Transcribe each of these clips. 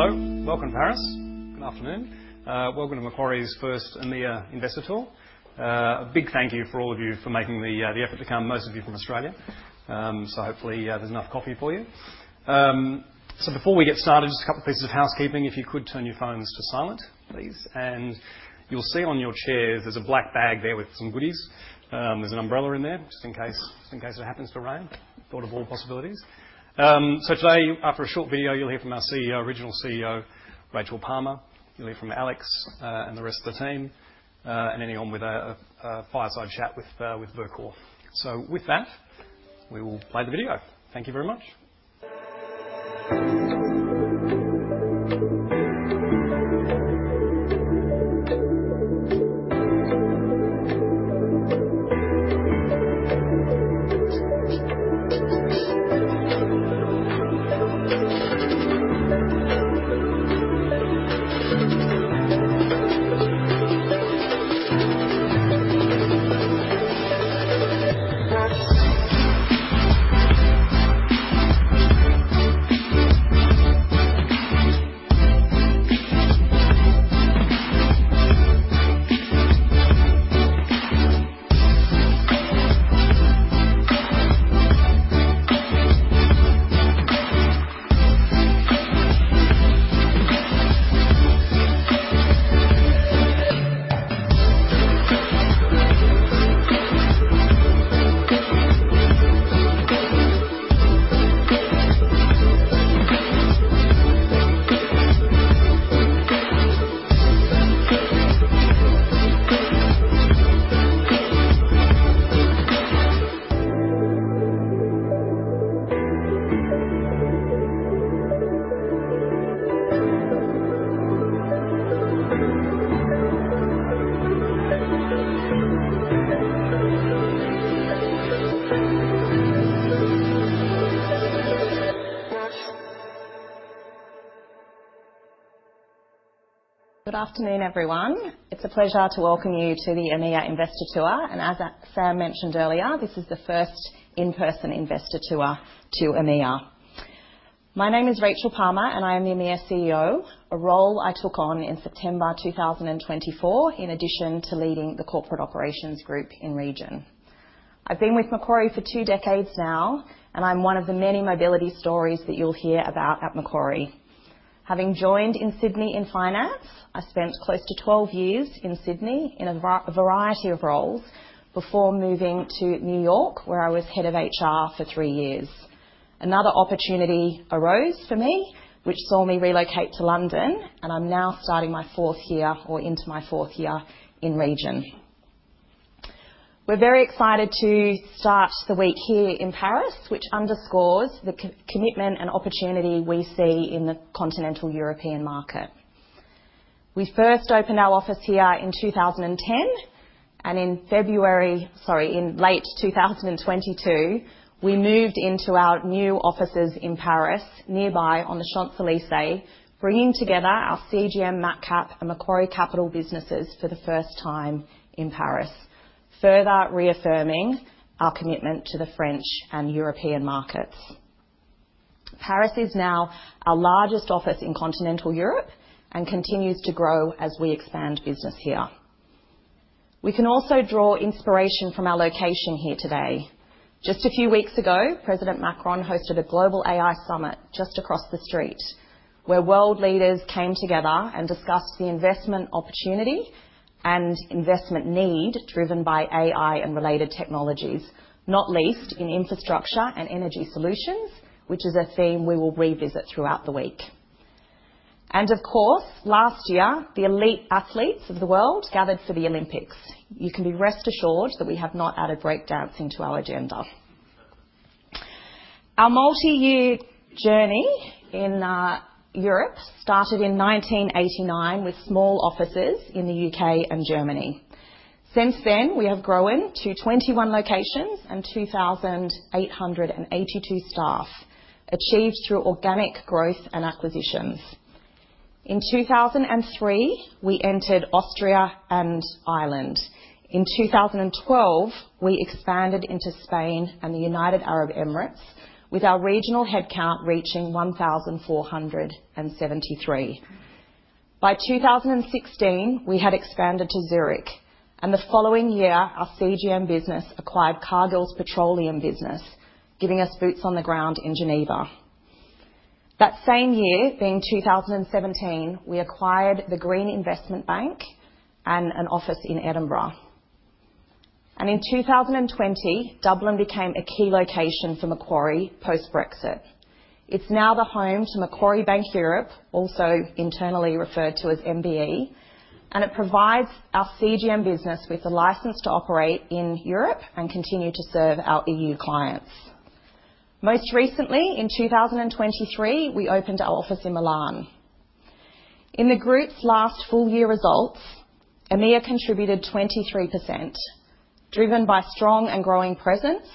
Hello. Welcome to Paris. Good afternoon. Welcome to Macquarie's first EMEA Investor Tour. A big thank you for all of you for making the effort to come, most of you from Australia. Hopefully there's enough coffee for you. Before we get started, just a couple of pieces of housekeeping. If you could, turn your phones to silent, please. You'll see on your chairs there's a black bag there with some goodies. There's an umbrella in there, just in case it happens to rain. Thought of all possibilities. Today, after a short video, you'll hear from our original CEO, Rachael Palmer. You'll hear from Alex and the rest of the team, and anyone with a fireside chat with Verkor. With that, we will play the video. Thank you very much. Good afternoon, everyone. It's a pleasure to welcome you to the EMEA Investor Tour. As Sam mentioned earlier, this is the first in-person Investor Tour to EMEA. My name is Rachael Palmer, and I am the EMEA CEO, a role I took on in September 2024, in addition to leading the Corporate Operations Group in Region. I've been with Macquarie for two decades now, and I'm one of the many mobility stories that you'll hear about at Macquarie. Having joined in Sydney in finance, I spent close to 12 years in Sydney in a variety of roles before moving to New York, where I was head of HR for three years. Another opportunity arose for me, which saw me relocate to London, and I'm now starting my fourth year or into my fourth year in Region. We're very excited to start the week here in Paris, which underscores the commitment and opportunity we see in the continental European market. We first opened our office here in 2010, and in late 2022, we moved into our new offices in Paris, nearby on the Champs-Élysées, bringing together our CGM, Macquarie Capital, and Maccap businesses for the first time in Paris, further reaffirming our commitment to the French and European markets. Paris is now our largest office in continental Europe and continues to grow as we expand business here. We can also draw inspiration from our location here today. Just a few weeks ago, President Macron hosted a global AI summit just across the street, where world leaders came together and discussed the investment opportunity and investment need driven by AI and related technologies, not least in infrastructure and energy solutions, which is a theme we will revisit throughout the week. Of course, last year, the elite athletes of the world gathered for the Olympics. You can be rest assured that we have not added breakdancing to our agenda. Our multi-year journey in Europe started in 1989 with small offices in the U.K. and Germany. Since then, we have grown to 21 locations and 2,882 staff, achieved through organic growth and acquisitions. In 2003, we entered Austria and Ireland. In 2012, we expanded into Spain and the United Arab Emirates, with our regional headcount reaching 1,473. By 2016, we had expanded to Zurich, and the following year, our CGM business acquired Cargill's petroleum business, giving us boots on the ground in Geneva. That same year, being 2017, we acquired the Green Investment Bank and an office in Edinburgh. In 2020, Dublin became a key location for Macquarie post-Brexit. It is now the home to Macquarie Bank Europe, also internally referred to as MBE, and it provides our CGM business with the license to operate in Europe and continue to serve our EU clients. Most recently, in 2023, we opened our office in Milan. In the group's last full-year results, EMEA contributed 23%, driven by strong and growing presence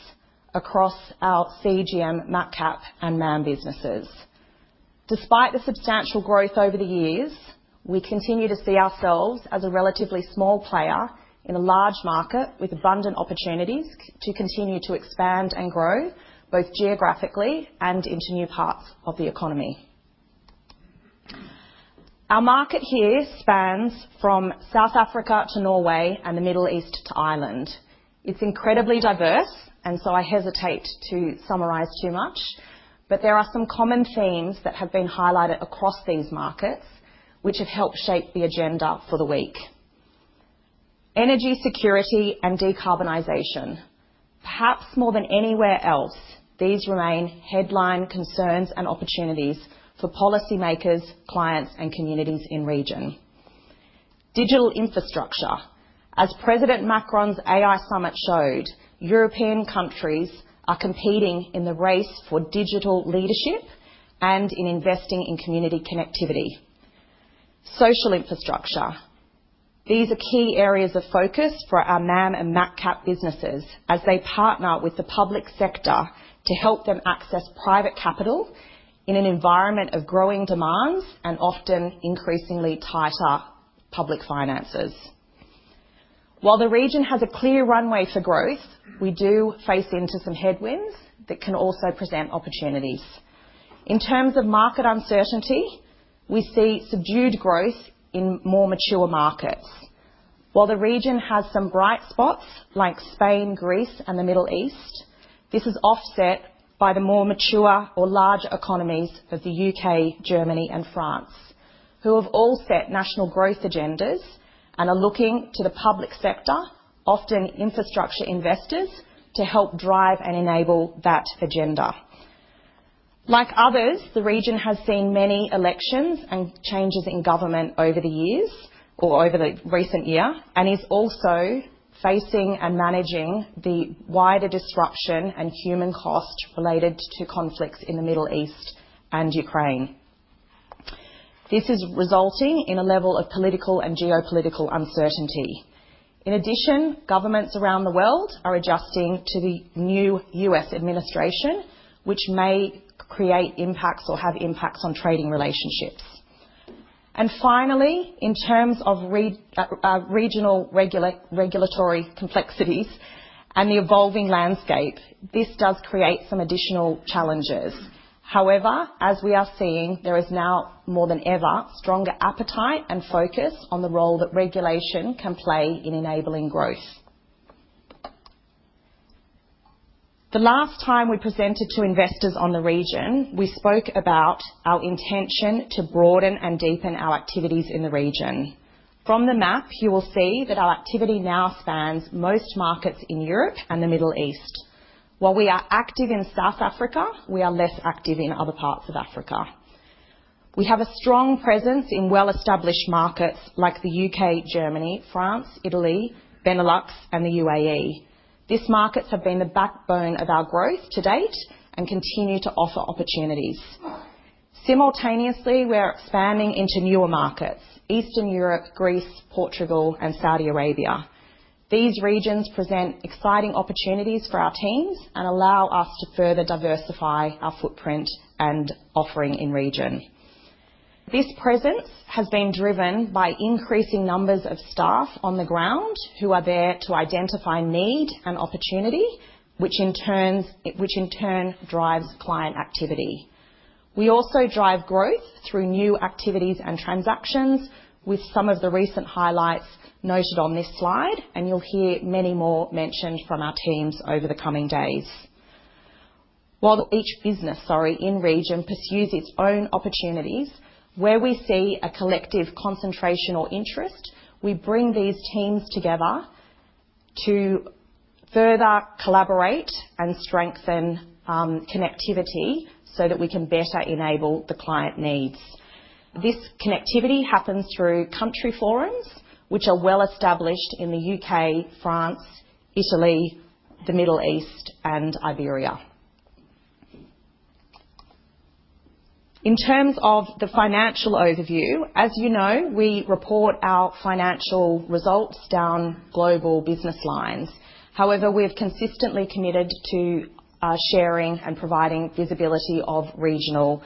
across our CGM, Macquarie Capital, and MAM businesses. Despite the substantial growth over the years, we continue to see ourselves as a relatively small player in a large market with abundant opportunities to continue to expand and grow both geographically and into new parts of the economy. Our market here spans from South Africa to Norway and the Middle East to Ireland. It's incredibly diverse, and I hesitate to summarize too much, but there are some common themes that have been highlighted across these markets, which have helped shape the agenda for the week: energy security and decarbonization. Perhaps more than anywhere else, these remain headline concerns and opportunities for policymakers, clients, and communities in region. Digital infrastructure. As President Macron's AI summit showed, European countries are competing in the race for digital leadership and in investing in community connectivity. Social infrastructure. These are key areas of focus for our MAM and Macquarie Capital businesses as they partner with the public sector to help them access private capital in an environment of growing demands and often increasingly tighter public finances. While the region has a clear runway for growth, we do face into some headwinds that can also present opportunities. In terms of market uncertainty, we see subdued growth in more mature markets. While the region has some bright spots like Spain, Greece, and the Middle East, this is offset by the more mature or larger economies of the U.K., Germany, and France, who have all set national growth agendas and are looking to the public sector, often infrastructure investors, to help drive and enable that agenda. Like others, the region has seen many elections and changes in government over the years or over the recent year and is also facing and managing the wider disruption and human cost related to conflicts in the Middle East and Ukraine. This is resulting in a level of political and geopolitical uncertainty. In addition, governments around the world are adjusting to the new U.S. administration, which may create impacts or have impacts on trading relationships. Finally, in terms of regional regulatory complexities and the evolving landscape, this does create some additional challenges. However, as we are seeing, there is now more than ever stronger appetite and focus on the role that regulation can play in enabling growth. The last time we presented to investors on the region, we spoke about our intention to broaden and deepen our activities in the region. From the map, you will see that our activity now spans most markets in Europe and the Middle East. While we are active in South Africa, we are less active in other parts of Africa. We have a strong presence in well-established markets like the U.K., Germany, France, Italy, Benelux, and the UAE. These markets have been the backbone of our growth to date and continue to offer opportunities. Simultaneously, we are expanding into newer markets: Eastern Europe, Greece, Portugal, and Saudi Arabia. These regions present exciting opportunities for our teams and allow us to further diversify our footprint and offering in region. This presence has been driven by increasing numbers of staff on the ground who are there to identify need and opportunity, which in turn drives client activity. We also drive growth through new activities and transactions, with some of the recent highlights noted on this slide, and you'll hear many more mentioned from our teams over the coming days. While each business in region pursues its own opportunities, where we see a collective concentration or interest, we bring these teams together to further collaborate and strengthen connectivity so that we can better enable the client needs. This connectivity happens through country forums, which are well established in the U.K., France, Italy, the Middle East, and Iberia. In terms of the financial overview, as you know, we report our financial results down global business lines. However, we have consistently committed to sharing and providing visibility of regional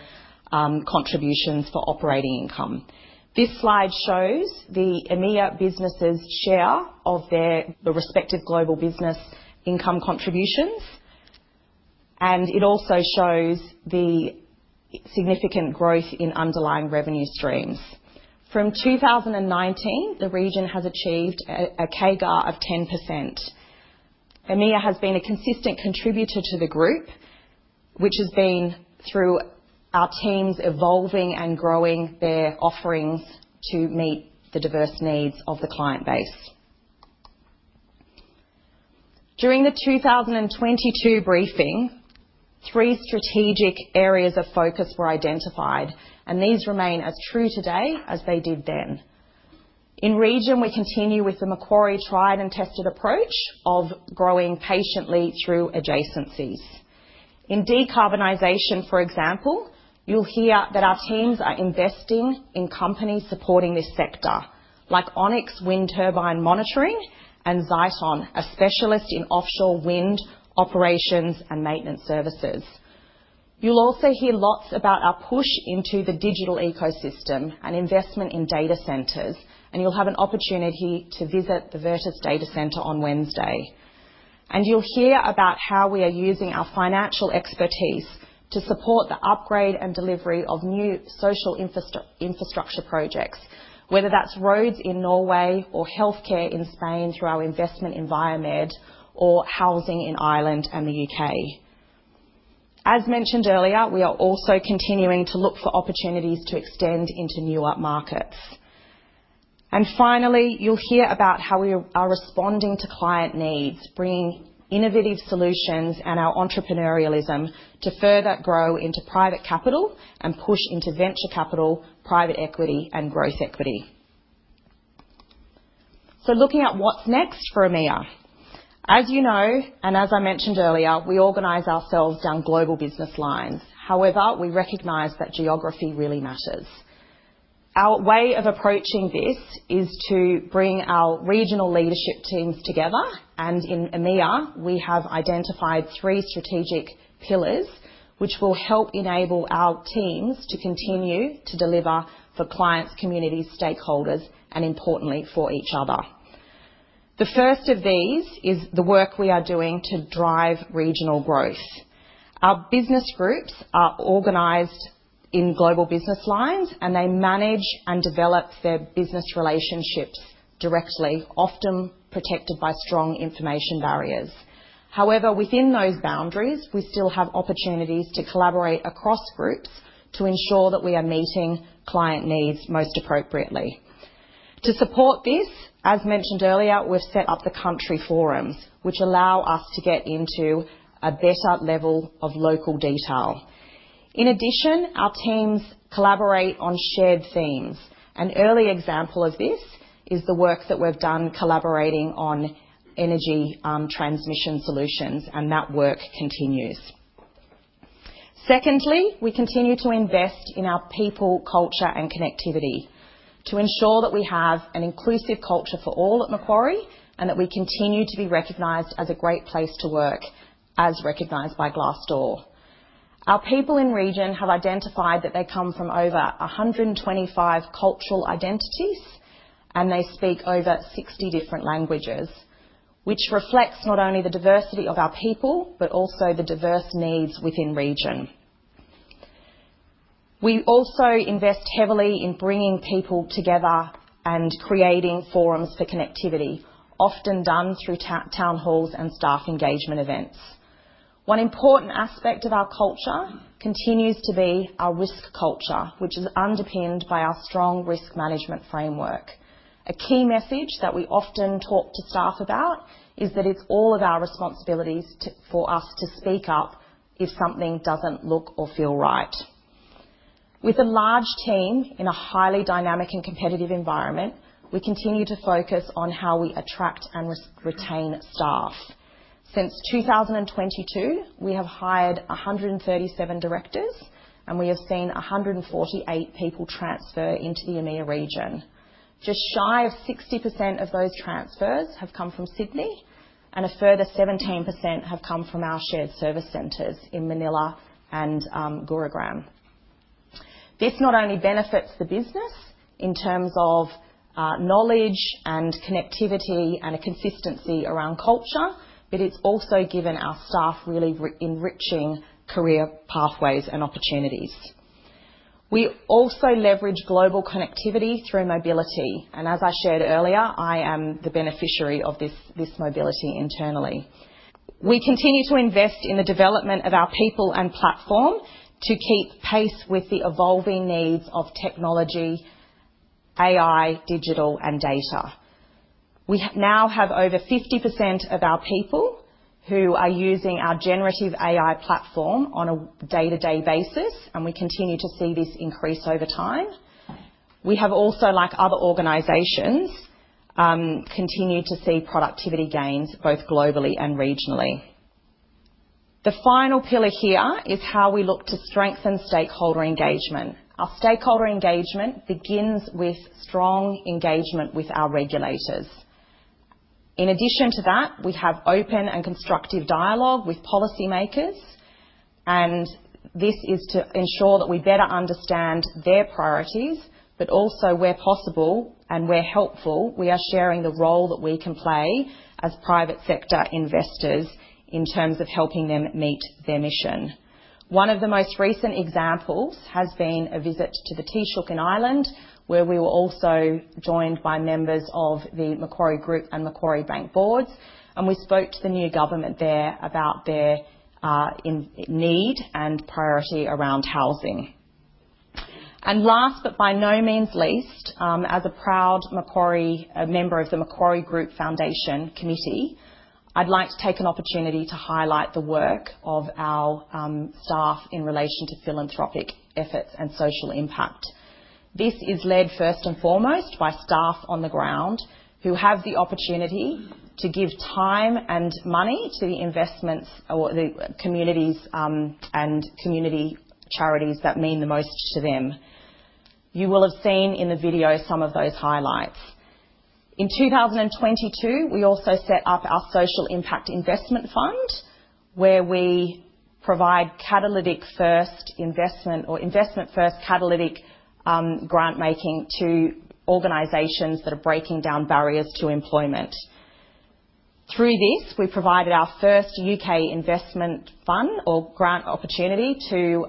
contributions for operating income. This slide shows the EMEA businesses' share of their respective global business income contributions, and it also shows the significant growth in underlying revenue streams. From 2019, the region has achieved a CAGR of 10%. EMEA has been a consistent contributor to the group, which has been through our teams evolving and growing their offerings to meet the diverse needs of the client base. During the 2022 briefing, three strategic areas of focus were identified, and these remain as true today as they did then. In region, we continue with the Macquarie tried and tested approach of growing patiently through adjacencies. In decarbonization, for example, you'll hear that our teams are investing in companies supporting this sector, like Onyx Wind Turbine Monitoring and Zyton, a specialist in offshore wind operations and maintenance services. You'll also hear lots about our push into the digital ecosystem and investment in data centers, and you'll have an opportunity to visit the Veritas Data Centre on Wednesday. You will hear about how we are using our financial expertise to support the upgrade and delivery of new social infrastructure projects, whether that is roads in Norway or healthcare in Spain through our investment in Viamed or housing in Ireland and the U.K. As mentioned earlier, we are also continuing to look for opportunities to extend into newer markets. You will hear about how we are responding to client needs, bringing innovative solutions and our entrepreneurialism to further grow into private capital and push into venture capital, private equity, and growth equity. Looking at what is next for EMEA. As you know, and as I mentioned earlier, we organize ourselves down global business lines. However, we recognize that geography really matters. Our way of approaching this is to bring our regional leadership teams together, and in EMEA, we have identified three strategic pillars, which will help enable our teams to continue to deliver for clients, communities, stakeholders, and importantly, for each other. The first of these is the work we are doing to drive regional growth. Our business groups are organized in global business lines, and they manage and develop their business relationships directly, often protected by strong information barriers. However, within those boundaries, we still have opportunities to collaborate across groups to ensure that we are meeting client needs most appropriately. To support this, as mentioned earlier, we've set up the country forums, which allow us to get into a better level of local detail. In addition, our teams collaborate on shared themes. An early example of this is the work that we've done collaborating on energy transmission solutions, and that work continues. Secondly, we continue to invest in our people, culture, and connectivity to ensure that we have an inclusive culture for all at Macquarie and that we continue to be recognized as a great place to work, as recognized by Glassdoor. Our people in region have identified that they come from over 125 cultural identities, and they speak over 60 different languages, which reflects not only the diversity of our people, but also the diverse needs within region. We also invest heavily in bringing people together and creating forums for connectivity, often done through town halls and staff engagement events. One important aspect of our culture continues to be our risk culture, which is underpinned by our strong risk management framework. A key message that we often talk to staff about is that it's all of our responsibilities for us to speak up if something doesn't look or feel right. With a large team in a highly dynamic and competitive environment, we continue to focus on how we attract and retain staff. Since 2022, we have hired 137 directors, and we have seen 148 people transfer into the EMEA region. Just shy of 60% of those transfers have come from Sydney, and a further 17% have come from our shared service centers in Manila and Gurugram. This not only benefits the business in terms of knowledge and connectivity and a consistency around culture, but it's also given our staff really enriching career pathways and opportunities. We also leverage global connectivity through mobility, and as I shared earlier, I am the beneficiary of this mobility internally. We continue to invest in the development of our people and platform to keep pace with the evolving needs of technology, AI, digital, and data. We now have over 50% of our people who are using our generative AI platform on a day-to-day basis, and we continue to see this increase over time. We have also, like other organizations, continued to see productivity gains both globally and regionally. The final pillar here is how we look to strengthen stakeholder engagement. Our stakeholder engagement begins with strong engagement with our regulators. In addition to that, we have open and constructive dialogue with policymakers, and this is to ensure that we better understand their priorities, but also where possible and where helpful, we are sharing the role that we can play as private sector investors in terms of helping them meet their mission. One of the most recent examples has been a visit to the Taoiseach in Ireland, where we were also joined by members of the Macquarie Group and Macquarie Bank boards, and we spoke to the new government there about their need and priority around housing. Last but by no means least, as a proud Macquarie member of the Macquarie Group Foundation Committee, I'd like to take an opportunity to highlight the work of our staff in relation to philanthropic efforts and social impact. This is led first and foremost by staff on the ground who have the opportunity to give time and money to the investments or the communities and community charities that mean the most to them. You will have seen in the video some of those highlights. In 2022, we also set up our Social Impact Investment Fund, where we provide catalytic-first investment or investment-first catalytic grantmaking to organizations that are breaking down barriers to employment. Through this, we provided our first U.K. investment fund or grant opportunity to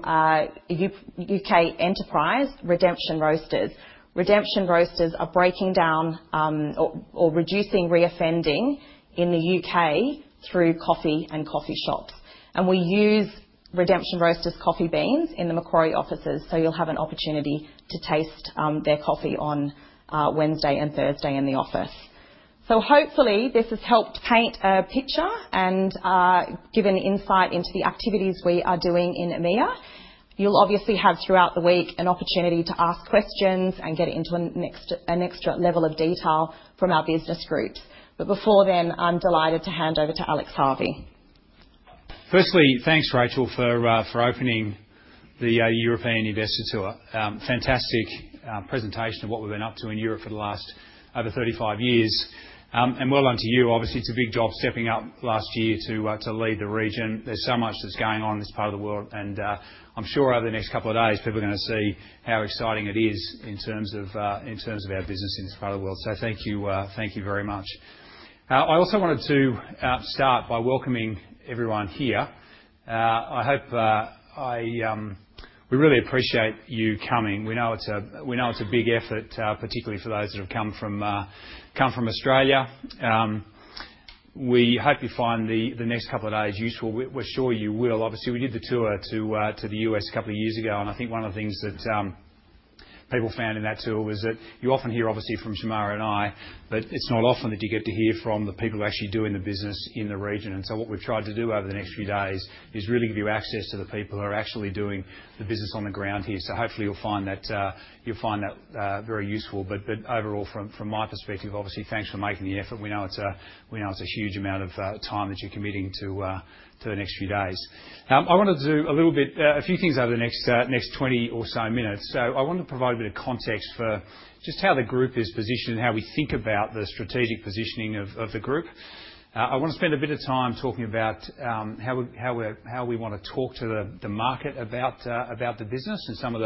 U.K. enterprise Redemption Roasters. Redemption Roasters are breaking down or reducing reoffending in the U.K. through coffee and coffee shops. We use Redemption Roasters' coffee beans in the Macquarie offices, so you'll have an opportunity to taste their coffee on Wednesday and Thursday in the office. Hopefully, this has helped paint a picture and given insight into the activities we are doing in EMEA. You'll obviously have throughout the week an opportunity to ask questions and get into an extra level of detail from our business groups. Before then, I'm delighted to hand over to Alex Harvey. Firstly, thanks, Rachael, for opening the European Investor Tour. Fantastic presentation of what we've been up to in Europe for the last over 35 years. And well done to you. Obviously, it's a big job stepping up last year to lead the region. There's so much that's going on in this part of the world, and I'm sure over the next couple of days, people are going to see how exciting it is in terms of our business in this part of the world. So thank you very much. I also wanted to start by welcoming everyone here. I hope we really appreciate you coming. We know it's a big effort, particularly for those that have come from Australia. We hope you find the next couple of days useful. We're sure you will. Obviously, we did the tour to the U.S. a couple of years ago, and I think one of the things that people found in that tour was that you often hear, obviously, from Shemara and I, but it's not often that you get to hear from the people who are actually doing the business in the region. What we've tried to do over the next few days is really give you access to the people who are actually doing the business on the ground here. Hopefully, you'll find that very useful. Overall, from my perspective, obviously, thanks for making the effort. We know it's a huge amount of time that you're committing to the next few days. I wanted to do a few things over the next 20 or so minutes. I wanted to provide a bit of context for just how the group is positioned and how we think about the strategic positioning of the group. I want to spend a bit of time talking about how we want to talk to the market about the business and some of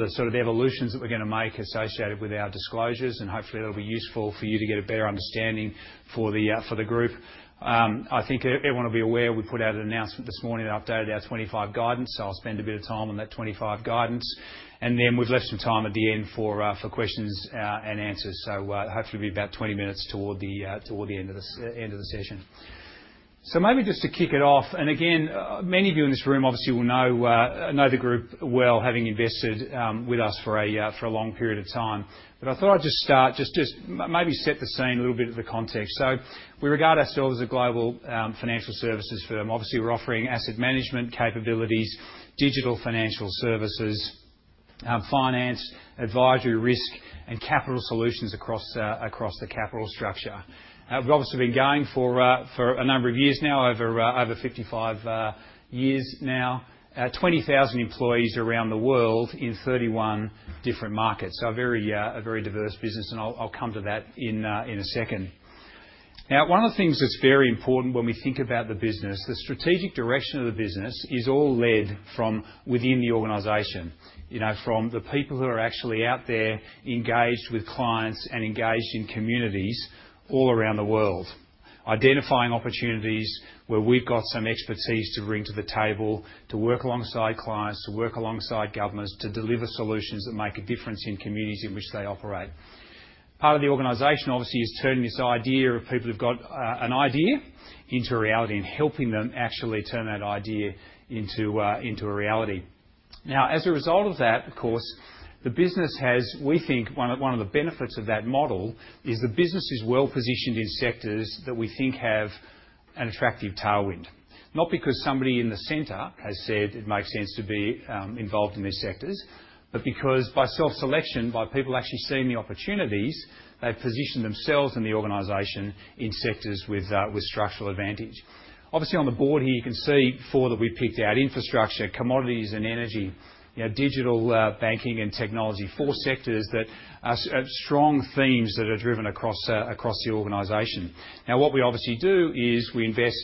the sort of evolutions that we're going to make associated with our disclosures, and hopefully, that'll be useful for you to get a better understanding for the group. I think everyone will be aware we put out an announcement this morning that updated our 2025 guidance. I'll spend a bit of time on that 2025 guidance. We've left some time at the end for questions and answers. Hopefully, it'll be about 20 minutes toward the end of the session. Maybe just to kick it off, and again, many of you in this room obviously will know the group well, having invested with us for a long period of time. I thought I'd just start, just maybe set the scene a little bit of the context. We regard ourselves as a global financial services firm. Obviously, we're offering asset management capabilities, digital financial services, finance, advisory risk, and capital solutions across the capital structure. We've obviously been going for a number of years now, over 55 years now, 20,000 employees around the world in 31 different markets. A very diverse business, and I'll come to that in a second. Now, one of the things that's very important when we think about the business, the strategic direction of the business is all led from within the organization, from the people who are actually out there engaged with clients and engaged in communities all around the world, identifying opportunities where we've got some expertise to bring to the table, to work alongside clients, to work alongside governors, to deliver solutions that make a difference in communities in which they operate. Part of the organization, obviously, is turning this idea of people who've got an idea into reality and helping them actually turn that idea into a reality. Now, as a result of that, of course, the business has, we think one of the benefits of that model is the business is well positioned in sectors that we think have an attractive tailwind, not because somebody in the center has said it makes sense to be involved in these sectors, but because by self-selection, by people actually seeing the opportunities, they've positioned themselves and the organization in sectors with structural advantage. Obviously, on the board here, you can see four that we picked out: infrastructure, commodities and energy, digital banking, and technology. Four sectors that are strong themes that are driven across the organization. Now, what we obviously do is we invest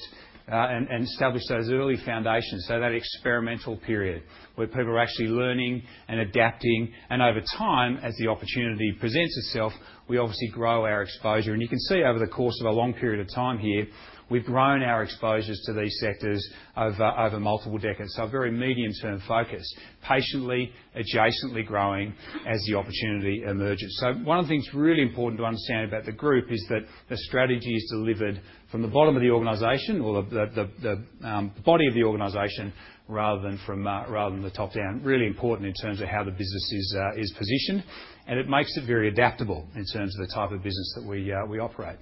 and establish those early foundations, so that experimental period where people are actually learning and adapting. Over time, as the opportunity presents itself, we obviously grow our exposure. You can see over the course of a long period of time here, we've grown our exposures to these sectors over multiple decades. A very medium-term focus, patiently, adjacently growing as the opportunity emerges. One of the things really important to understand about the group is that the strategy is delivered from the bottom of the organization or the body of the organization rather than from the top down. Really important in terms of how the business is positioned, and it makes it very adaptable in terms of the type of business that we operate.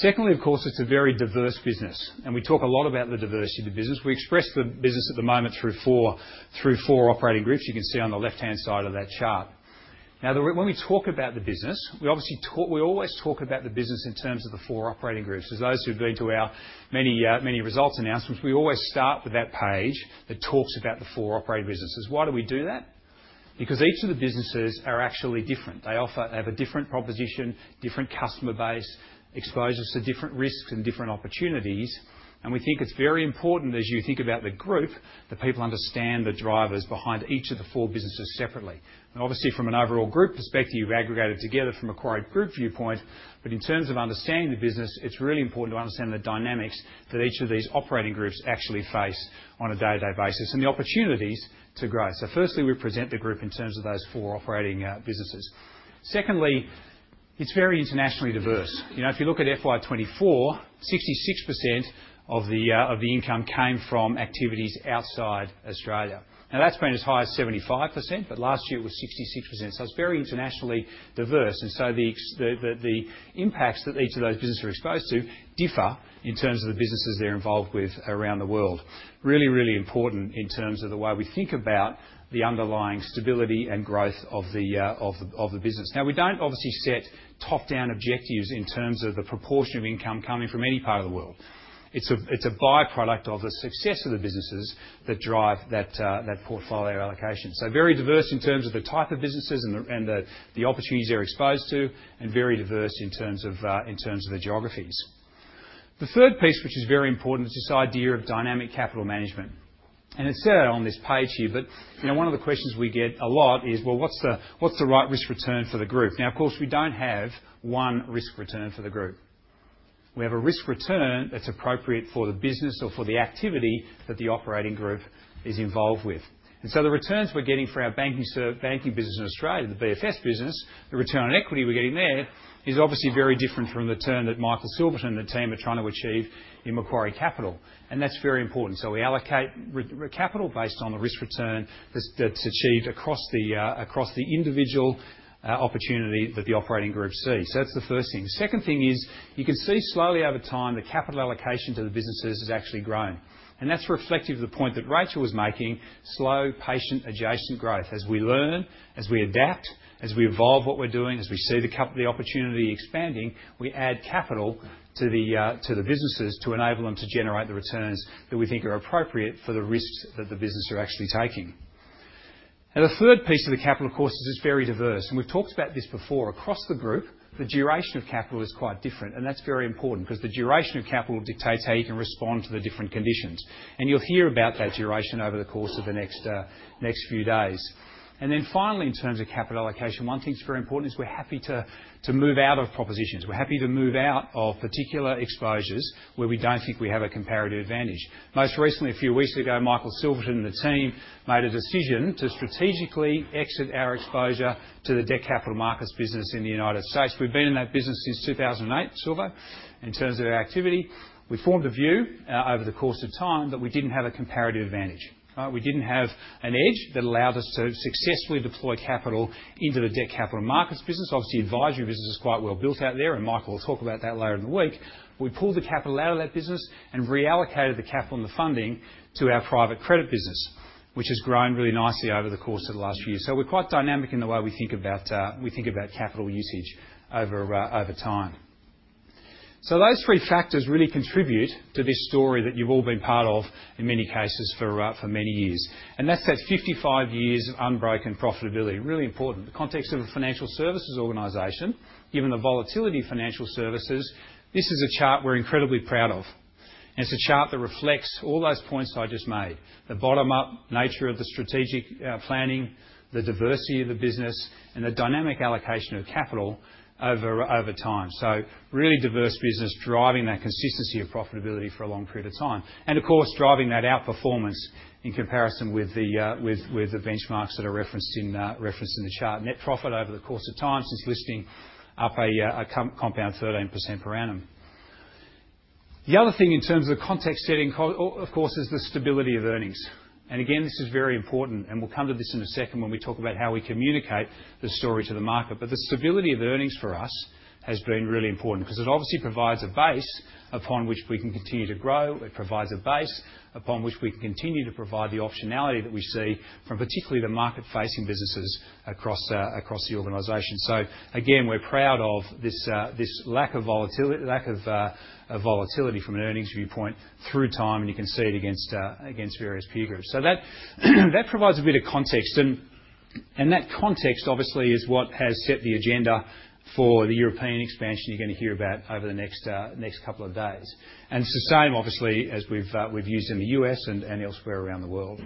Secondly, of course, it's a very diverse business, and we talk a lot about the diversity of the business. We express the business at the moment through four operating groups. You can see on the left-hand side of that chart. Now, when we talk about the business, we always talk about the business in terms of the four operating groups. As those who've been to our many results announcements, we always start with that page that talks about the four operating businesses. Why do we do that? Because each of the businesses are actually different. They have a different proposition, different customer base, exposures to different risks and different opportunities. We think it's very important as you think about the group that people understand the drivers behind each of the four businesses separately. Obviously, from an overall group perspective, you aggregate it together from a group viewpoint, but in terms of understanding the business, it's really important to understand the dynamics that each of these operating groups actually face on a day-to-day basis and the opportunities to grow. Firstly, we present the group in terms of those four operating businesses. Secondly, it is very internationally diverse. If you look at FY2024, 66% of the income came from activities outside Australia. That has been as high as 75%, but last year it was 66%. It is very internationally diverse. The impacts that each of those businesses are exposed to differ in terms of the businesses they are involved with around the world. Really, really important in terms of the way we think about the underlying stability and growth of the business. We do not obviously set top-down objectives in terms of the proportion of income coming from any part of the world. It is a byproduct of the success of the businesses that drive that portfolio allocation. Very diverse in terms of the type of businesses and the opportunities they're exposed to, and very diverse in terms of the geographies. The third piece, which is very important, is this idea of dynamic capital management. It is set out on this page here, but one of the questions we get a lot is, "Well, what's the right risk return for the group?" Of course, we do not have one risk return for the group. We have a risk return that is appropriate for the business or for the activity that the operating group is involved with. The returns we are getting for our banking business in Australia, the BFS business, the return on equity we are getting there is obviously very different from the return that Michael Silverton and the team are trying to achieve in Macquarie Capital. That is very important. We allocate capital based on the risk return that's achieved across the individual opportunity that the operating group sees. That's the first thing. The second thing is you can see slowly over time the capital allocation to the businesses has actually grown. That's reflective of the point that Rachael was making: slow, patient, adjacent growth. As we learn, as we adapt, as we evolve what we're doing, as we see the opportunity expanding, we add capital to the businesses to enable them to generate the returns that we think are appropriate for the risks that the businesses are actually taking. The third piece of the capital, of course, is it's very diverse. We've talked about this before. Across the group, the duration of capital is quite different. That's very important because the duration of capital dictates how you can respond to the different conditions. You'll hear about that duration over the course of the next few days. Finally, in terms of capital allocation, one thing that's very important is we're happy to move out of propositions. We're happy to move out of particular exposures where we don't think we have a comparative advantage. Most recently, a few weeks ago, Michael Silverton and the team made a decision to strategically exit our exposure to the debt capital markets business in the United States. We've been in that business since 2008, Silver, in terms of our activity. We formed a view over the course of time that we didn't have a comparative advantage. We didn't have an edge that allowed us to successfully deploy capital into the debt capital markets business. Obviously, advisory business is quite well built out there, and Michael will talk about that later in the week. We pulled the capital out of that business and reallocated the capital and the funding to our private credit business, which has grown really nicely over the course of the last few years. We are quite dynamic in the way we think about capital usage over time. Those three factors really contribute to this story that you have all been part of in many cases for many years. That is that 55 years of unbroken profitability. Really important. The context of a financial services organization, given the volatility of financial services, this is a chart we are incredibly proud of. It is a chart that reflects all those points I just made: the bottom-up nature of the strategic planning, the diversity of the business, and the dynamic allocation of capital over time. A really diverse business driving that consistency of profitability for a long period of time. Of course, driving that outperformance in comparison with the benchmarks that are referenced in the chart. Net profit over the course of time since listing up a compound 13% per annum. The other thing in terms of context setting, of course, is the stability of earnings. Again, this is very important, and we'll come to this in a second when we talk about how we communicate the story to the market. The stability of earnings for us has been really important because it obviously provides a base upon which we can continue to grow. It provides a base upon which we can continue to provide the optionality that we see from particularly the market-facing businesses across the organization. Again, we're proud of this lack of volatility from an earnings viewpoint through time, and you can see it against various peer groups. That provides a bit of context. That context, obviously, is what has set the agenda for the European expansion you're going to hear about over the next couple of days. It's the same, obviously, as we've used in the U.S. and elsewhere around the world.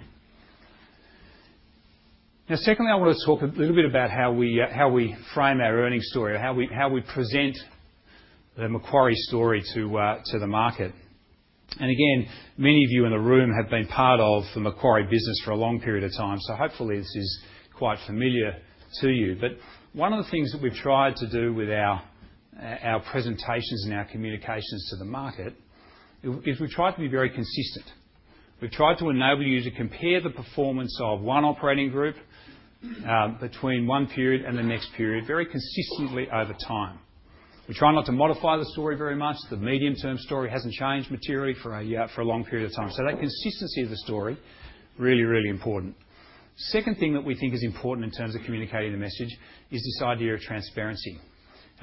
Now, secondly, I want to talk a little bit about how we frame our earnings story, how we present the Macquarie story to the market. Again, many of you in the room have been part of the Macquarie business for a long period of time, so hopefully, this is quite familiar to you. One of the things that we've tried to do with our presentations and our communications to the market is we've tried to be very consistent. We've tried to enable you to compare the performance of one operating group between one period and the next period very consistently over time. We try not to modify the story very much. The medium-term story hasn't changed materially for a long period of time. That consistency of the story is really, really important. The second thing that we think is important in terms of communicating the message is this idea of transparency.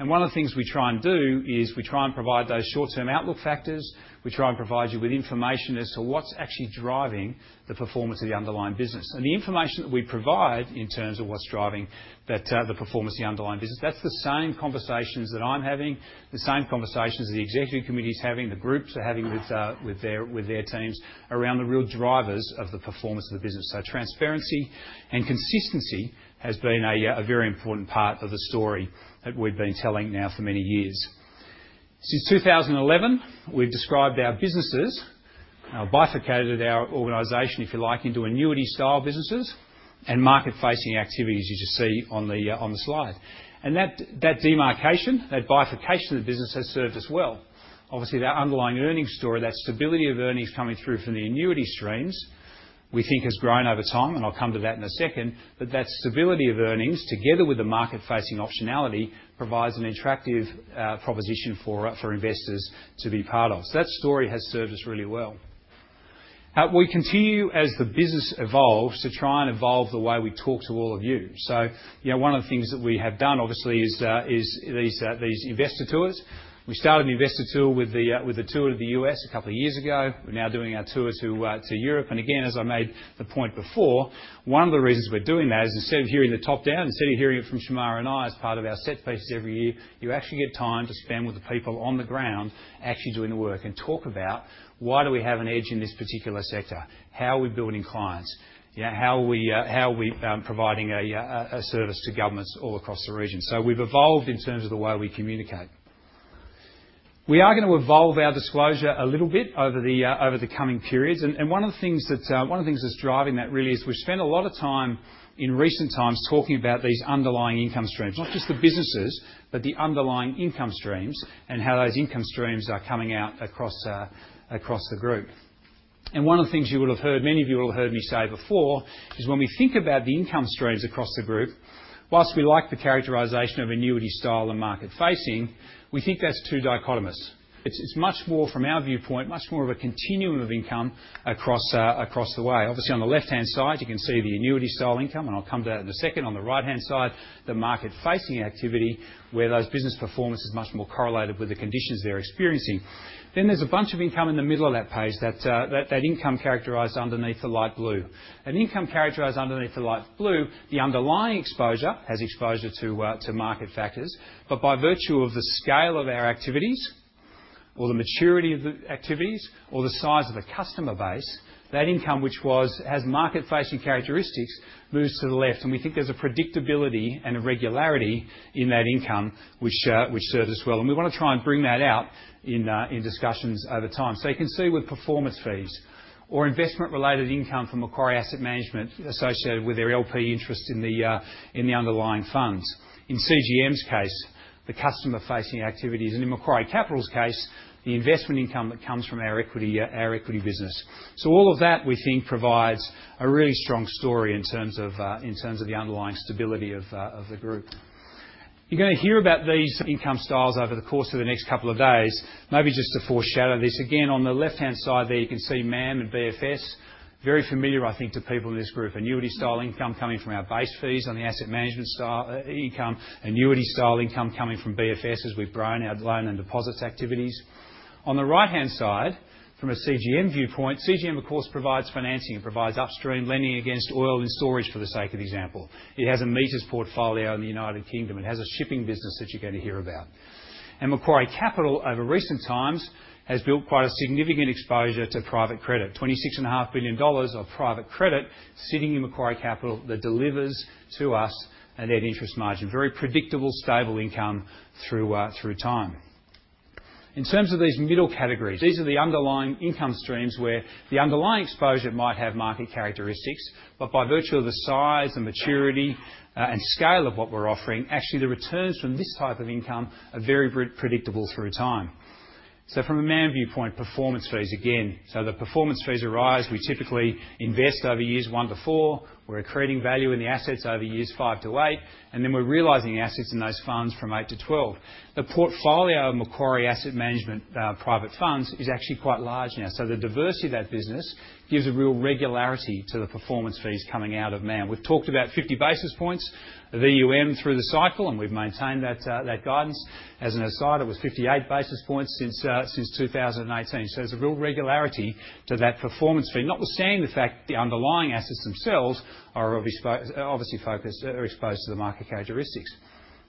One of the things we try and do is we try and provide those short-term outlook factors. We try and provide you with information as to what's actually driving the performance of the underlying business. The information that we provide in terms of what's driving the performance of the underlying business, that's the same conversations that I'm having, the same conversations that the executive committee is having, the groups are having with their teams around the real drivers of the performance of the business. Transparency and consistency has been a very important part of the story that we've been telling now for many years. Since 2011, we've described our businesses, bifurcated our organization, if you like, into annuity-style businesses and market-facing activities you just see on the slide. That demarcation, that bifurcation of the business has served us well. Obviously, that underlying earnings story, that stability of earnings coming through from the annuity streams, we think has grown over time. I'll come to that in a second. That stability of earnings, together with the market-facing optionality, provides an attractive proposition for investors to be part of. That story has served us really well. We continue as the business evolves to try and evolve the way we talk to all of you. One of the things that we have done, obviously, is these investor tours. We started an investor tour with the tour to the U.S. a couple of years ago. We're now doing our tour to Europe. As I made the point before, one of the reasons we're doing that is instead of hearing the top down, instead of hearing it from Shemara and I as part of our set pieces every year, you actually get time to spend with the people on the ground actually doing the work and talk about why do we have an edge in this particular sector, how are we building clients, how are we providing a service to governments all across the region. We have evolved in terms of the way we communicate. We are going to evolve our disclosure a little bit over the coming periods. One of the things that's driving that really is we've spent a lot of time in recent times talking about these underlying income streams, not just the businesses, but the underlying income streams and how those income streams are coming out across the group. One of the things you will have heard, many of you will have heard me say before, is when we think about the income streams across the group, whilst we like the characterization of annuity-style and market-facing, we think that's too dichotomous. It's much more from our viewpoint, much more of a continuum of income across the way. Obviously, on the left-hand side, you can see the annuity-style income, and I'll come to that in a second. On the right-hand side, the market-facing activity where those business performances are much more correlated with the conditions they're experiencing. There is a bunch of income in the middle of that page, that income characterized underneath the light blue. Income characterized underneath the light blue, the underlying exposure has exposure to market factors. By virtue of the scale of our activities or the maturity of the activities or the size of the customer base, that income which has market-facing characteristics moves to the left. We think there is a predictability and a regularity in that income which serves us well. We want to try and bring that out in discussions over time. You can see with performance fees or investment-related income from Macquarie Asset Management associated with their LP interest in the underlying funds. In CGM's case, the customer-facing activities. In Macquarie Capital's case, the investment income that comes from our equity business. All of that, we think, provides a really strong story in terms of the underlying stability of the group. You're going to hear about these income styles over the course of the next couple of days, maybe just to foreshadow this. Again, on the left-hand side there, you can see MAM and BFS, very familiar, I think, to people in this group. Annuity-style income coming from our base fees on the asset management income. Annuity-style income coming from BFS as we've grown our loan and deposits activities. On the right-hand side, from a CGM viewpoint, CGM, of course, provides financing. It provides upstream lending against oil and storage for the sake of the example. It has a meters portfolio in the United Kingdom. It has a shipping business that you're going to hear about. Macquarie Capital, over recent times, has built quite a significant exposure to private credit: $26.5 billion of private credit sitting in Macquarie Capital that delivers to us at that interest margin. Very predictable, stable income through time. In terms of these middle categories, these are the underlying income streams where the underlying exposure might have market characteristics. By virtue of the size and maturity and scale of what we're offering, actually the returns from this type of income are very predictable through time. From a MAM viewpoint, performance fees again. The performance fees arise. We typically invest over years one to four. We're accrediting value in the assets over years five to eight. Then we're realizing assets in those funds from eight to twelve. The portfolio of Macquarie Asset Management private funds is actually quite large now. The diversity of that business gives a real regularity to the performance fees coming out of MAM. We've talked about 50 basis points of EUM through the cycle, and we've maintained that guidance. As an aside, it was 58 basis points since 2018. There's a real regularity to that performance fee, notwithstanding the fact that the underlying assets themselves are obviously exposed to the market characteristics.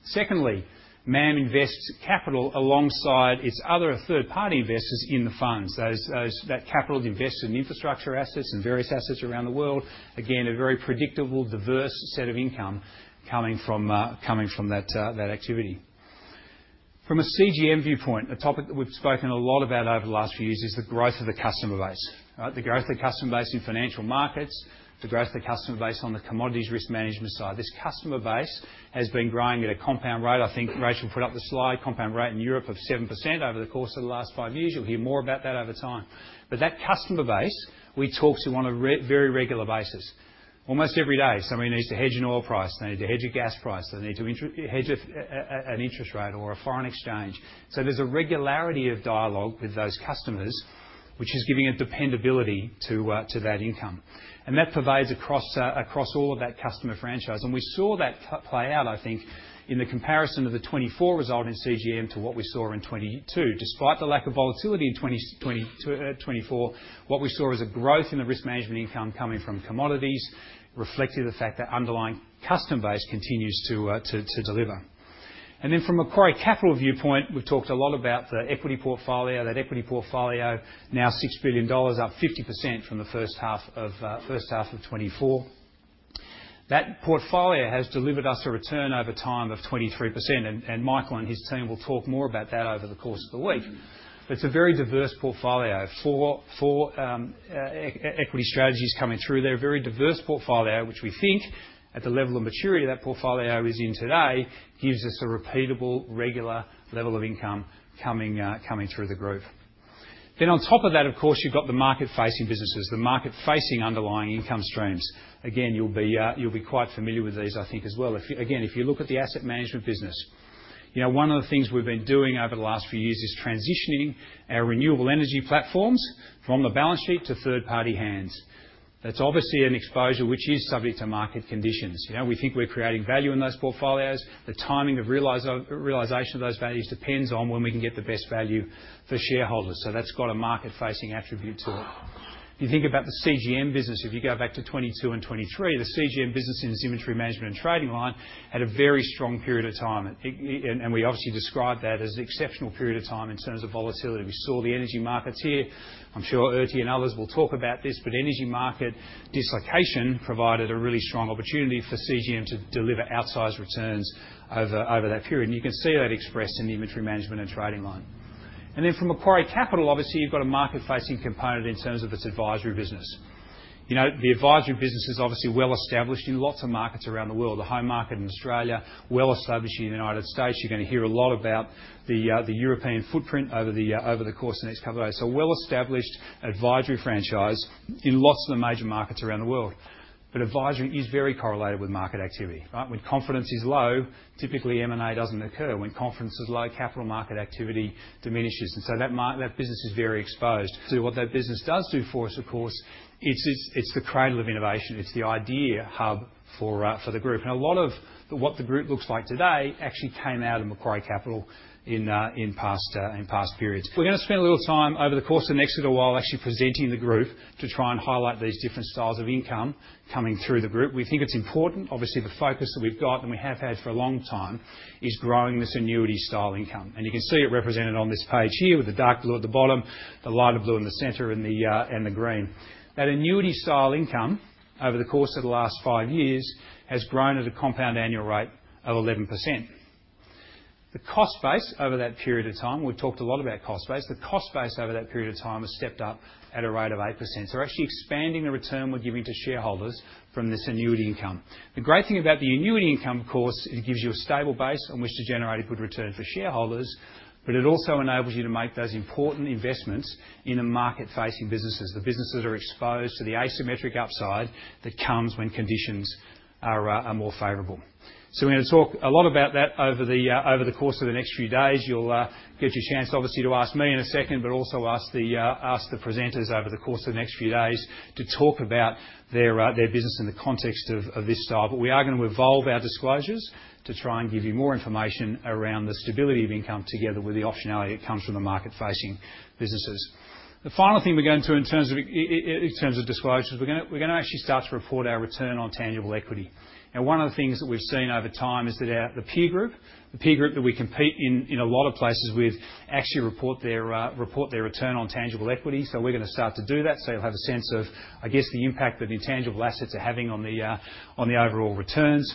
Secondly, MAM invests capital alongside its other third-party investors in the funds. That capital is invested in infrastructure assets and various assets around the world. Again, a very predictable, diverse set of income coming from that activity. From a CGM viewpoint, a topic that we've spoken a lot about over the last few years is the growth of the customer base, the growth of the customer base in financial markets, the growth of the customer base on the commodities risk management side. This customer base has been growing at a compound rate. I think Rachael put up the slide, compound rate in Europe of 7% over the course of the last five years. You'll hear more about that over time. That customer base, we talk to on a very regular basis, almost every day. Somebody needs to hedge an oil price. They need to hedge a gas price. They need to hedge an interest rate or a foreign exchange. There is a regularity of dialogue with those customers, which is giving a dependability to that income. That pervades across all of that customer franchise. We saw that play out, I think, in the comparison of the 2024 result in CGM to what we saw in 2022. Despite the lack of volatility in 2024, what we saw was a growth in the risk management income coming from commodities, reflecting the fact that underlying customer base continues to deliver. From a Macquarie Capital viewpoint, we've talked a lot about the equity portfolio. That equity portfolio now, $6 billion, up 50% from the first half of 2024. That portfolio has delivered us a return over time of 23%. Michael and his team will talk more about that over the course of the week. It's a very diverse portfolio. Four equity strategies coming through. They're a very diverse portfolio, which we think at the level of maturity that portfolio is in today gives us a repeatable, regular level of income coming through the group. On top of that, of course, you've got the market-facing businesses, the market-facing underlying income streams. Again, you'll be quite familiar with these, I think, as well. If you look at the asset management business, one of the things we've been doing over the last few years is transitioning our renewable energy platforms from the balance sheet to third-party hands. That's obviously an exposure which is subject to market conditions. We think we're creating value in those portfolios. The timing of realization of those values depends on when we can get the best value for shareholders. That's got a market-facing attribute to it. If you think about the CGM business, if you go back to 2022 and 2023, the CGM business in its inventory management and trading line had a very strong period of time. We obviously described that as an exceptional period of time in terms of volatility. We saw the energy markets here. I'm sure Erti and others will talk about this, but energy market dislocation provided a really strong opportunity for CGM to deliver outsized returns over that period. You can see that expressed in the inventory management and trading line. From Macquarie Capital, obviously, you've got a market-facing component in terms of its advisory business. The advisory business is obviously well established in lots of markets around the world, the home market in Australia, well established in the United States. You're going to hear a lot about the European footprint over the course of the next couple of days. Well-established advisory franchise in lots of the major markets around the world. Advisory is very correlated with market activity. When confidence is low, typically M&A doesn't occur. When confidence is low, capital market activity diminishes. That business is very exposed. What that business does do for us, of course, it's the cradle of innovation. It's the idea hub for the group. And a lot of what the group looks like today actually came out of Macquarie Capital in past periods. We're going to spend a little time over the course of the next little while actually presenting the group to try and highlight these different styles of income coming through the group. We think it's important. Obviously, the focus that we've got and we have had for a long time is growing this annuity-style income. You can see it represented on this page here with the dark blue at the bottom, the lighter blue in the center, and the green. That annuity-style income over the course of the last five years has grown at a compound annual rate of 11%. The cost base over that period of time, we've talked a lot about cost base. The cost base over that period of time has stepped up at a rate of 8%. So we're actually expanding the return we're giving to shareholders from this annuity income. The great thing about the annuity income, of course, it gives you a stable base on which to generate a good return for shareholders, but it also enables you to make those important investments in the market-facing businesses. The businesses are exposed to the asymmetric upside that comes when conditions are more favorable. We're going to talk a lot about that over the course of the next few days. You'll get your chance, obviously, to ask me in a second, but also ask the presenters over the course of the next few days to talk about their business in the context of this style. We are going to evolve our disclosures to try and give you more information around the stability of income together with the optionality that comes from the market-facing businesses. The final thing we are going to in terms of disclosures, we are going to actually start to report our return on tangible equity. Now, one of the things that we have seen over time is that the peer group, the peer group that we compete in a lot of places with, actually report their return on tangible equity. We are going to start to do that. You will have a sense of, I guess, the impact that intangible assets are having on the overall returns.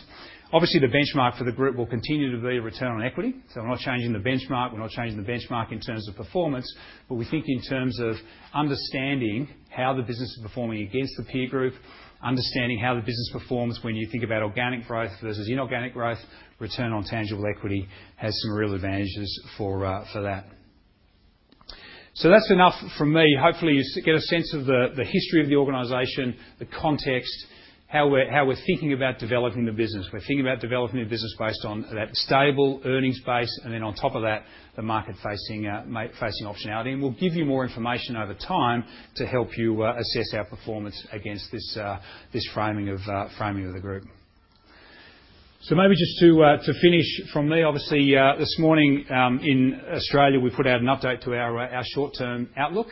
Obviously, the benchmark for the group will continue to be return on equity. We are not changing the benchmark. We're not changing the benchmark in terms of performance, but we think in terms of understanding how the business is performing against the peer group, understanding how the business performs when you think about organic growth versus inorganic growth, return on tangible equity has some real advantages for that. That's enough from me. Hopefully, you get a sense of the history of the organization, the context, how we're thinking about developing the business. We're thinking about developing a business based on that stable earnings base and then on top of that, the market-facing optionality. We'll give you more information over time to help you assess our performance against this framing of the group. Maybe just to finish from me, obviously, this morning in Australia, we put out an update to our short-term outlook.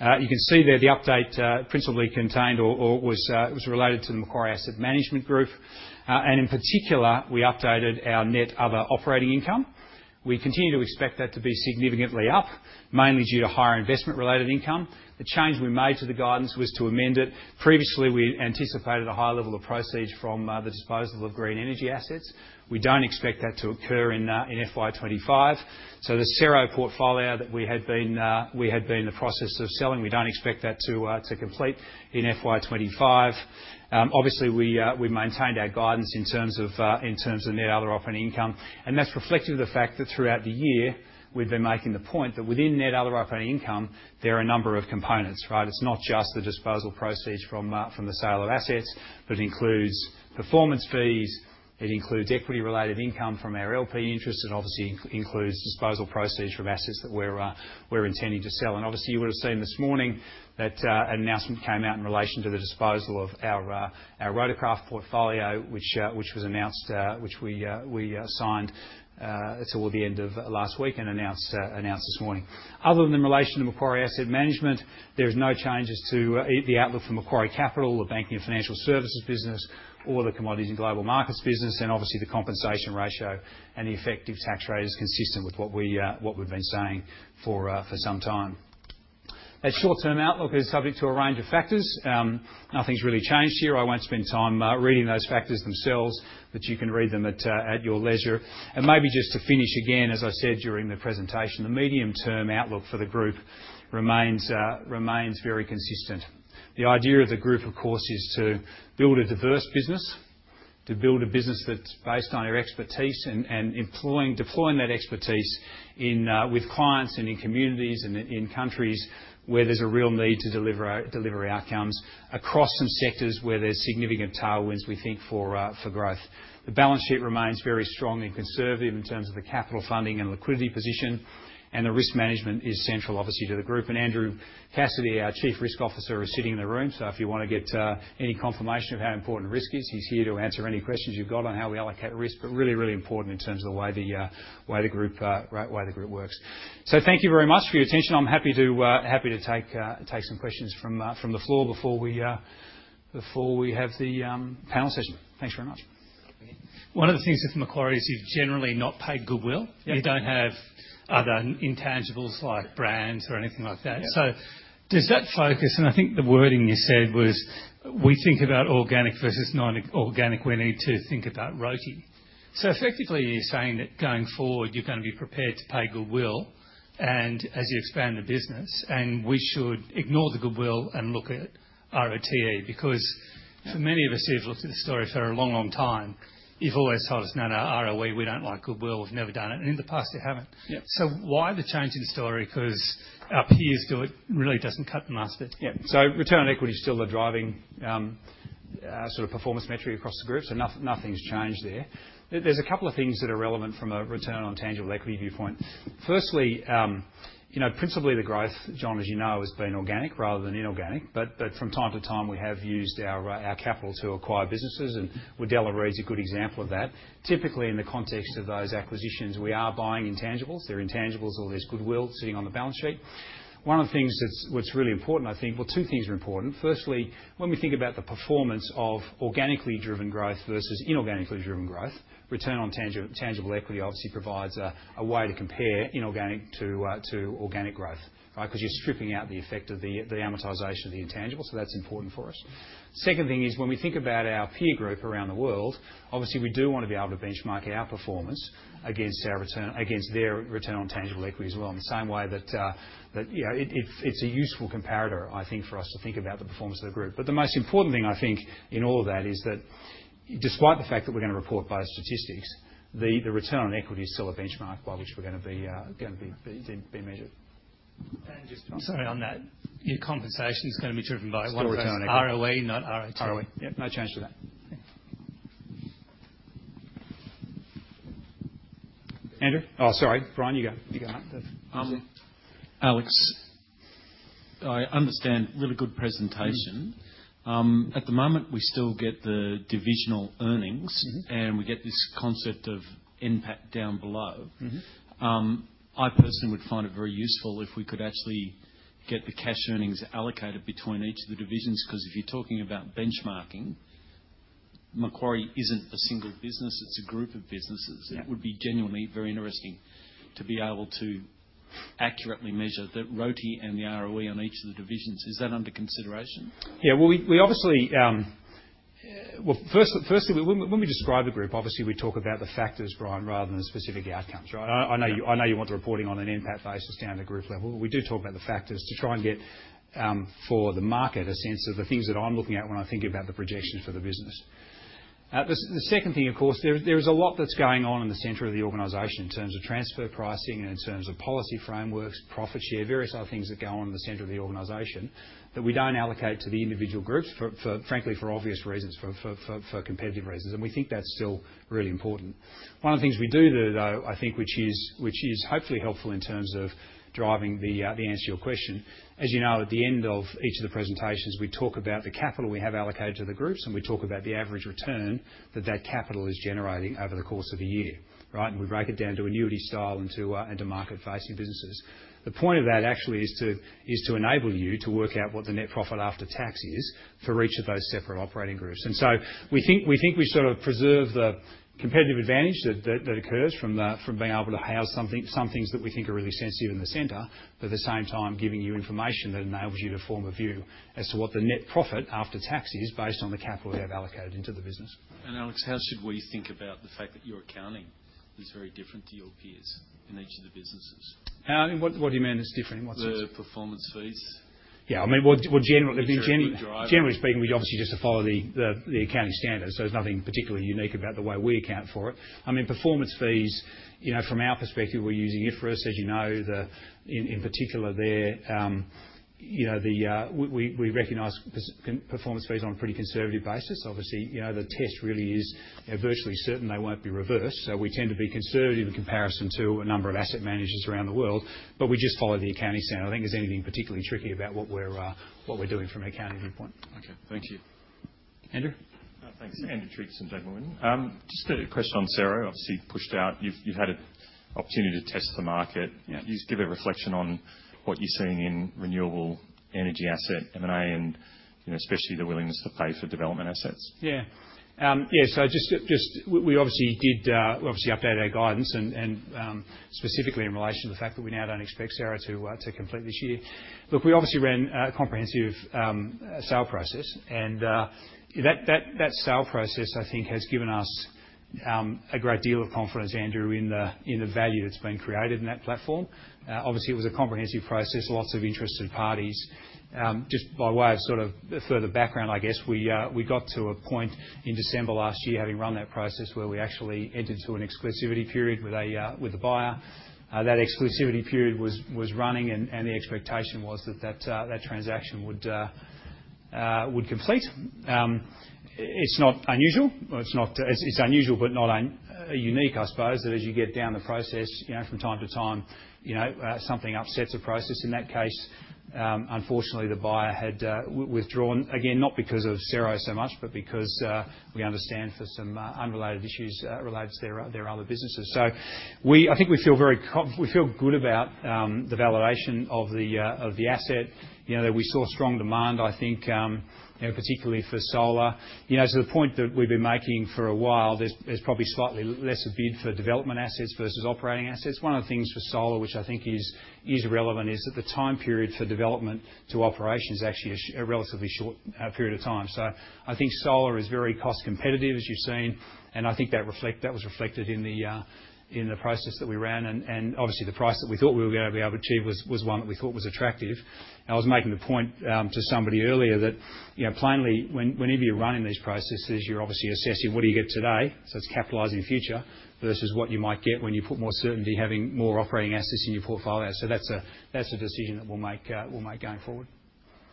You can see there the update principally contained or was related to the Macquarie Asset Management Group. In particular, we updated our net other operating income. We continue to expect that to be significantly up, mainly due to higher investment-related income. The change we made to the guidance was to amend it. Previously, we anticipated a high level of proceeds from the disposal of green energy assets. We do not expect that to occur in FY2025. The CERO portfolio that we had been in the process of selling, we do not expect that to complete in FY2025. Obviously, we maintained our guidance in terms of net other operating income. That is reflective of the fact that throughout the year, we have been making the point that within net other operating income, there are a number of components. It's not just the disposal proceeds from the sale of assets, but it includes performance fees. It includes equity-related income from our LP interests and obviously includes disposal proceeds from assets that we're intending to sell. Obviously, you would have seen this morning that an announcement came out in relation to the disposal of our Rotocraft Portfolio, which we signed toward the end of last week and announced this morning. Other than in relation to Macquarie Asset Management, there are no changes to the outlook for Macquarie Capital, the Banking and Financial Services business, or the Commodities and Global Markets business. Obviously, the compensation ratio and the effective tax rate is consistent with what we've been saying for some time. That short-term outlook is subject to a range of factors. Nothing's really changed here. I won't spend time reading those factors themselves, but you can read them at your leisure. Maybe just to finish again, as I said during the presentation, the medium-term outlook for the group remains very consistent. The idea of the group, of course, is to build a diverse business, to build a business that's based on our expertise and deploying that expertise with clients and in communities and in countries where there's a real need to deliver outcomes across some sectors where there's significant tailwinds, we think, for growth. The balance sheet remains very strong and conservative in terms of the capital funding and liquidity position. The risk management is central, obviously, to the group. Andrew Cassidy, our Chief Risk Officer, is sitting in the room. If you want to get any confirmation of how important risk is, he's here to answer any questions you've got on how we allocate risk, but really, really important in terms of trhe way the group works. Thank you very much for your attention. I'm happy to take some questions from the floor before we have the panel session. Thanks very much. One of the things with Macquarie is you've generally not paid goodwill. You don't have other intangibles like brands or anything like that. Does that focus? I think the wording you said was, "We think about organic versus non-organic. We need to think about rotating." So effectively, you're saying that going forward, you're going to be prepared to pay goodwill as you expand the business, and we should ignore the goodwill and look at ROTE because for many of us who have looked at the story for a long, long time, you've always told us, "No, no, ROE, we don't like goodwill. We've never done it." In the past, you haven't. Why the change in story? Because our peers do it, really doesn't cut the mustard. Yeah. Return on equity is still the driving sort of performance metric across the group, so nothing's changed there. There are a couple of things that are relevant from a return on tangible equity viewpoint. Firstly, principally, the growth, John, as you know, has been organic rather than inorganic. From time to time, we have used our capital to acquire businesses, and Wardella Reed is a good example of that. Typically, in the context of those acquisitions, we are buying intangibles. There are intangibles or there's goodwill sitting on the balance sheet. One of the things that's really important, I think, well, two things are important. Firstly, when we think about the performance of organically driven growth versus inorganically driven growth, return on tangible equity obviously provides a way to compare inorganic to organic growth because you're stripping out the effect of the amortization of the intangible, so that's important for us. Second thing is when we think about our peer group around the world, obviously, we do want to be able to benchmark our performance against their return on tangible equity as well in the same way that it's a useful comparator, I think, for us to think about the performance of the group. The most important thing, I think, in all of that is that despite the fact that we're going to report both statistics, the return on equity is still a benchmark by which we're going to be measured. Just. Sorry on that. Your compensation is going to be driven by one-third. It's for return on equity. ROE, not ROTE. ROE. Yep. No change to that. Andrew? Oh, sorry. Brian, you go. You go, Matt. Alex. I understand really good presentation. At the moment, we still get the divisional earnings, and we get this concept of impact down below. I personally would find it very useful if we could actually get the cash earnings allocated between each of the divisions because if you're talking about benchmarking, Macquarie isn't a single business. It's a group of businesses. It would be genuinely very interesting to be able to accurately measure the ROTE and the ROE on each of the divisions. Is that under consideration? Yeah. Firstly, when we describe the group, obviously, we talk about the factors, Brian, rather than the specific outcomes. I know you want the reporting on an impact basis down to group level, but we do talk about the factors to try and get for the market a sense of the things that I'm looking at when I think about the projections for the business. The second thing, of course, there is a lot that's going on in the center of the organization in terms of transfer pricing and in terms of policy frameworks, profit share, various other things that go on in the center of the organization that we don't allocate to the individual groups, frankly, for obvious reasons, for competitive reasons. We think that's still really important. One of the things we do, though, I think, which is hopefully helpful in terms of driving the answer to your question, as you know, at the end of each of the presentations, we talk about the capital we have allocated to the groups, and we talk about the average return that that capital is generating over the course of a year. We break it down to annuity style and to market-facing businesses. The point of that actually is to enable you to work out what the net profit after tax is for each of those separate operating groups. We think we sort of preserve the competitive advantage that occurs from being able to house some things that we think are really sensitive in the center, but at the same time, giving you information that enables you to form a view as to what the net profit after tax is based on the capital we have allocated into the business. Alex, how should we think about the fact that your accounting is very different to your peers in each of the businesses? How? What do you mean it's different in what sense? The performance fees. Yeah. I mean, generally speaking. Generally speaking, we obviously just follow the accounting standards. There's nothing particularly unique about the way we account for it. I mean, performance fees, from our perspective, we're using IFRS, as you know. In particular, we recognize performance fees on a pretty conservative basis. Obviously, the test really is virtually certain they won't be reversed. We tend to be conservative in comparison to a number of asset managers around the world, but we just follow the accounting standard. I don't think there's anything particularly tricky about what we're doing from an accounting viewpoint. Okay. Thank you. Andrew? Thanks. Andrew treats, indeed. Just a question on CERO. Obviously, you pushed out. You've had an opportunity to test the market. Just give a reflection on what you're seeing in renewable energy asset M&A and especially the willingness to pay for development assets. Yeah. Yeah. We obviously did update our guidance and specifically in relation to the fact that we now don't expect CERO to complete this year. Look, we obviously ran a comprehensive sale process. That sale process, I think, has given us a great deal of confidence, Andrew, in the value that's been created in that platform. It was a comprehensive process, lots of interested parties. Just by way of sort of further background, I guess, we got to a point in December last year, having run that process, where we actually entered into an exclusivity period with a buyer. That exclusivity period was running, and the expectation was that that transaction would complete. It's not unusual. It's unusual, but not unique, I suppose, that as you get down the process, from time to time, something upsets a process. In that case, unfortunately, the buyer had withdrawn, again, not because of CERO so much, but because we understand for some unrelated issues related to their other businesses. I think we feel good about the validation of the asset. We saw strong demand, I think, particularly for solar. To the point that we've been making for a while, there's probably slightly less a bid for development assets versus operating assets. One of the things for solar, which I think is relevant, is that the time period for development to operation is actually a relatively short period of time. I think solar is very cost competitive, as you've seen. I think that was reflected in the process that we ran. Obviously, the price that we thought we were going to be able to achieve was one that we thought was attractive. I was making the point to somebody earlier that plainly, whenever you're running these processes, you're obviously assessing what do you get today, so it's capitalizing the future, versus what you might get when you put more certainty, having more operating assets in your portfolio. So that's a decision that we'll make going forward.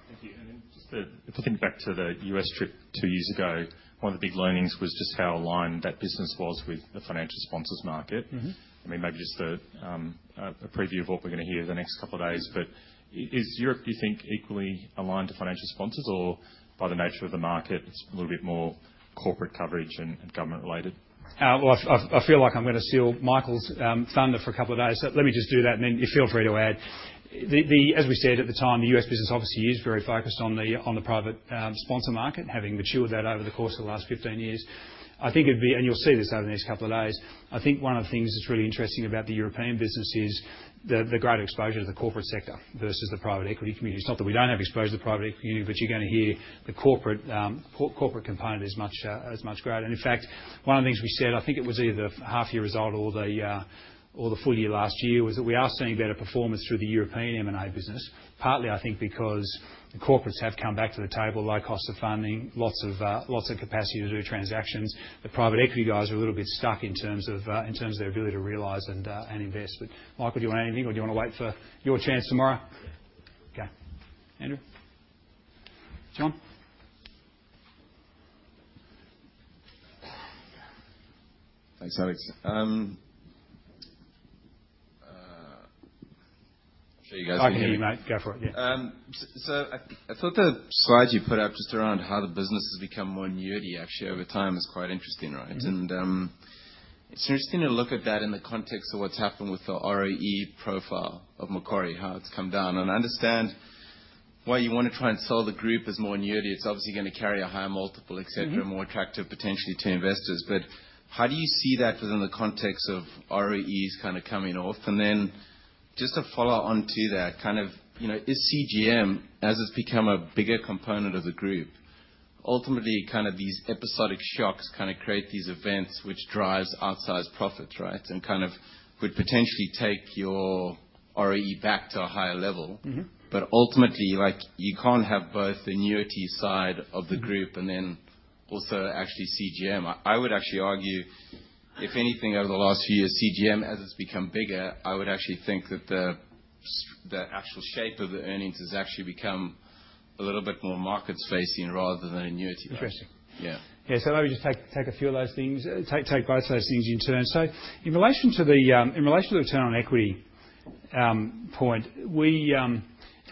Thank you. I mean, just to think back to the US trip two years ago, one of the big learnings was just how aligned that business was with the financial sponsors market. I mean, maybe just a preview of what we're going to hear the next couple of days. Is Europe, do you think, equally aligned to financial sponsors? Or by the nature of the market, it's a little bit more corporate coverage and government-related? I feel like I'm going to steal Michael's thunder for a couple of days. Let me just do that, and then feel free to add. As we said at the time, the US business obviously is very focused on the private sponsor market, having matured that over the course of the last 15 years. I think it'd be—and you'll see this over the next couple of days—I think one of the things that's really interesting about the European business is the greater exposure to the corporate sector versus the private equity community. It's not that we don't have exposure to the private equity community, but you're going to hear the corporate component is much greater. In fact, one of the things we said, I think it was either the half-year result or the full year last year, was that we are seeing better performance through the European M&A business, partly, I think, because the corporates have come back to the table, low cost of funding, lots of capacity to do transactions. The private equity guys are a little bit stuck in terms of their ability to realize and invest. Michael, do you want anything, or do you want to wait for your chance tomorrow? Okay. Andrew? John? Thanks, Alex. I'm sure you guys can hear me. I can hear you, mate. Go for it. Yeah. I thought the slides you put up just around how the business has become more annuity, actually, over time is quite interesting, right? It's interesting to look at that in the context of what's happened with the ROE profile of Macquarie, how it's come down. I understand why you want to try and sell the group as more annuity. It's obviously going to carry a higher multiple, etc., more attractive potentially to investors. How do you see that within the context of ROEs kind of coming off? Just to follow on to that, kind of is CGM, as it's become a bigger component of the group, ultimately, kind of these episodic shocks kind of create these events which drive outsized profits, right, and kind of would potentially take your ROE back to a higher level. Ultimately, you can't have both the annuity side of the group and then also actually CGM. I would actually argue, if anything, over the last few years, CGM, as it's become bigger, I would actually think that the actual shape of the earnings has actually become a little bit more markets-facing rather than annuity-based. Interesting. Yeah. Yeah. Maybe just take a few of those things, take both of those things in turn. In relation to the return on equity point,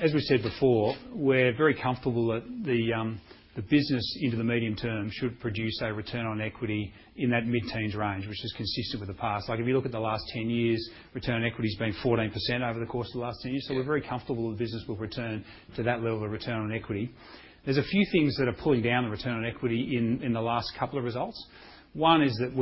as we said before, we're very comfortable that the business into the medium term should produce a return on equity in that mid-teens range, which is consistent with the past. If you look at the last 10 years, return on equity has been 14% over the course of the last 10 years. We're very comfortable that the business will return to that level of return on equity. There's a few things that are pulling down the return on equity in the last couple of results. One is that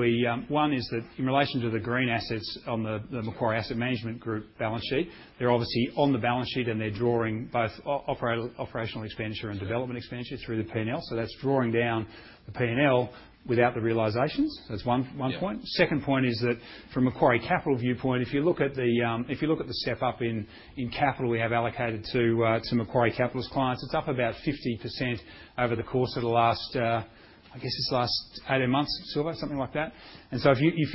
in relation to the green assets on the Macquarie Asset Management Group balance sheet, they're obviously on the balance sheet, and they're drawing both operational expenditure and development expenditure through the P&L. So that's drawing down the P&L without the realizations. That's one point. Second point is that from Macquarie Capital viewpoint, if you look at the step up in capital we have allocated to Macquarie Capital's clients, it's up about 50% over the course of the last, I guess, it's the last eight, eight months, something like that. If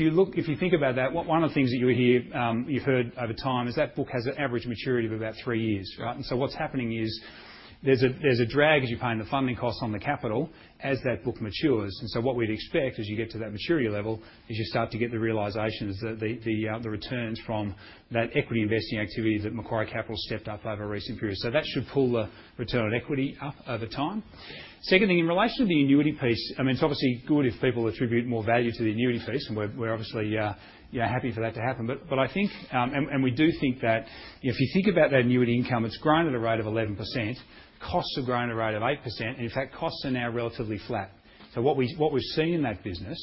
you think about that, one of the things that you hear, you've heard over time is that book has an average maturity of about three years, right? What is happening is there is a drag as you are paying the funding costs on the capital as that book matures. What we would expect as you get to that maturity level is you start to get the realizations that the returns from that equity investing activity that Macquarie Capital stepped up over a recent period. That should pull the return on equity up over time. The second thing, in relation to the annuity piece, I mean, it is obviously good if people attribute more value to the annuity piece, and we are obviously happy for that to happen. I think—and we do think that if you think about that annuity income, it has grown at a rate of 11%. Costs have grown at a rate of 8%. In fact, costs are now relatively flat. What we've seen in that business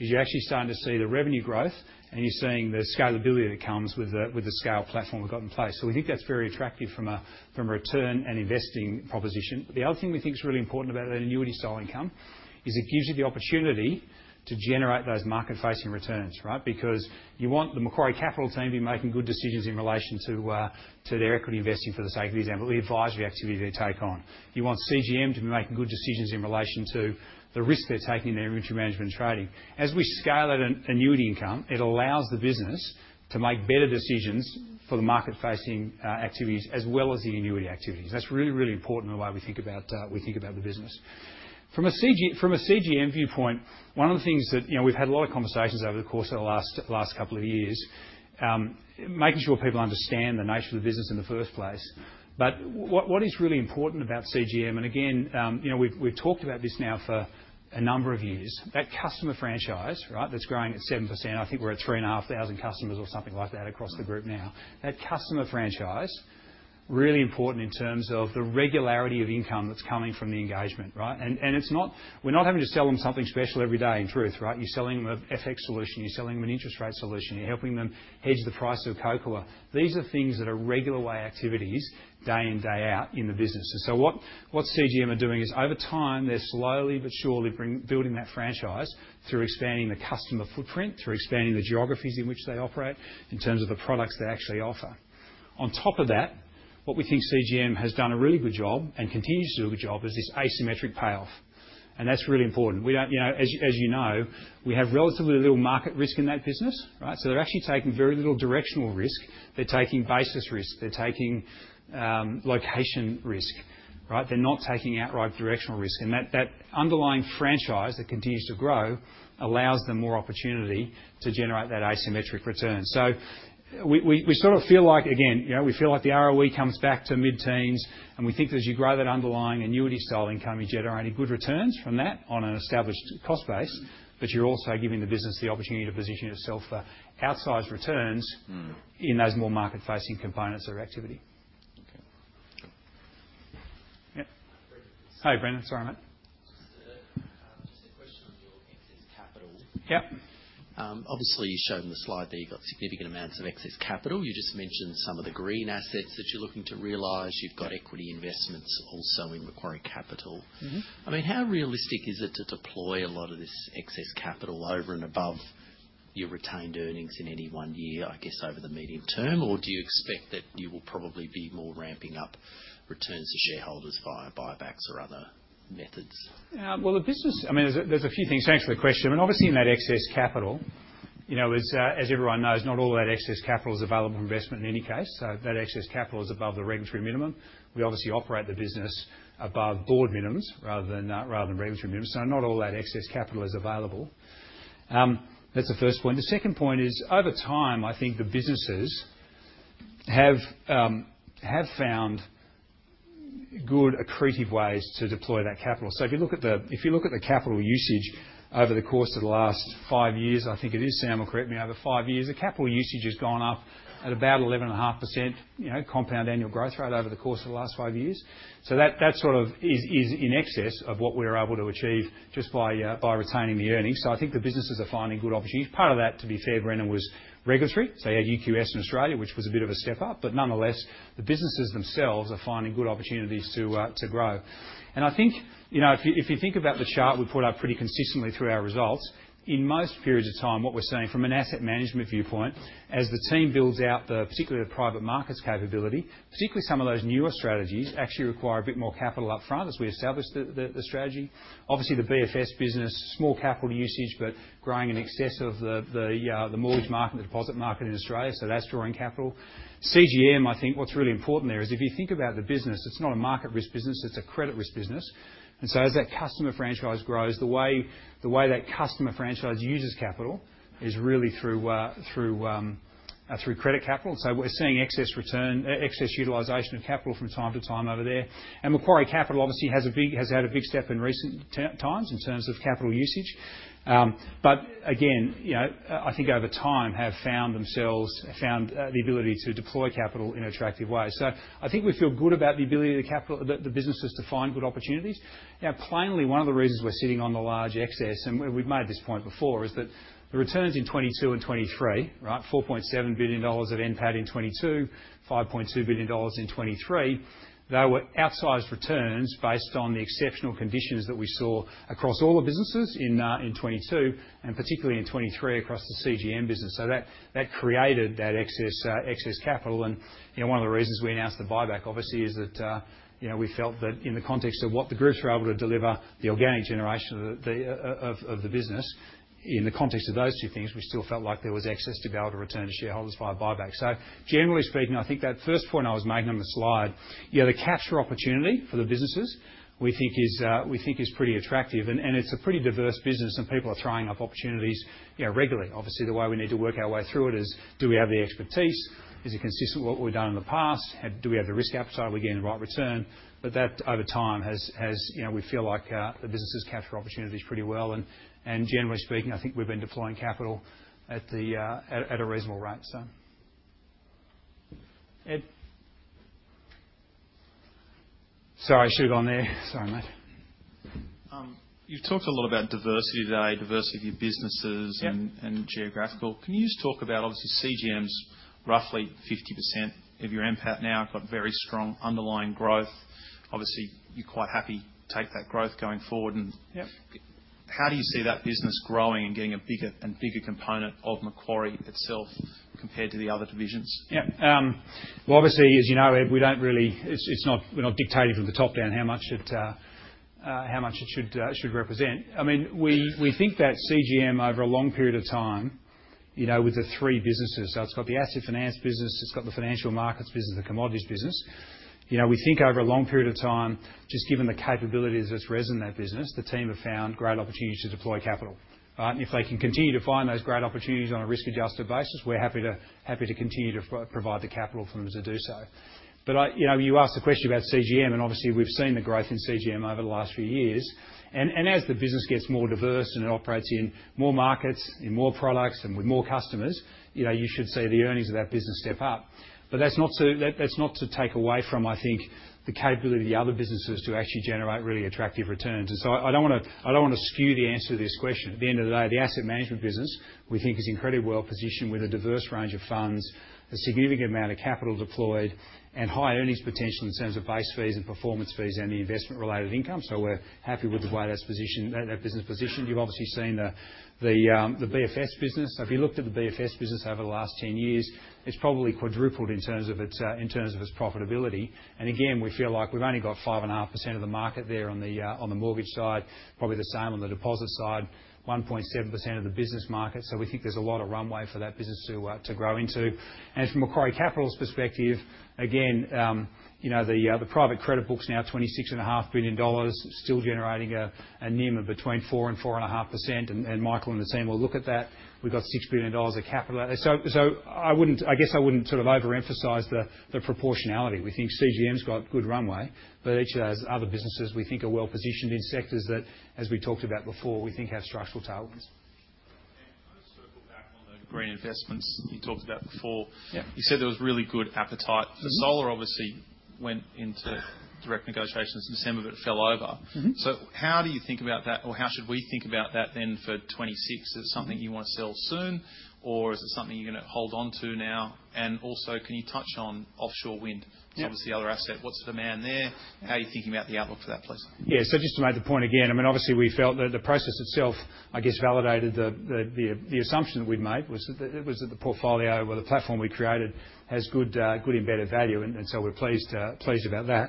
is you're actually starting to see the revenue growth, and you're seeing the scalability that comes with the scale platform we've got in place. We think that's very attractive from a return and investing proposition. The other thing we think is really important about that annuity style income is it gives you the opportunity to generate those market-facing returns, right? Because you want the Macquarie Capital team to be making good decisions in relation to their equity investing for the sake of the example, the advisory activity they take on. You want CGM to be making good decisions in relation to the risk they're taking in their inventory management and trading. As we scale that annuity income, it allows the business to make better decisions for the market-facing activities as well as the annuity activities. That's really, really important in the way we think about the business. From a CGM viewpoint, one of the things that we've had a lot of conversations over the course of the last couple of years, making sure people understand the nature of the business in the first place. What is really important about CGM, and again, we've talked about this now for a number of years, that customer franchise, right, that's growing at 7%. I think we're at 3,500 customers or something like that across the group now. That customer franchise is really important in terms of the regularity of income that's coming from the engagement, right? We're not having to sell them something special every day, in truth, right? You're selling them an FX solution. You're selling them an interest rate solution. You're helping them hedge the price of Cocoa. These are things that are regular way activities day in, day out in the business. What CGM are doing is, over time, they're slowly but surely building that franchise through expanding the customer footprint, through expanding the geographies in which they operate in terms of the products they actually offer. On top of that, what we think CGM has done a really good job and continues to do a good job is this asymmetric payoff. That's really important. As you know, we have relatively little market risk in that business, right? They're actually taking very little directional risk. They're taking basis risk. They're taking location risk, right? They're not taking outright directional risk. That underlying franchise that continues to grow allows them more opportunity to generate that asymmetric return. We sort of feel like, again, we feel like the ROE comes back to mid-teens, and we think that as you grow that underlying annuity-style income, you're generating good returns from that on an established cost base, but you're also giving the business the opportunity to position itself for outsized returns in those more market-facing components of activity. Okay. Yeah. Hey, Brendan. Sorry, mate. Just a question on your excess capital. Yep. Obviously, you showed in the slide that you've got significant amounts of excess capital. You just mentioned some of the green assets that you're looking to realize. You've got equity investments also in Macquarie Capital. I mean, how realistic is it to deploy a lot of this excess capital over and above your retained earnings in any one year, I guess, over the medium term? Do you expect that you will probably be more ramping up returns to shareholders via buybacks or other methods? The business—I mean, there's a few things to answer the question. I mean, obviously, in that excess capital, as everyone knows, not all of that excess capital is available for investment in any case. That excess capital is above the regulatory minimum. We obviously operate the business above board minimums rather than regulatory minimums. Not all that excess capital is available. That's the first point. The second point is, over time, I think the businesses have found good, accretive ways to deploy that capital. If you look at the capital usage over the course of the last five years, I think it is—Sam will correct me—over five years, the capital usage has gone up at about 11.5% compound annual growth rate over the course of the last five years. That sort of is in excess of what we're able to achieve just by retaining the earnings. I think the businesses are finding good opportunities. Part of that, to be fair, Brendan, was regulatory. You had UQS in Australia, which was a bit of a step up. Nonetheless, the businesses themselves are finding good opportunities to grow. I think if you think about the chart we put up pretty consistently through our results, in most periods of time, what we're seeing from an asset management viewpoint, as the team builds out particularly the private markets capability, particularly some of those newer strategies actually require a bit more capital upfront as we establish the strategy. Obviously, the BFS business, small capital usage, but growing in excess of the mortgage market and the deposit market in Australia. That is drawing capital. CGM, I think what's really important there is if you think about the business, it's not a market risk business. It's a credit risk business. As that customer franchise grows, the way that customer franchise uses capital is really through credit capital. We are seeing excess utilization of capital from time to time over there. Macquarie Capital obviously has had a big step in recent times in terms of capital usage. Again, I think over time have found themselves, have found the ability to deploy capital in attractive ways. I think we feel good about the ability of the businesses to find good opportunities. Now, plainly, one of the reasons we're sitting on the large excess—and we've made this point before—is that the returns in 2022 and 2023, right, $4.7 billion of NPAT in 2022, $5.2 billion in 2023, they were outsized returns based on the exceptional conditions that we saw across all the businesses in 2022 and particularly in 2023 across the CGM business. That created that excess capital. One of the reasons we announced the buyback, obviously, is that we felt that in the context of what the groups were able to deliver, the organic generation of the business, in the context of those two things, we still felt like there was excess to be able to return to shareholders via buyback. Generally speaking, I think that first point I was making on the slide, the capture opportunity for the businesses we think is pretty attractive. It is a pretty diverse business, and people are throwing up opportunities regularly. Obviously, the way we need to work our way through it is, do we have the expertise? Is it consistent with what we've done in the past? Do we have the risk appetite? Are we getting the right return? That, over time, has we feel like the businesses capture opportunities pretty well. Generally speaking, I think we've been deploying capital at a reasonable rate. Ed, sorry, I should have gone there. Sorry, mate. You've talked a lot about diversity today, diversity of your businesses and geographical. Can you just talk about, obviously, CGM's roughly 50% of your MPAT now, got very strong underlying growth. Obviously, you're quite happy to take that growth going forward. How do you see that business growing and getting a bigger and bigger component of Macquarie itself compared to the other divisions? Yeah. Obviously, as you know, Ed, we don't really—it's not—we're not dictating from the top down how much it should represent. I mean, we think that CGM, over a long period of time, with the three businesses—so it's got the asset finance business, it's got the financial markets business, the commodities business—we think over a long period of time, just given the capabilities that's risen in that business, the team have found great opportunities to deploy capital, right? If they can continue to find those great opportunities on a risk-adjusted basis, we're happy to continue to provide the capital for them to do so. You asked the question about CGM, and obviously, we've seen the growth in CGM over the last few years. As the business gets more diverse and it operates in more markets, in more products, and with more customers, you should see the earnings of that business step up. That is not to take away from, I think, the capability of the other businesses to actually generate really attractive returns. I do not want to skew the answer to this question. At the end of the day, the asset management business, we think, is incredibly well positioned with a diverse range of funds, a significant amount of capital deployed, and high earnings potential in terms of base fees and performance fees and the investment-related income. We are happy with the way that business is positioned. You have obviously seen the BFS business. If you looked at the BFS business over the last 10 years, it has probably quadrupled in terms of its profitability. Again, we feel like we have only got 5.5% of the market there on the mortgage side, probably the same on the deposit side, 1.7% of the business market. We think there's a lot of runway for that business to grow into. From Macquarie Capital's perspective, again, the private credit book's now $26.5 billion, still generating a NIM of between 4% and 4.5%. Michael and the team will look at that. We've got $6 billion of capital. I guess I wouldn't sort of overemphasize the proportionality. We think CGM's got good runway, but each of those other businesses, we think, are well positioned in sectors that, as we talked about before, we think have structural talents. I'll just circle back on the green investments you talked about before. You said there was really good appetite. The solar, obviously, went into direct negotiations in December, but it fell over. How do you think about that, or how should we think about that then for 2026? Is it something you want to sell soon, or is it something you're going to hold on to now? Also, can you touch on offshore wind? It's obviously the other asset. What's the demand there? How are you thinking about the outlook for that place? Yeah. Just to make the point again, I mean, obviously, we felt that the process itself, I guess, validated the assumption that we'd made was that the portfolio or the platform we created has good embedded value. We're pleased about that.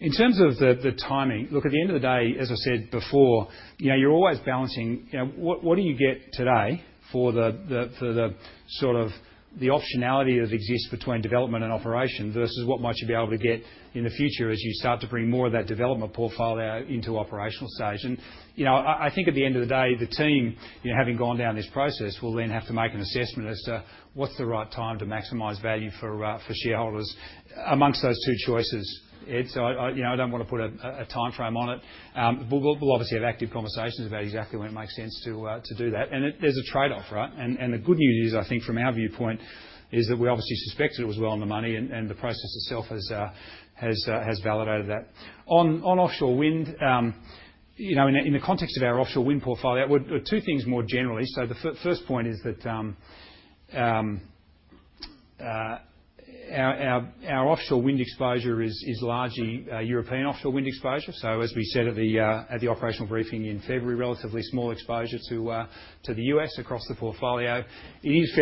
In terms of the timing, look, at the end of the day, as I said before, you're always balancing what do you get today for the sort of the optionality that exists between development and operation versus what might you be able to get in the future as you start to bring more of that development portfolio into operational stage. I think at the end of the day, the team, having gone down this process, will then have to make an assessment as to what's the right time to maximize value for shareholders amongst those two choices, Ed. I don't want to put a timeframe on it. We'll obviously have active conversations about exactly when it makes sense to do that. There's a trade-off, right? The good news is, I think, from our viewpoint, is that we obviously suspected it was well on the money, and the process itself has validated that. On offshore wind, in the context of our offshore wind portfolio, two things more generally. The first point is that our offshore wind exposure is largely European offshore wind exposure. As we said at the operational briefing in February, relatively small exposure to the U.S. across the portfolio. It is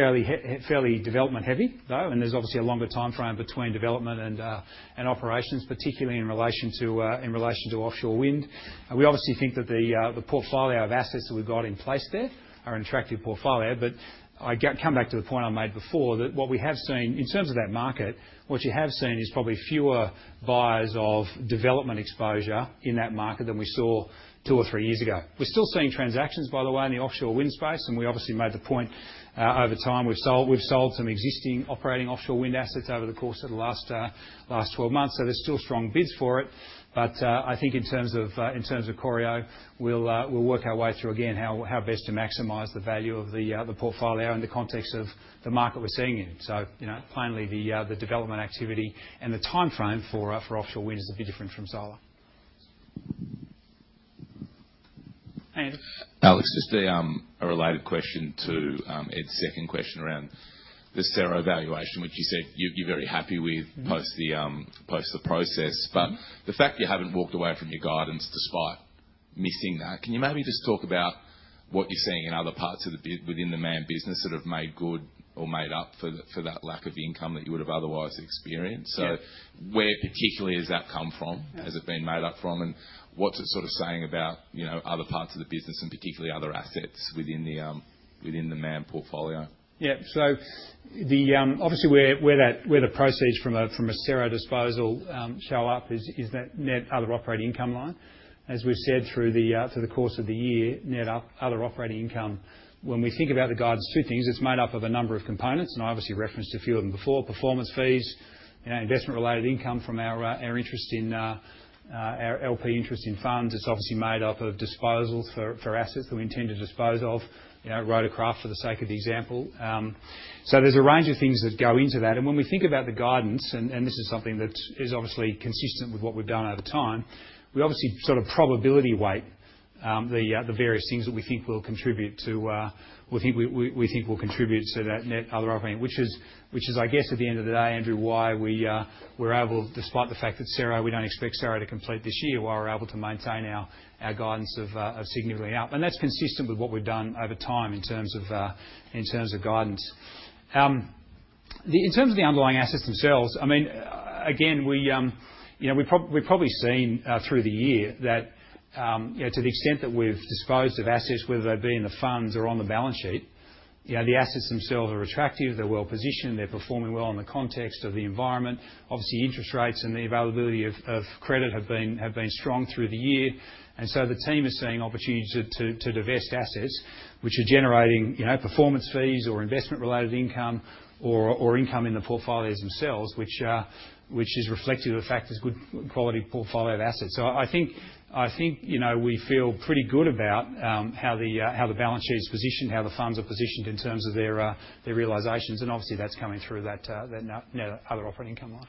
fairly development-heavy, though, and there's obviously a longer timeframe between development and operations, particularly in relation to offshore wind. We obviously think that the portfolio of assets that we've got in place there are an attractive portfolio. I come back to the point I made before that what we have seen in terms of that market, what you have seen is probably fewer buyers of development exposure in that market than we saw two or three years ago. We're still seeing transactions, by the way, in the offshore wind space. We obviously made the point over time. We've sold some existing operating offshore wind assets over the course of the last 12 months. There's still strong bids for it. I think in terms of Corio, we'll work our way through, again, how best to maximize the value of the portfolio in the context of the market we're seeing in. Plainly, the development activity and the timeframe for offshore wind is a bit different from solar. Hey, Alex. Just a related question to Ed's second question around the CERO valuation, which you said you're very happy with post the process. The fact you haven't walked away from your guidance despite missing that, can you maybe just talk about what you're seeing in other parts of the bid within the main business that have made good or made up for that lack of income that you would have otherwise experienced? Where particularly has that come from? Has it been made up from? What's it sort of saying about other parts of the business and particularly other assets within the main portfolio? Yeah. Obviously, where the proceeds from a CERO disposal show up is that net other operating income line. As we've said through the course of the year, net other operating income. When we think about the guidance, two things. It's made up of a number of components. I obviously referenced a few of them before: performance fees, investment-related income from our interest in our LP interest in funds. It's obviously made up of disposals for assets that we intend to dispose of, rotor craft for the sake of the example. There's a range of things that go into that. When we think about the guidance, and this is something that is obviously consistent with what we've done over time, we obviously sort of probability weight the various things that we think will contribute to—we think will contribute to that net other operating, which is, I guess, at the end of the day, Andrew, why we were able, despite the fact that CERO, we do not expect CERO to complete this year, why we're able to maintain our guidance of significantly up. That is consistent with what we've done over time in terms of guidance. In terms of the underlying assets themselves, I mean, again, we've probably seen through the year that to the extent that we've disposed of assets, whether they've been in the funds or on the balance sheet, the assets themselves are attractive. They're well positioned. They're performing well in the context of the environment. Obviously, interest rates and the availability of credit have been strong through the year. The team is seeing opportunities to divest assets, which are generating performance fees or investment-related income or income in the portfolios themselves, which is reflective of the fact there's good quality portfolio of assets. I think we feel pretty good about how the balance sheet is positioned, how the funds are positioned in terms of their realizations. Obviously, that's coming through that net other operating income line.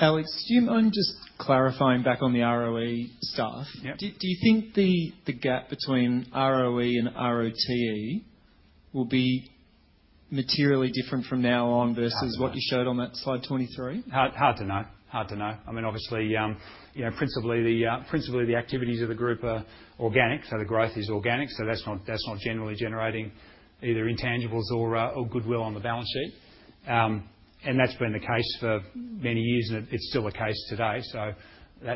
Alex, do you mind just clarifying back on the ROE stuff? Do you think the gap between ROE and ROTE will be materially different from now on versus what you showed on that slide 23? Hard to know. Hard to know. I mean, obviously, principally, the activities of the group are organic. The growth is organic. That's not generally generating either intangibles or goodwill on the balance sheet. That's been the case for many years, and it's still the case today.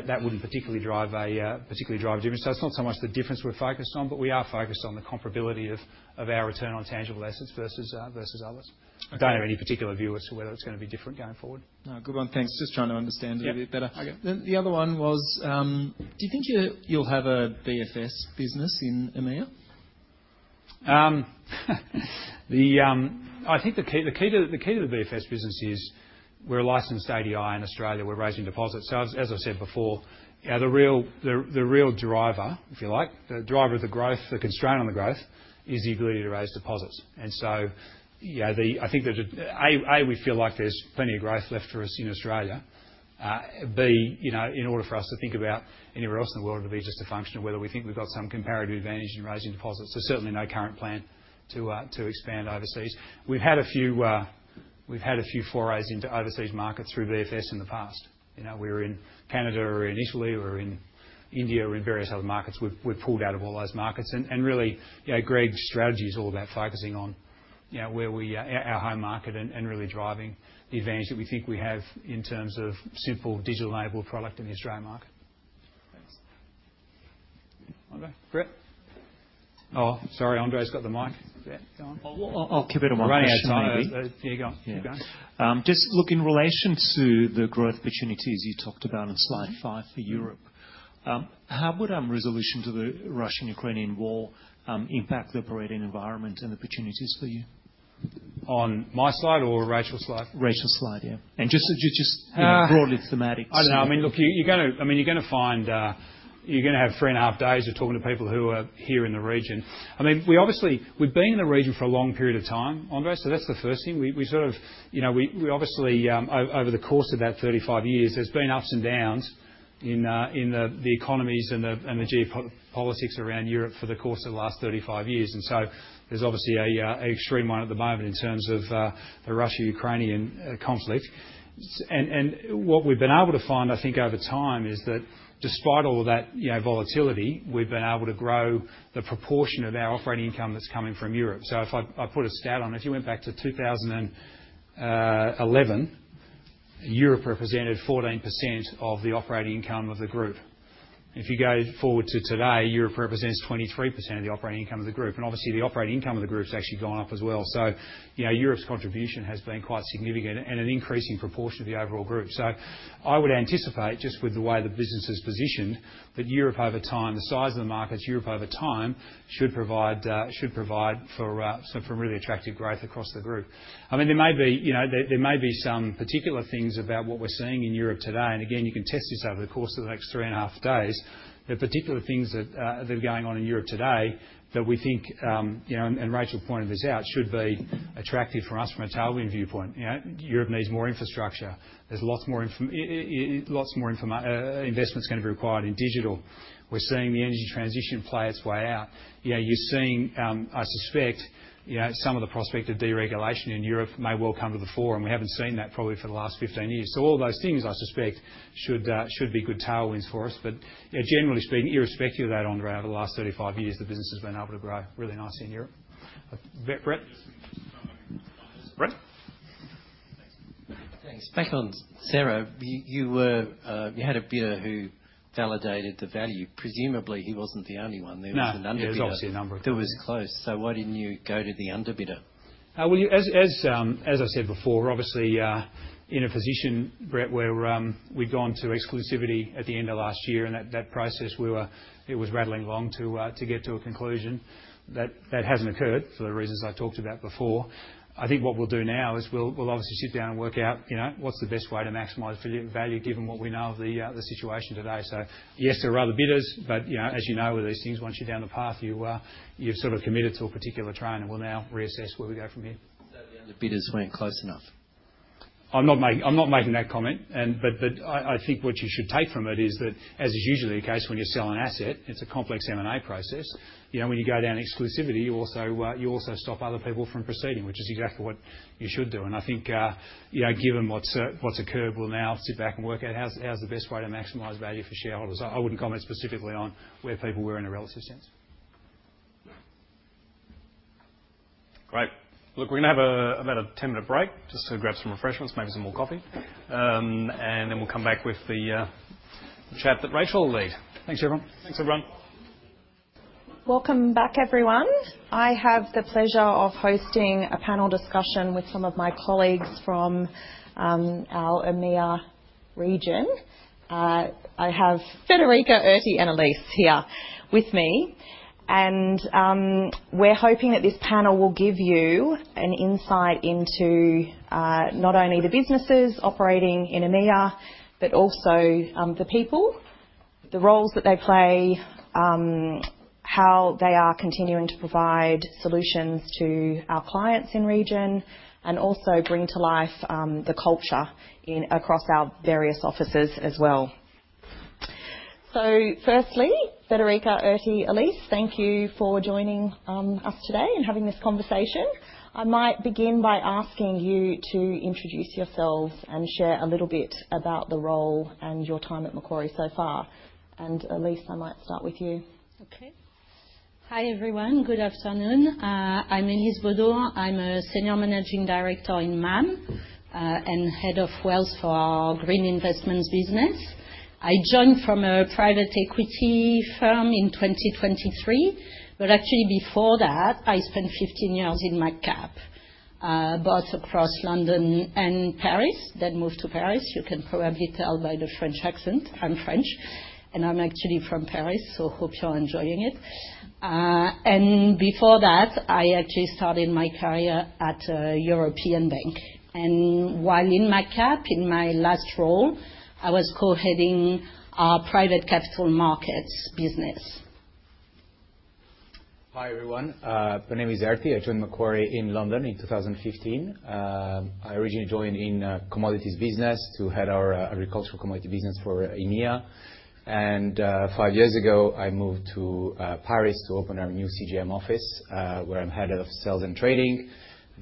That wouldn't particularly drive a difference. It's not so much the difference we're focused on, but we are focused on the comparability of our return on tangible assets versus others. I don't have any particular view as to whether it's going to be different going forward. No. Good one. Thanks. Just trying to understand it a bit better. The other one was, do you think you'll have a BFS business in EMEA? I think the key to the BFS business is we're a licensed ADI in Australia. We're raising deposits. As I said before, the real driver, if you like, the driver of the growth, the constraint on the growth, is the ability to raise deposits. I think that, A, we feel like there's plenty of growth left for us in Australia. B, in order for us to think about anywhere else in the world, it'll be just a function of whether we think we've got some comparative advantage in raising deposits. There's certainly no current plan to expand overseas. We've had a few forays into overseas markets through BFS in the past. We were in Canada or in Italy or in India or in various other markets. We've pulled out of all those markets. Really, Greg's strategy is all about focusing on where we are at our home market and really driving the advantage that we think we have in terms of simple digital-enabled product in the Australian market. Thanks. Andre? Greg? Oh, sorry. Andre's got the mic. Yeah. Go on. I'll keep it on my side. I'm running out of time, Ed. Yeah. Go on. Keep going. Just look, in relation to the growth opportunities you talked about on slide five for Europe, how would resolution to the Russian-Ukrainian war impact the operating environment and the opportunities for you? On my slide or Rachael's slide? Rachael's slide, yeah. Just broadly thematic too. I don't know. I mean, look, you're going to—I mean, you're going to find you're going to have three and a half days of talking to people who are here in the region. I mean, we obviously—we've been in the region for a long period of time, Andrew. That's the first thing. We sort of—we obviously, over the course of that 35 years, there's been ups and downs in the economies and the geopolitics around Europe for the course of the last 35 years. There's obviously an extreme one at the moment in terms of the Russia-Ukrainian conflict. What we've been able to find, I think, over time is that despite all of that volatility, we've been able to grow the proportion of our operating income that's coming from Europe. If I put a stat on it, if you went back to 2011, Europe represented 14% of the operating income of the group. If you go forward to today, Europe represents 23% of the operating income of the group. Obviously, the operating income of the group's actually gone up as well. Europe's contribution has been quite significant and an increasing proportion of the overall group. I would anticipate, just with the way the business is positioned, that Europe over time, the size of the markets, Europe over time should provide for some really attractive growth across the group. I mean, there may be some particular things about what we're seeing in Europe today. Again, you can test this over the course of the next three and a half days. There are particular things that are going on in Europe today that we think—and Rachael pointed this out—should be attractive for us from a tailwind viewpoint. Europe needs more infrastructure. There's lots more investment that's going to be required in digital. We're seeing the energy transition play its way out. You're seeing, I suspect, some of the prospect of deregulation in Europe may well come to the fore. We haven't seen that probably for the last 15 years. All those things, I suspect, should be good tailwinds for us. Generally speaking, irrespective of that, Andrea, over the last 35 years, the business has been able to grow really nicely in Europe. Brett? Brett? Thanks. Thanks. Back on CERO, you had a bidder who validated the value. Presumably, he was not the only one. There was an underbidder. No. There was obviously a number of people. There was close. Why did you not go to the underbidder? As I said before, obviously, in a position, Brett, where we had gone to exclusivity at the end of last year and that process, it was rattling along to get to a conclusion. That has not occurred for the reasons I talked about before. I think what we'll do now is we'll obviously sit down and work out what's the best way to maximize value given what we know of the situation today. Yes, there are other bidders. As you know, with these things, once you're down the path, you've sort of committed to a particular trend, and we'll now reassess where we go from here. That the underbidders weren't close enough? I'm not making that comment. I think what you should take from it is that, as is usually the case when you're selling an asset, it's a complex M&A process. When you go down exclusivity, you also stop other people from proceeding, which is exactly what you should do. I think given what's occurred, we'll now sit back and work out how's the best way to maximize value for shareholders. I wouldn't comment specifically on where people were in a relative sense. Great. Look, we're going to have about a 10-minute break just to grab some refreshments, maybe some more coffee. Then we'll come back with the chat that Rachael will lead. Thanks, everyone. Thanks, everyone. Welcome back, everyone. I have the pleasure of hosting a panel discussion with some of my colleagues from our EMEA region. I have Federica, Erti, and Elise here with me. We're hoping that this panel will give you an insight into not only the businesses operating in EMEA but also the people, the roles that they play, how they are continuing to provide solutions to our clients in region, and also bring to life the culture across our various offices as well. Firstly, Federica, Erti, Elise, thank you for joining us today and having this conversation. I might begin by asking you to introduce yourselves and share a little bit about the role and your time at Macquarie so far. Elise, I might start with you. Okay. Hi, everyone. Good afternoon. I'm Elise Baudouin. I'm a Senior Managing Director in MAM and head of Wells for our green investments business. I joined from a private equity firm in 2023. Actually, before that, I spent 15 years in Macquarie Capital, both across London and Paris. I moved to Paris. You can probably tell by the French accent. I'm French. I'm actually from Paris, so hope you're enjoying it. Before that, I actually started my career at a European bank. While in Macquarie Capital, in my last role, I was co-heading our private capital markets business. Hi, everyone. My name is Erti. I joined Macquarie in London in 2015. I originally joined in commodities business to head our agricultural commodity business for EMEA. Five years ago, I moved to Paris to open our new CGM office where I'm head of sales and trading.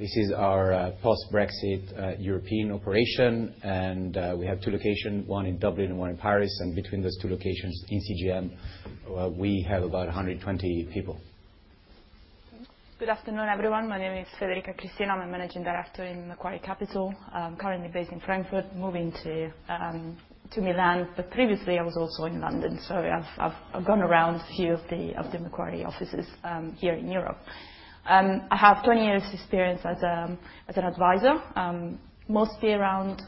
This is our post-Brexit European operation. We have two locations, one in Dublin and one in Paris. Between those two locations in CGM, we have about 120 people. Good afternoon, everyone. My name is Federica Cristina. I'm a Managing Director in Macquarie Capital. I'm currently based in Frankfurt, moving to Milan. Previously, I was also in London. I have gone around a few of the Macquarie offices here in Europe. I have 20 years' experience as an advisor, mostly around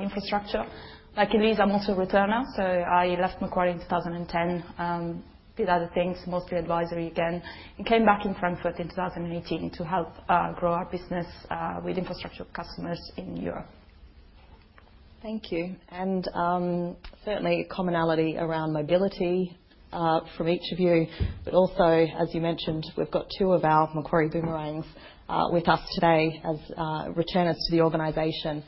infrastructure. Like Elise, I'm also a returner. I left Macquarie in 2010 with other things, mostly advisory again, and came back in Frankfurt in 2018 to help grow our business with infrastructure customers in Europe. Thank you. Certainly, commonality around mobility from each of you. Also, as you mentioned, we've got two of our Macquarie boomerangs with us today as returners to the organization.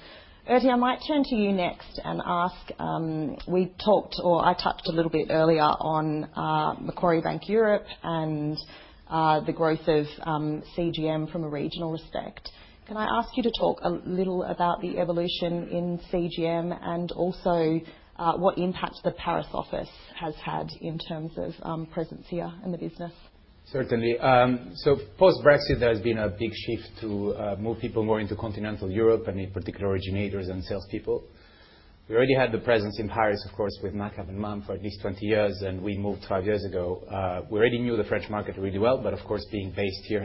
Erti, I might turn to you next and ask. We talked, or I touched a little bit earlier on Macquarie Bank Europe and the growth of CGM from a regional respect. Can I ask you to talk a little about the evolution in CGM and also what impact the Paris office has had in terms of presence here in the business? Certainly. Post-Brexit, there has been a big shift to move people more into continental Europe and in particular, originators and salespeople. We already had the presence in Paris, of course, with Macquarie Capital and Macquarie Asset Management for at least 20 years, and we moved five years ago. We already knew the French market really well. Of course, being based here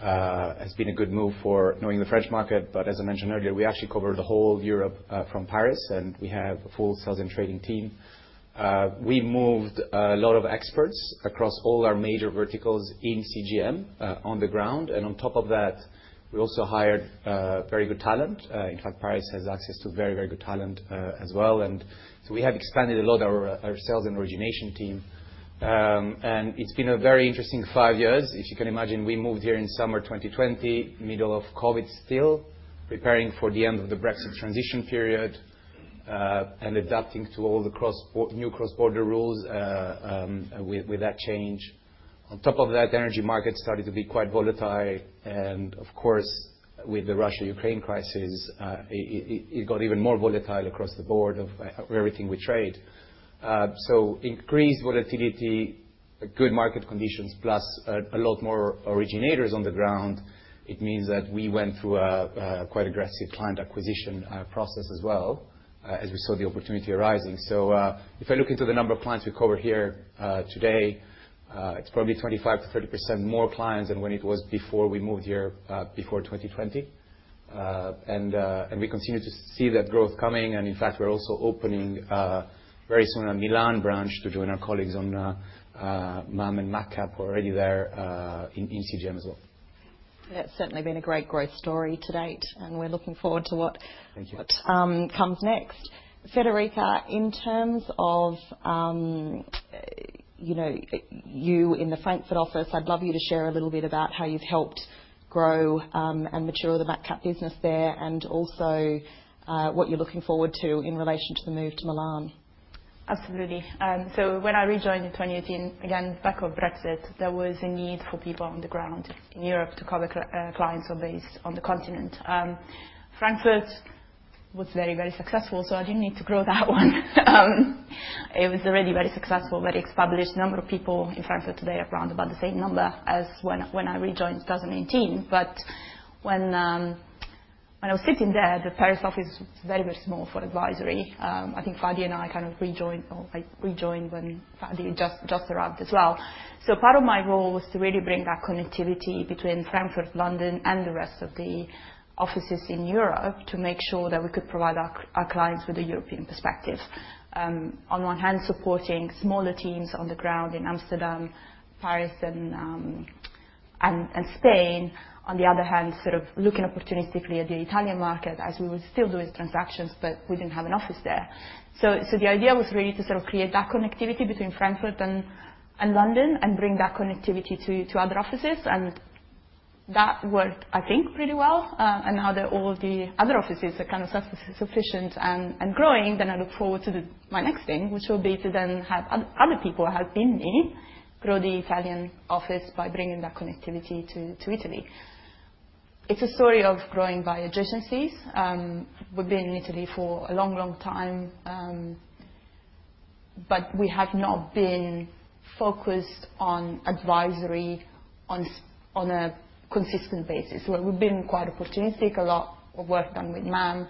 has been a good move for knowing the French market. As I mentioned earlier, we actually covered the whole Europe from Paris, and we have a full sales and trading team. We moved a lot of experts across all our major verticals in Commodities and Global Markets on the ground. On top of that, we also hired very good talent. In fact, Paris has access to very, very good talent as well. We have expanded a lot our sales and origination team. It has been a very interesting five years. If you can imagine, we moved here in summer 2020, middle of COVID still, preparing for the end of the Brexit transition period and adapting to all the new cross-border rules with that change. On top of that, energy markets started to be quite volatile. Of course, with the Russia-Ukraine crisis, it got even more volatile across the board of everything we trade. Increased volatility, good market conditions, plus a lot more originators on the ground, it means that we went through a quite aggressive client acquisition process as well as we saw the opportunity arising. If I look into the number of clients we cover here today, it is probably 25%-30% more clients than when it was before we moved here before 2020. We continue to see that growth coming. In fact, we're also opening very soon a Milan branch to join our colleagues on MAM and Macquarie Capital who are already there in CGM as well. That's certainly been a great growth story to date. We're looking forward to what comes next. Federica, in terms of you in the Frankfurt office, I'd love you to share a little bit about how you've helped grow and mature the Macquarie Capital business there and also what you're looking forward to in relation to the move to Milan. Absolutely. When I rejoined in 2018, again, back of Brexit, there was a need for people on the ground in Europe to cover clients or based on the continent. Frankfurt was very, very successful. I didn't need to grow that one. It was already very successful, very established. The number of people in Frankfurt today are around about the same number as when I rejoined 2018. When I was sitting there, the Paris office was very, very small for advisory. I think Fadi and I kind of rejoined when Fadi just arrived as well. Part of my role was to really bring that connectivity between Frankfurt, London, and the rest of the offices in Europe to make sure that we could provide our clients with a European perspective. On one hand, supporting smaller teams on the ground in Amsterdam, Paris, and Spain. On the other hand, sort of looking opportunistically at the Italian market as we were still doing transactions, but we did not have an office there. The idea was really to sort of create that connectivity between Frankfurt and London and bring that connectivity to other offices. That worked, I think, pretty well. Now that all the other offices are kind of self-sufficient and growing, I look forward to my next thing, which will be to have other people helping me grow the Italian office by bringing that connectivity to Italy. It's a story of growing by adjacencies. We've been in Italy for a long, long time, but we have not been focused on advisory on a consistent basis. We've been quite opportunistic. A lot of work done with MAM.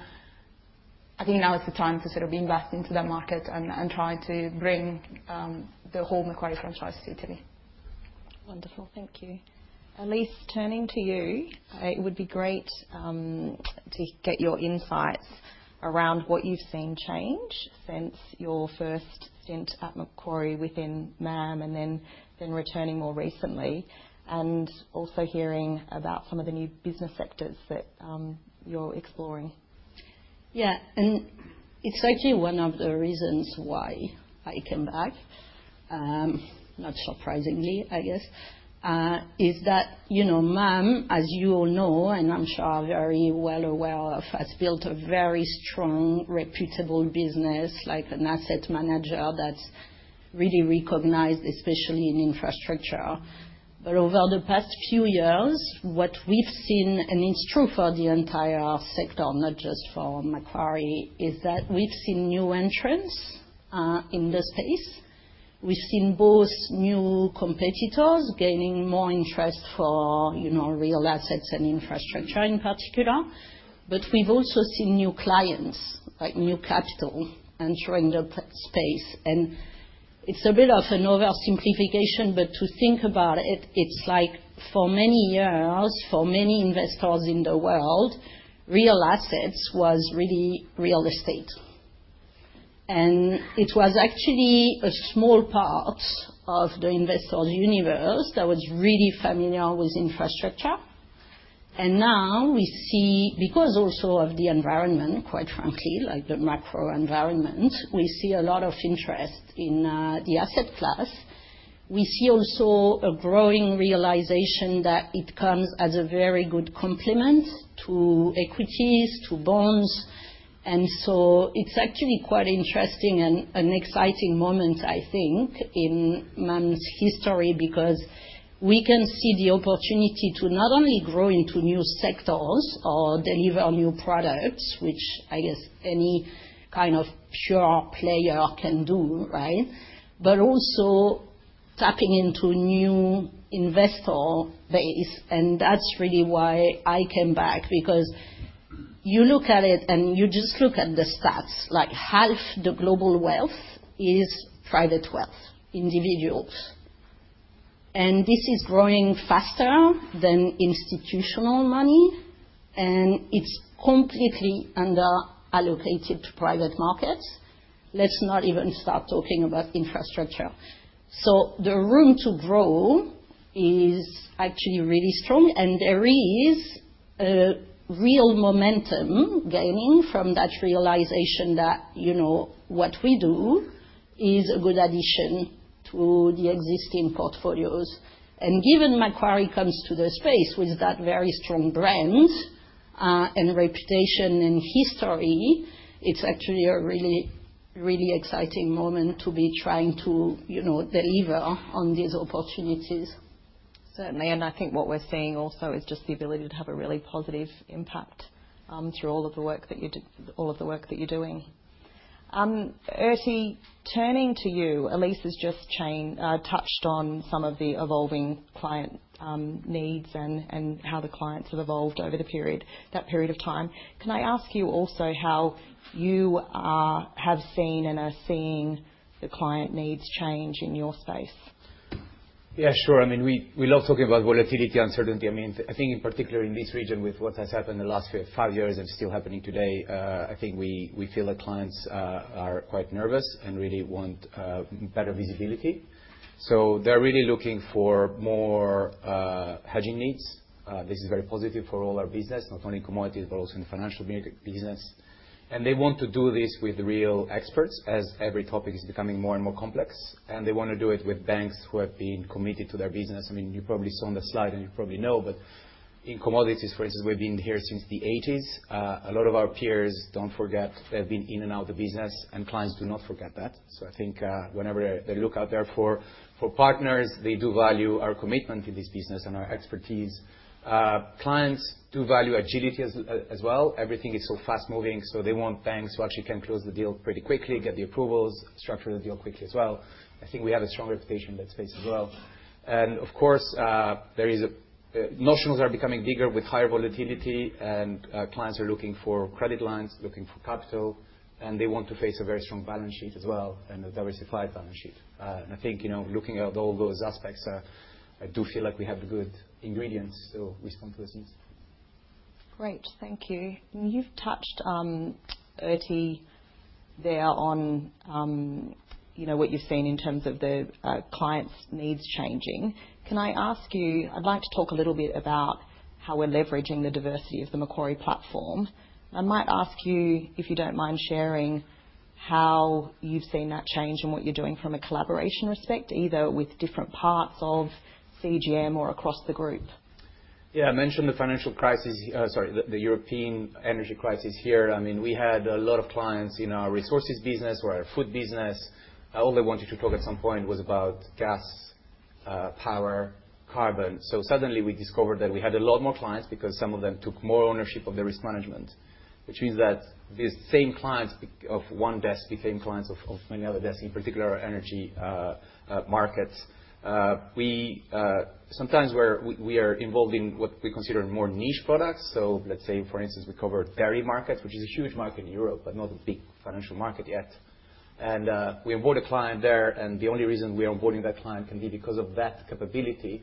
I think now is the time to sort of invest into that market and try to bring the whole Macquarie franchise to Italy. Wonderful. Thank you. Elise, turning to you, it would be great to get your insights around what you've seen change since your first stint at Macquarie within MAM and then returning more recently and also hearing about some of the new business sectors that you're exploring. Yeah. t's actually one of the reasons why I came back, not surprisingly, I guess, is that MAM, as you all know, and I'm sure very well aware of, has built a very strong, reputable business like an asset manager that's really recognized, especially in infrastructure. Over the past few years, what we've seen, and it's true for the entire sector, not just for Macquarie, is that we've seen new entrants in the space. We've seen both new competitors gaining more interest for real assets and infrastructure in particular. We've also seen new clients, like new capital entering the space. It's a bit of an oversimplification, but to think about it, it's like for many years, for many investors in the world, real assets was really real estate. It was actually a small part of the investor's universe that was really familiar with infrastructure. Now we see, because also of the environment, quite frankly, like the macro environment, we see a lot of interest in the asset class. We see also a growing realization that it comes as a very good complement to equities, to bonds. It is actually quite interesting and an exciting moment, I think, in MAM's history because we can see the opportunity to not only grow into new sectors or deliver new products, which I guess any kind of pure player can do, right, but also tapping into new investor base. That is really why I came back because you look at it and you just look at the stats. Like half the global wealth is private wealth, individuals. This is growing faster than institutional money. It is completely under-allocated to private markets. Let's not even start talking about infrastructure. The room to grow is actually really strong. There is a real momentum gaining from that realization that what we do is a good addition to the existing portfolios. Given Macquarie comes to the space with that very strong brand and reputation and history, it's actually a really, really exciting moment to be trying to deliver on these opportunities. Certainly. I think what we're seeing also is just the ability to have a really positive impact through all of the work that you're doing. Erti, turning to you, Elise has just touched on some of the evolving client needs and how the clients have evolved over that period of time. Can I ask you also how you have seen and are seeing the client needs change in your space? Yeah, sure. I mean, we love talking about volatility, uncertainty. I mean, I think in particular in this region with what has happened the last five years and still happening today, I think we feel the clients are quite nervous and really want better visibility. They are really looking for more hedging needs. This is very positive for all our business, not only in commodities, but also in the financial business. They want to do this with real experts as every topic is becoming more and more complex. They want to do it with banks who have been committed to their business. I mean, you probably saw on the slide and you probably know, but in commodities, for instance, we have been here since the 1980s. A lot of our peers, do not forget, they have been in and out of the business, and clients do not forget that. I think whenever they look out there for partners, they do value our commitment to this business and our expertise. Clients do value agility as well. Everything is so fast-moving. They want banks who actually can close the deal pretty quickly, get the approvals, structure the deal quickly as well. I think we have a strong reputation in that space as well. Of course, notionals are becoming bigger with higher volatility, and clients are looking for credit lines, looking for capital. They want to face a very strong balance sheet as well and a diversified balance sheet. I think looking at all those aspects, I do feel like we have the good ingredients to respond to those needs. Great. Thank you. You have touched, Erti, there on what you have seen in terms of the clients' needs changing. Can I ask you, I'd like to talk a little bit about how we're leveraging the diversity of the Macquarie platform. I might ask you, if you don't mind sharing, how you've seen that change and what you're doing from a collaboration respect, either with different parts of CGM or across the group. Yeah. I mentioned the financial crisis, sorry, the European energy crisis here. I mean, we had a lot of clients in our resources business or our food business. All they wanted to talk at some point was about gas, power, carbon. Suddenly we discovered that we had a lot more clients because some of them took more ownership of their risk management, which means that these same clients of one desk became clients of many other desks, in particular our energy markets. Sometimes we are involved in what we consider more niche products. Let's say, for instance, we cover dairy markets, which is a huge market in Europe, but not a big financial market yet. We onboard a client there. The only reason we are onboarding that client can be because of that capability.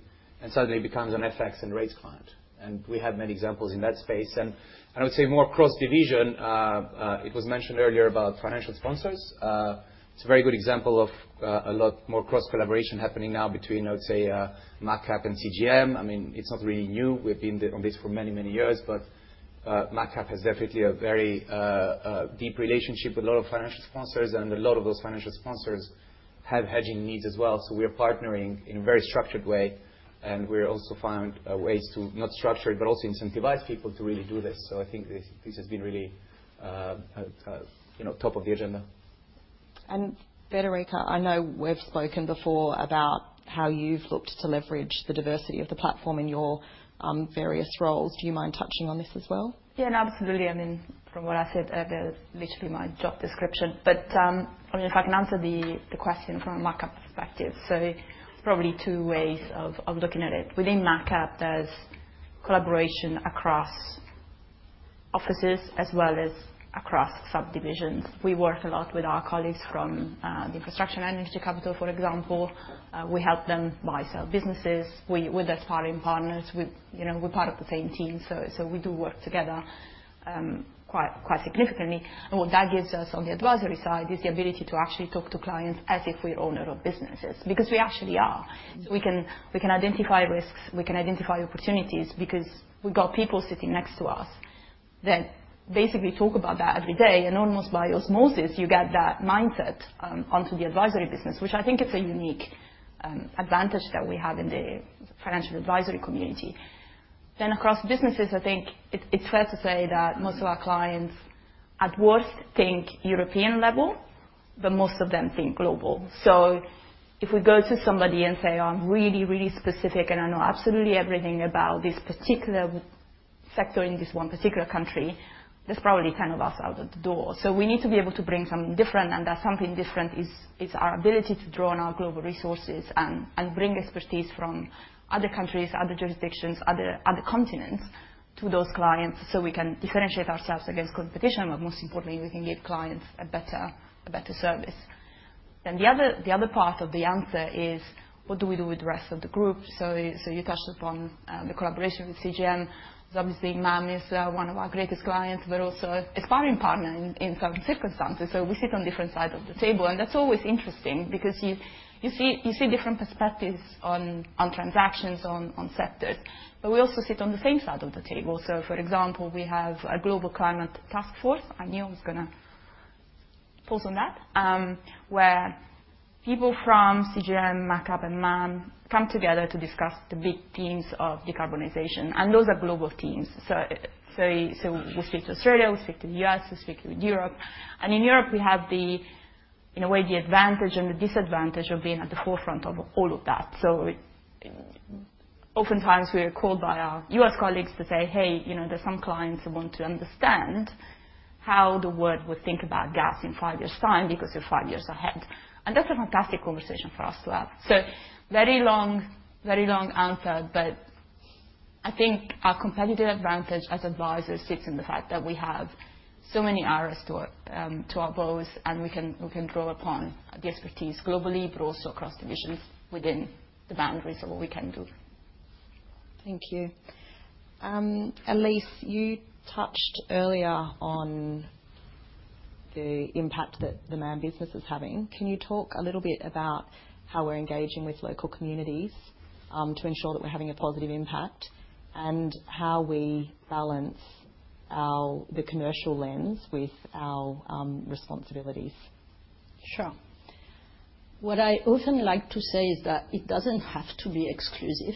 Suddenly it becomes an FX and rates client. We have many examples in that space. I would say more cross-division. It was mentioned earlier about financial sponsors. It's a very good example of a lot more cross-collaboration happening now between, I would say, MacCap and CGM. I mean, it's not really new. We've been on this for many, many years. MacCap has definitely a very deep relationship with a lot of financial sponsors. A lot of those financial sponsors have hedging needs as well. We are partnering in a very structured way. We also find ways to not structure it, but also incentivize people to really do this. I think this has been really top of the agenda. Federica, I know we've spoken before about how you've looked to leverage the diversity of the platform in your various roles. Do you mind touching on this as well? Yeah, absolutely. I mean, from what I said earlier, it's literally my job description. I mean, if I can answer the question from a MacCap perspective, probably two ways of looking at it. Within MacCap, there's collaboration across offices as well as across subdivisions. We work a lot with our colleagues from the infrastructure and energy capital, for example. We help them buy sale businesses. We're their starting partners. We're part of the same team. We do work together quite significantly. What that gives us on the advisory side is the ability to actually talk to clients as if we're owner of businesses because we actually are. We can identify risks. We can identify opportunities because we've got people sitting next to us that basically talk about that every day. Almost by osmosis, you get that mindset onto the advisory business, which I think is a unique advantage that we have in the financial advisory community. Across businesses, I think it's fair to say that most of our clients at worst think European level, but most of them think global. If we go to somebody and say, "I'm really, really specific, and I know absolutely everything about this particular sector in this one particular country," there's probably 10 of us out of the door. We need to be able to bring something different. That something different is our ability to draw on our global resources and bring expertise from other countries, other jurisdictions, other continents to those clients so we can differentiate ourselves against competition. Most importantly, we can give clients a better service. The other part of the answer is, what do we do with the rest of the group? You touched upon the collaboration with CGM. Obviously, MAM is one of our greatest clients, but also aspiring partner in certain circumstances. We sit on different sides of the table. That is always interesting because you see different perspectives on transactions, on sectors. We also sit on the same side of the table. For example, we have a global climate task force. I knew I was going to pause on that, where people from CGM, MacCap, and MAM come together to discuss the big themes of decarbonization. Those are global teams. We speak to Australia. We speak to the U.S. We speak with Europe. In Europe, we have, in a way, the advantage and the disadvantage of being at the forefront of all of that. Oftentimes, we are called by our U.S. colleagues to say, "Hey, there are some clients who want to understand how the world will think about gas in five years' time because we're five years ahead." That's a fantastic conversation for us to have. Very long answer, but I think our competitive advantage as advisors sits in the fact that we have so many arrows to our bows, and we can draw upon the expertise globally, but also across divisions within the boundaries of what we can do. Thank you. Elise, you touched earlier on the impact that the MAM business is having. Can you talk a little bit about how we're engaging with local communities to ensure that we're having a positive impact and how we balance the commercial lens with our responsibilities? Sure. What I often like to say is that it doesn't have to be exclusive.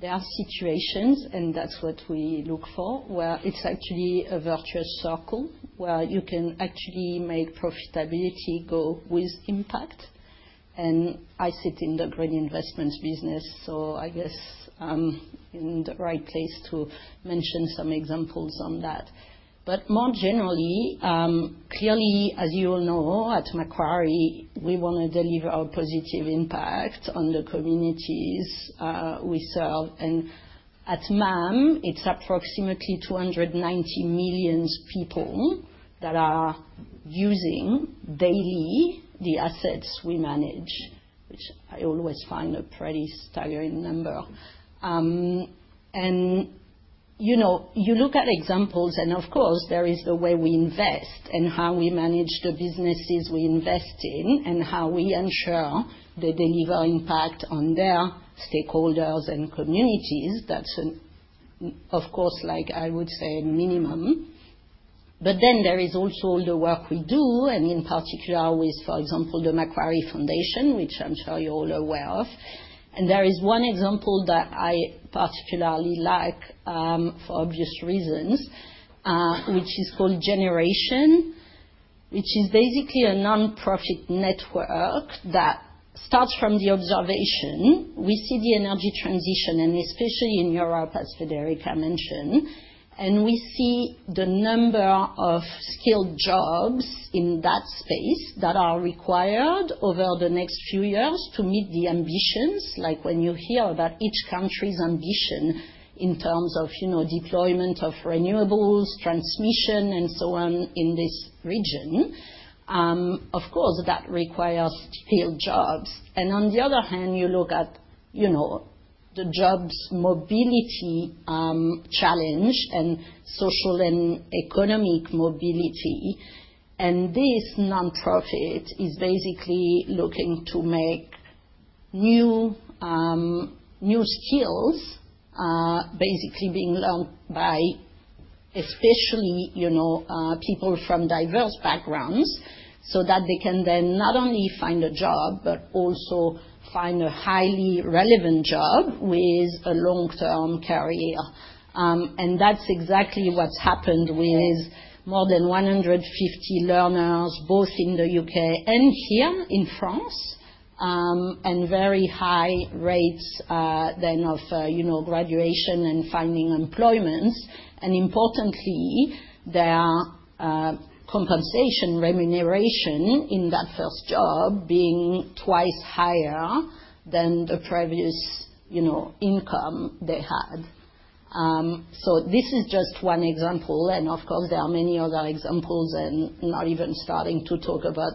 There are situations, and that's what we look for, where it's actually a virtuous circle where you can actually make profitability go with impact. I sit in the green investments business, so I guess I'm in the right place to mention some examples on that. More generally, clearly, as you all know, at Macquarie, we want to deliver a positive impact on the communities we serve. At MAM, it's approximately 290 million people that are using daily the assets we manage, which I always find a pretty staggering number. You look at examples, and of course, there is the way we invest and how we manage the businesses we invest in and how we ensure they deliver impact on their stakeholders and communities. That's, of course, like I would say, minimum. There is also the work we do, and in particular with, for example, the Macquarie Foundation, which I'm sure you're all aware of. There is one example that I particularly like for obvious reasons, which is called Generation, which is basically a nonprofit network that starts from the observation. We see the energy transition, and especially in Europe, as Federica mentioned. We see the number of skilled jobs in that space that are required over the next few years to meet the ambitions. Like when you hear about each country's ambition in terms of deployment of renewables, transmission, and so on in this region, of course, that requires skilled jobs. On the other hand, you look at the jobs mobility challenge and social and economic mobility. This nonprofit is basically looking to make new skills basically being learned by especially people from diverse backgrounds so that they can then not only find a job, but also find a highly relevant job with a long-term career. That is exactly what has happened with more than 150 learners, both in the U.K. and here in France, and very high rates then of graduation and finding employment. Importantly, their compensation remuneration in that first job being twice higher than the previous income they had. This is just one example. Of course, there are many other examples and not even starting to talk about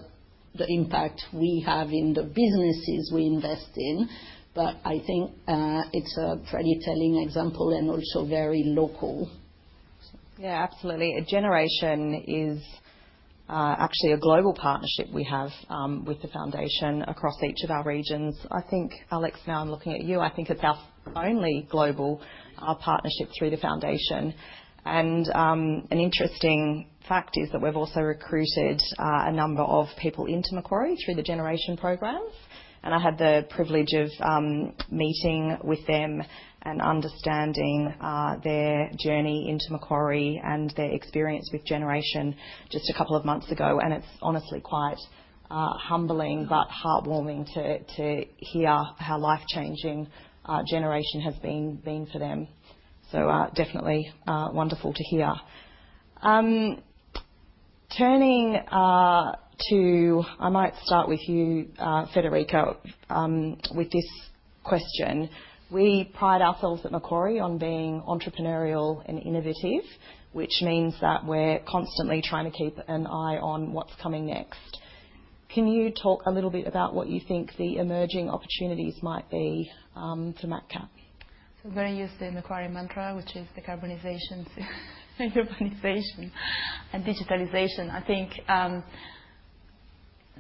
the impact we have in the businesses we invest in. I think it is a pretty telling example and also very local. Yeah, absolutely. Generation is actually a global partnership we have with the foundation across each of our regions. I think, Alex, now I am looking at you. I think it is our only global partnership through the foundation. An interesting fact is that we have also recruited a number of people into Macquarie through the Generation programs. I had the privilege of meeting with them and understanding their journey into Macquarie and their experience with Generation just a couple of months ago. It is honestly quite humbling but heartwarming to hear how life-changing Generation has been for them. Definitely wonderful to hear. Turning to, I might start with you, Federica, with this question. We pride ourselves at Macquarie on being entrepreneurial and innovative, which means that we are constantly trying to keep an eye on what is coming next. Can you talk a little bit about what you think the emerging opportunities might be for MacCap? Very used to the Macquarie mantra, which is decarbonization, urbanization, and digitalization. I think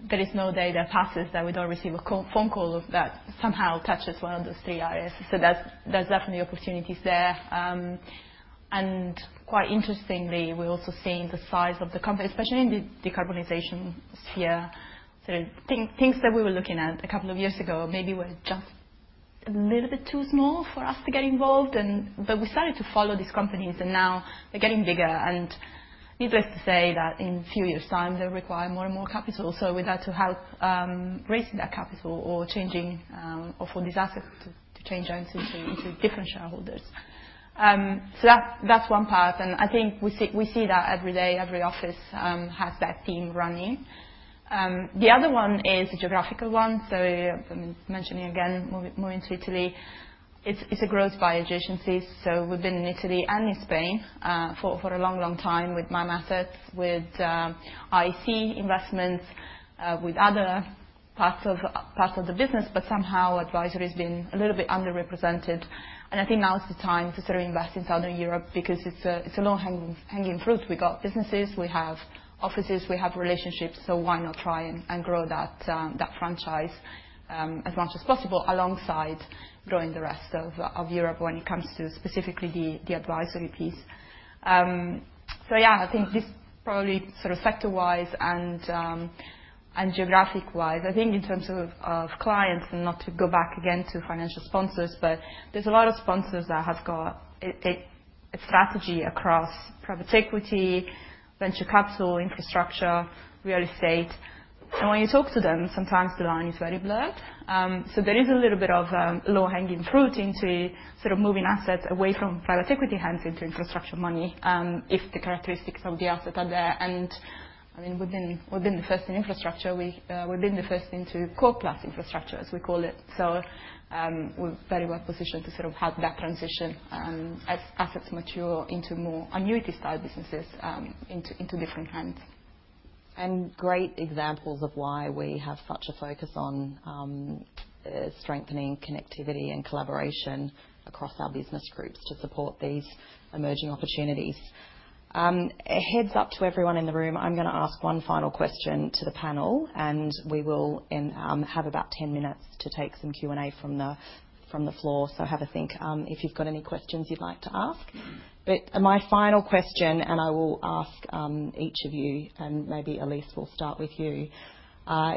there is no day that passes that we do not receive a phone call that somehow touches one of those three areas. There are definitely opportunities there. Quite interestingly, we're also seeing the size of the company, especially in the decarbonization sphere. Things that we were looking at a couple of years ago maybe were just a little bit too small for us to get involved. We started to follow these companies, and now they're getting bigger. Needless to say that in a few years' time, they'll require more and more capital. We'd like to help raise that capital or for this asset to change into different shareholders. That's one path. I think we see that every day, every office has that theme running. The other one is a geographical one. Mentioning again, moving to Italy, it's a growth by agencies. We've been in Italy and in Spain for a long, long time with MAM assets, with IC investments, with other parts of the business. Somehow advisory has been a little bit underrepresented. I think now is the time to sort of invest in Southern Europe because it's a low-hanging fruit. We've got businesses. We have offices. We have relationships. Why not try and grow that franchise as much as possible alongside growing the rest of Europe when it comes to specifically the advisory piece? Yeah, I think this probably sort of sector-wise and geographic-wise, I think in terms of clients, and not to go back again to financial sponsors, but there's a lot of sponsors that have got a strategy across private equity, venture capital, infrastructure, real estate. When you talk to them, sometimes the line is very blurred. There is a little bit of low-hanging fruit into sort of moving assets away from private equity hands into infrastructure money if the characteristics of the asset are there. I mean, we've been the first in infrastructure. We've been the first into core plus infrastructure, as we call it. We are very well positioned to sort of help that transition as assets mature into more annuity-style businesses into different hands. Great examples of why we have such a focus on strengthening connectivity and collaboration across our business groups to support these emerging opportunities. Heads up to everyone in the room. I'm going to ask one final question to the panel, and we will have about 10 minutes to take some Q&A from the floor. Have a think if you've got any questions you'd like to ask. My final question, and I will ask each of you, and maybe Elise will start with you,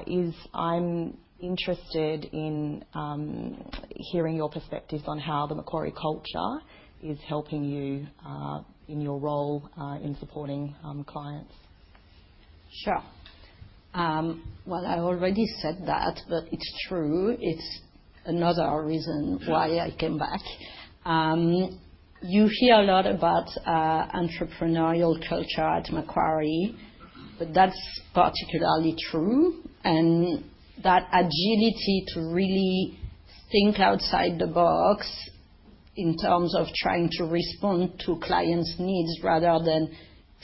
is I'm interested in hearing your perspectives on how the Macquarie culture is helping you in your role in supporting clients. Sure. I already said that, but it's true. It's another reason why I came back. You hear a lot about entrepreneurial culture at Macquarie, but that's particularly true. That agility to really think outside the box in terms of trying to respond to clients' needs rather than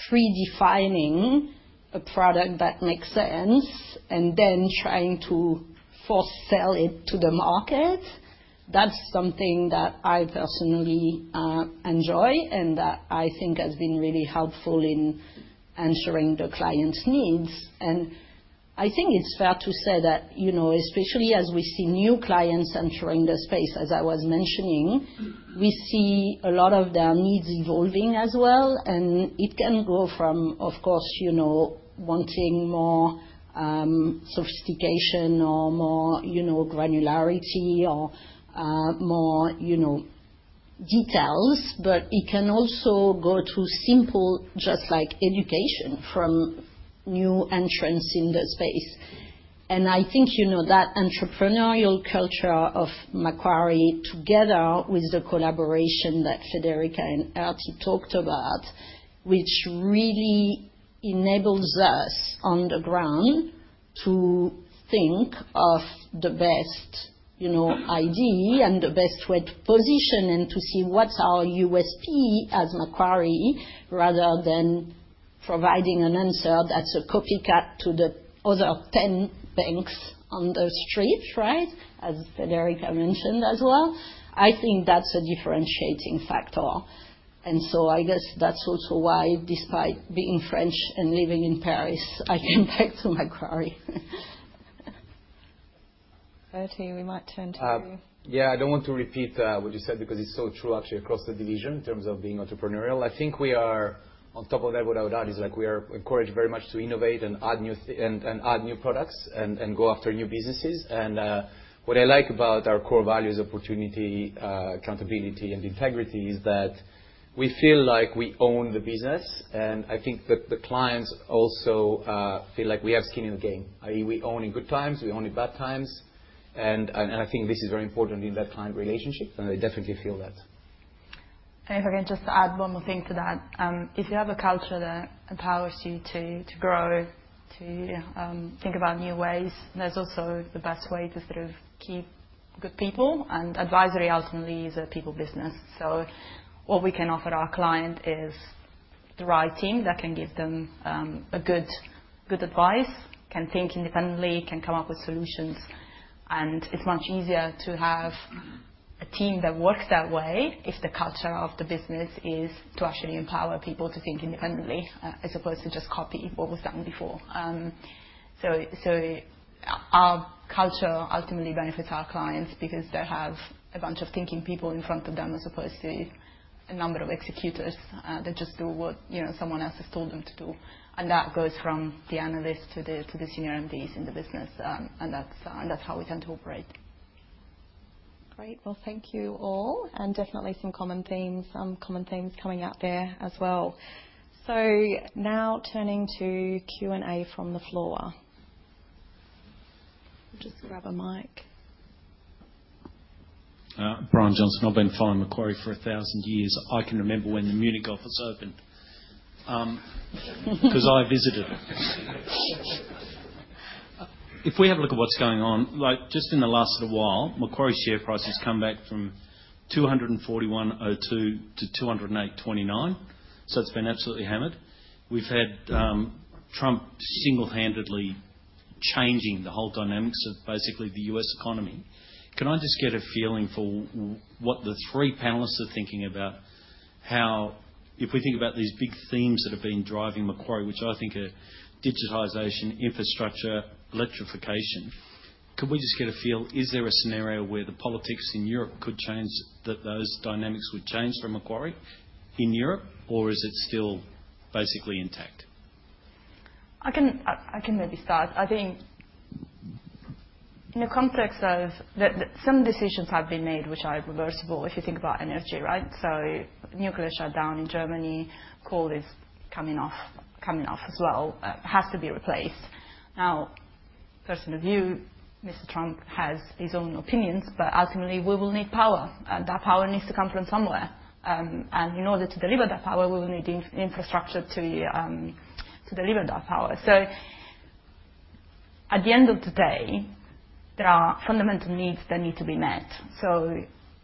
pre-defining a product that makes sense and then trying to force sell it to the market, that's something that I personally enjoy and that I think has been really helpful in answering the client's needs. I think it's fair to say that, especially as we see new clients entering the space, as I was mentioning, we see a lot of their needs evolving as well. It can go from, of course, wanting more sophistication or more granularity or more details, but it can also go to simple, just like education from new entrants in the space. I think that entrepreneurial culture of Macquarie, together with the collaboration that Federica and Erti talked about, which really enables us on the ground to think of the best idea and the best way to position and to see what's our USP as Macquarie, rather than providing an answer that's a copycat to the other 10 banks on the street, right, as Federica mentioned as well. I think that's a differentiating factor. I guess that's also why, despite being French and living in Paris, I came back to Macquarie. Artie, we might turn to you. Yeah, I don't want to repeat what you said because it's so true, actually, across the division in terms of being entrepreneurial. I think we are on top of that without doubt. It's like we are encouraged very much to innovate and add new products and go after new businesses. What I like about our core values, opportunity, accountability, and integrity is that we feel like we own the business. I think that the clients also feel like we have skin in the game. We own in good times. We own in bad times. I think this is very important in that client relationship. I definitely feel that. If I can just add one more thing to that, if you have a culture that empowers you to grow, to think about new ways, there's also the best way to sort of keep good people. Advisory, ultimately, is a people business. What we can offer our client is the right team that can give them good advice, can think independently, can come up with solutions. It is much easier to have a team that works that way if the culture of the business is to actually empower people to think independently as opposed to just copy what was done before. Our culture ultimately benefits our clients because they have a bunch of thinking people in front of them as opposed to a number of executors that just do what someone else has told them to do. That goes from the analyst to the senior MDs in the business. That is how we tend to operate. Great. Thank you all. Definitely some common themes coming out there as well. Now turning to Q&A from the floor. We will just grab a mic. Brian Johnson. I have been following Macquarie for 1,000 years. I can remember when the Munich office opened because I visited. If we have a look at what's going on, just in the last little while, Macquarie's share price has come back from $241.02 to $208.29. So it's been absolutely hammered. We've had Trump single-handedly changing the whole dynamics of basically the U.S. economy. Can I just get a feeling for what the three panelists are thinking about? If we think about these big themes that have been driving Macquarie, which I think are digitization, infrastructure, electrification, could we just get a feel? Is there a scenario where the politics in Europe could change that those dynamics would change for Macquarie in Europe, or is it still basically intact? I can maybe start. I think in the context of some decisions have been made, which are reversible if you think about energy, right? So nuclear shutdown in Germany, coal is coming off as well, has to be replaced. Now, person of view, Mr. Trump has his own opinions, but ultimately, we will need power. That power needs to come from somewhere. In order to deliver that power, we will need infrastructure to deliver that power. At the end of the day, there are fundamental needs that need to be met.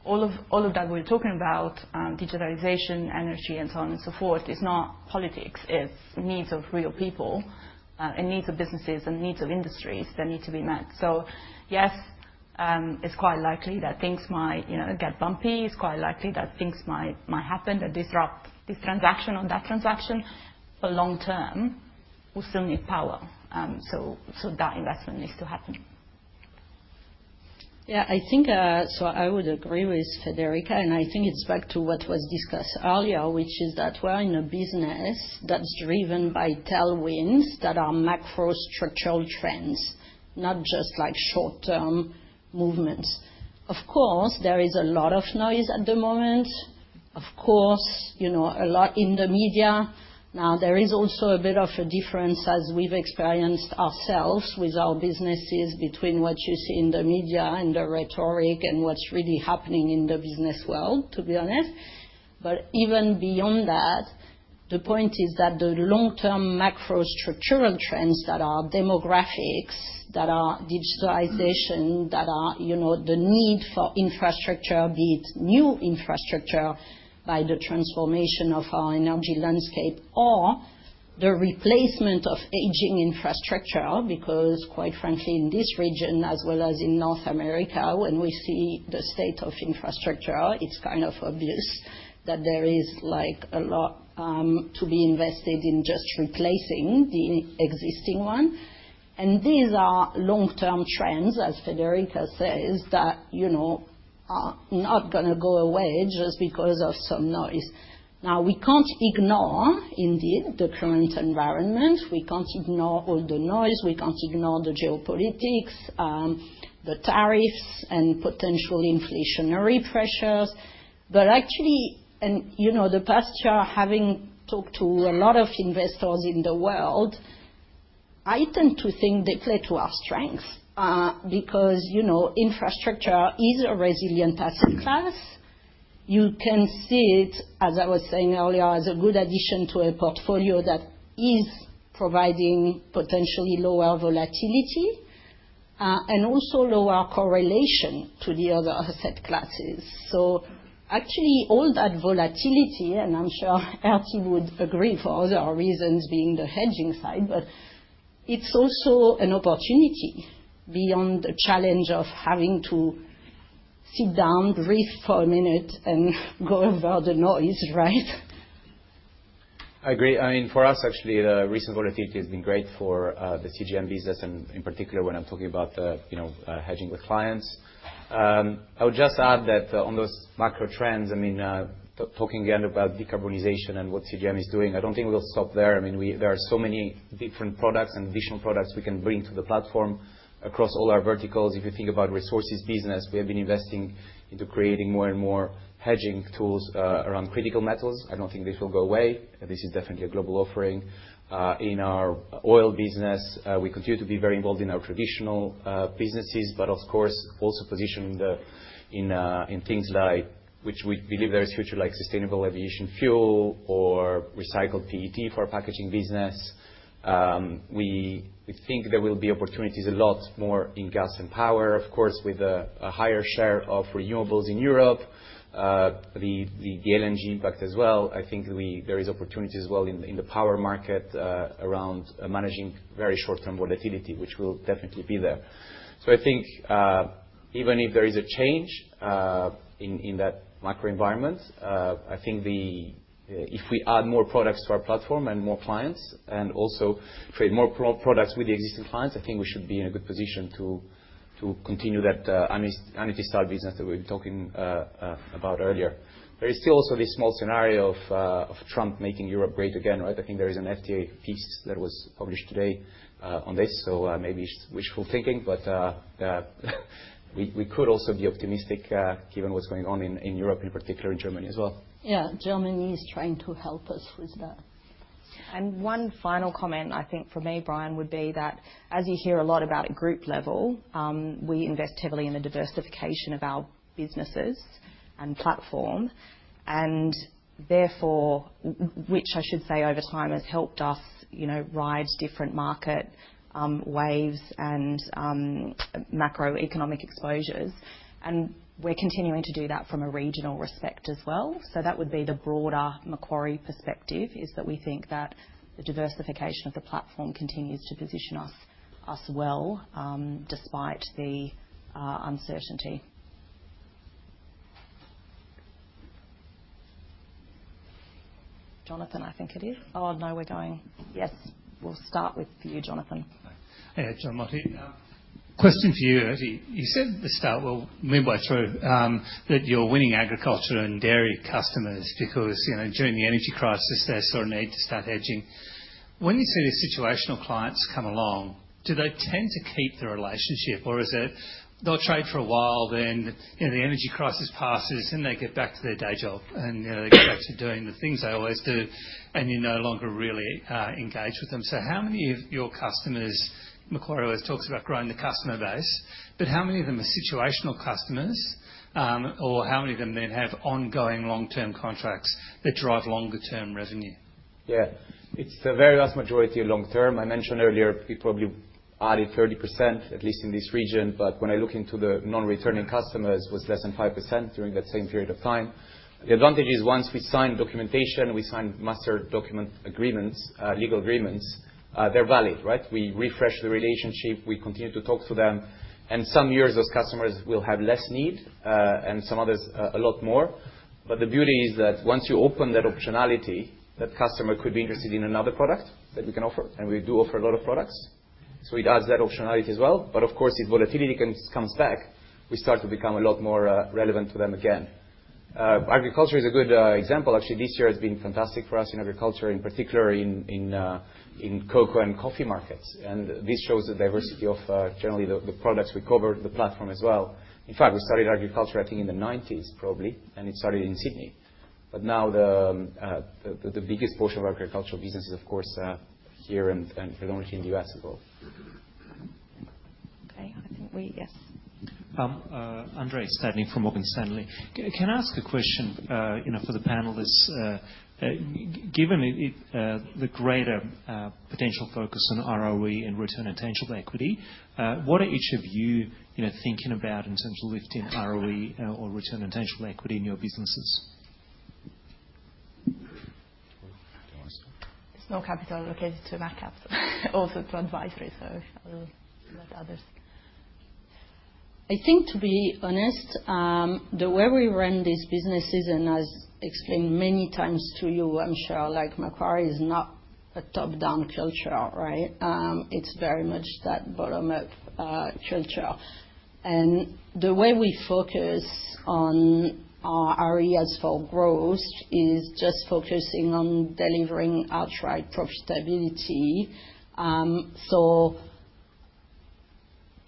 All of that we're talking about, digitalization, energy, and so on and so forth, is not politics. It's needs of real people and needs of businesses and needs of industries that need to be met. Yes, it's quite likely that things might get bumpy. It's quite likely that things might happen that disrupt this transaction or that transaction. Long term, we still need power. That investment needs to happen. Yeah, I think so I would agree with Federica. I think it's back to what was discussed earlier, which is that we're in a business that's driven by tailwinds that are macro structural trends, not just short-term movements. Of course, there is a lot of noise at the moment. Of course, a lot in the media. Now, there is also a bit of a difference, as we've experienced ourselves with our businesses, between what you see in the media and the rhetoric and what's really happening in the business world, to be honest. Even beyond that, the point is that the long-term macro structural trends that are demographics, that are digitalization, that are the need for infrastructure, be it new infrastructure by the transformation of our energy landscape or the replacement of aging infrastructure, because quite frankly, in this region, as well as in North America, when we see the state of infrastructure, it's kind of obvious that there is a lot to be invested in just replacing the existing one. These are long-term trends, as Federica says, that are not going to go away just because of some noise. Now, we can't ignore, indeed, the current environment. We can't ignore all the noise. We can't ignore the geopolitics, the tariffs, and potential inflationary pressures. Actually, in the past year, having talked to a lot of investors in the world, I tend to think they play to our strengths because infrastructure is a resilient asset class. You can see it, as I was saying earlier, as a good addition to a portfolio that is providing potentially lower volatility and also lower correlation to the other asset classes. Actually, all that volatility, and I'm sure Ertie would agree for other reasons, being the hedging side, but it's also an opportunity beyond the challenge of having to sit down, breathe for a minute, and go over the noise, right? I agree. I mean, for us, actually, the recent volatility has been great for the CGM business, and in particular, when I'm talking about hedging with clients. I would just add that on those macro trends, I mean, talking again about decarbonization and what CGM is doing, I do not think we will stop there. I mean, there are so many different products and additional products we can bring to the platform across all our verticals. If you think about resources business, we have been investing into creating more and more hedging tools around critical metals. I do not think this will go away. This is definitely a global offering. In our oil business, we continue to be very involved in our traditional businesses, but of course, also positioned in things like which we believe there is future, like sustainable aviation fuel or recycled PET for our packaging business. We think there will be opportunities a lot more in gas and power, of course, with a higher share of renewables in Europe, the LNG impact as well. I think there is opportunity as well in the power market around managing very short-term volatility, which will definitely be there. I think even if there is a change in that macro environment, I think if we add more products to our platform and more clients and also create more products with the existing clients, I think we should be in a good position to continue that annuity-style business that we've been talking about earlier. There is still also this small scenario of Trump making Europe great again, right? I think there is an FTA piece that was published today on this, so maybe it's wishful thinking, but we could also be optimistic given what's going on in Europe, in particular, in Germany as well. Yeah, Germany is trying to help us with that. One final comment, I think for me, Brian, would be that as you hear a lot about at group level, we invest heavily in the diversification of our businesses and platform, which I should say over time has helped us ride different market waves and macroeconomic exposures. We are continuing to do that from a regional respect as well. That would be the broader Macquarie perspective, that we think the diversification of the platform continues to position us well despite the uncertainty. Jonathan, I think it is. Oh, no, we are going. Yes, we will start with you, Jonathan. Hey, Jon Martin. Question for you, Artie. You said at the start, meanwhile, through that you are winning agriculture and dairy customers because during the energy crisis, they sort of need to start hedging. When you see these situational clients come along, do they tend to keep the relationship, or is it they'll trade for a while, then the energy crisis passes, and they get back to their day job, and they get back to doing the things they always do, and you no longer really engage with them? How many of your customers, Macquarie always talks about growing the customer base, but how many of them are situational customers, or how many of them then have ongoing long-term contracts that drive longer-term revenue? Yeah, it's the very vast majority of long-term. I mentioned earlier we probably added 30%, at least in this region, but when I look into the non-returning customers, it was less than 5% during that same period of time. The advantage is once we sign documentation, we sign master document agreements, legal agreements, they're valid, right? We refresh the relationship. We continue to talk to them. Some years, those customers will have less need and some others a lot more. The beauty is that once you open that optionality, that customer could be interested in another product that we can offer. We do offer a lot of products. We add that optionality as well. Of course, if volatility comes back, we start to become a lot more relevant to them again. Agriculture is a good example. Actually, this year has been fantastic for us in agriculture, in particular in cocoa and coffee markets. This shows the diversity of generally the products we cover the platform as well. In fact, we started agriculture, I think, in the 1990s, probably, and it started in Sydney. Now the biggest portion of agricultural business is, of course, here and predominantly in the U.S. as well. Okay, I think we yes. Andrei Steadling from Morgan Stanley. Can I ask a question for the panelists? Given the greater potential focus on ROE and return on tangible equity, what are each of you thinking about in terms of lifting ROE or return on tangible equity in your businesses? There is no capital allocated to MacCap, also to advisory, so I will let others. I think, to be honest, the way we run these businesses, and as explained many times to you, I'm sure, like Macquarie, is not a top-down culture, right? It is very much that bottom-up culture. The way we focus on our areas for growth is just focusing on delivering outright profitability.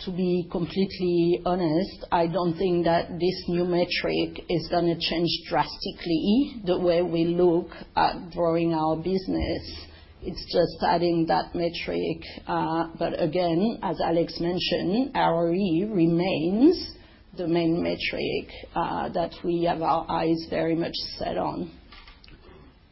To be completely honest, I don't think that this new metric is going to change drastically the way we look at growing our business. It's just adding that metric. Again, as Alex mentioned, ROE remains the main metric that we have our eyes very much set on.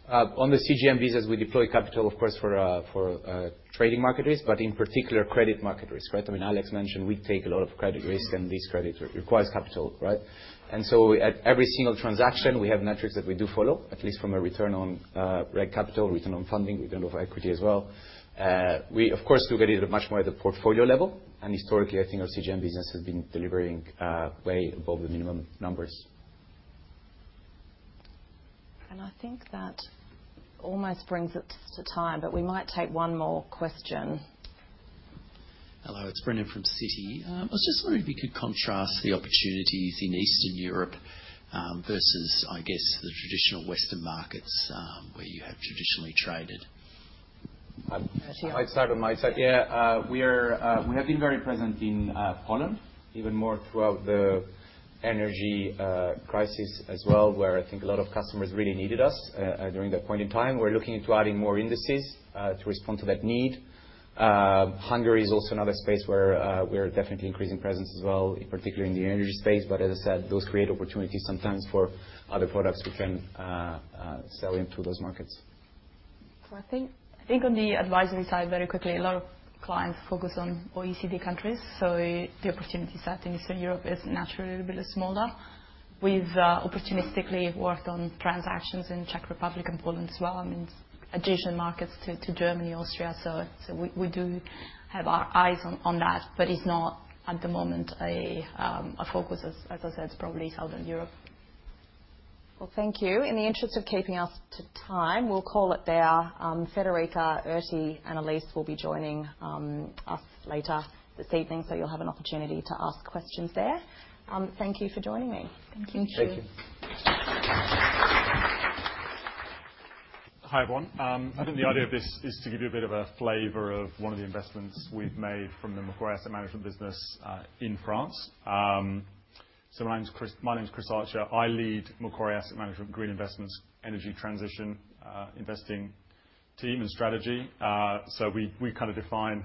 On the CGM visas, we deploy capital, of course, for trading market risk, but in particular, credit market risk, right? I mean, Alex mentioned we take a lot of credit risk, and this credit requires capital, right? At every single transaction, we have metrics that we do follow, at least from a return on reg capital, return on funding, return of equity as well. We, of course, look at it much more at the portfolio level. Historically, I think our CGM business has been delivering way above the minimum numbers. I think that almost brings us to time, but we might take one more question. Hello, it's Brendan from Citi. I was just wondering if you could contrast the opportunities in Eastern Europe versus, I guess, the traditional Western markets where you have traditionally traded. I'll start with my side. Yeah, we have been very present in Poland, even more throughout the energy crisis as well, where I think a lot of customers really needed us during that point in time. We're looking into adding more indices to respond to that need. Hungary is also another space where we're definitely increasing presence as well, particularly in the energy space. As I said, those create opportunities sometimes for other products we can sell into those markets. I think on the advisory side, very quickly, a lot of clients focus on OECD countries. The opportunity set in Eastern Europe is naturally a little bit smaller. We've opportunistically worked on transactions in Czech Republic and Poland as well, I mean, adjacent markets to Germany, Austria. We do have our eyes on that, but it's not at the moment a focus, as I said, probably Southern Europe. Thank you. In the interest of keeping us to time, we'll call it there. Federica, Artie, and Elise will be joining us later this evening, so you'll have an opportunity to ask questions there. Thank you for joining me. Thank you. Thank you. Hi, everyone. I think the idea of this is to give you a bit of a flavor of one of the investments we've made from the Macquarie Asset Management business in France. My name's Chris Archer. I lead Macquarie Asset Management Green Investments energy transition investing team and strategy. We kind of define,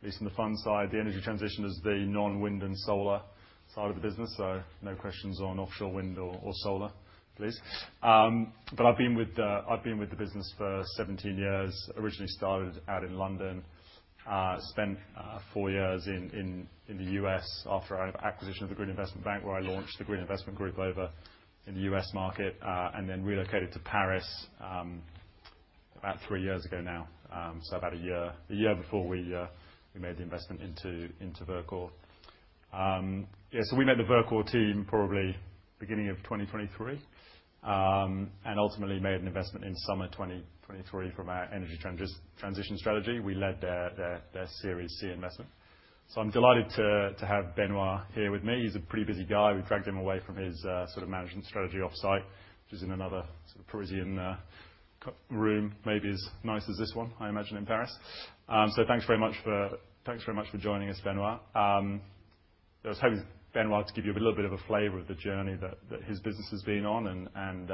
at least on the fund side, the energy transition as the non-wind and solar side of the business. No questions on offshore wind or solar, please. I have been with the business for 17 years. Originally started out in London, spent four years in the U.S. after acquisition of the Green Investment Bank, where I launched the Green Investment Group over in the U.S. market, and then relocated to Paris about three years ago now, so about a year before we made the investment into Verkor. We met the Verkor team probably beginning of 2023 and ultimately made an investment in summer 2023 from our energy transition strategy. We led their Series C investment. I am delighted to have Benoit here with me. He is a pretty busy guy. We dragged him away from his sort of management strategy offsite, which is in another sort of Parisian room, maybe as nice as this one, I imagine, in Paris. Thanks very much for joining us, Benoit. I was hoping Benoit could give you a little bit of a flavor of the journey that his business has been on and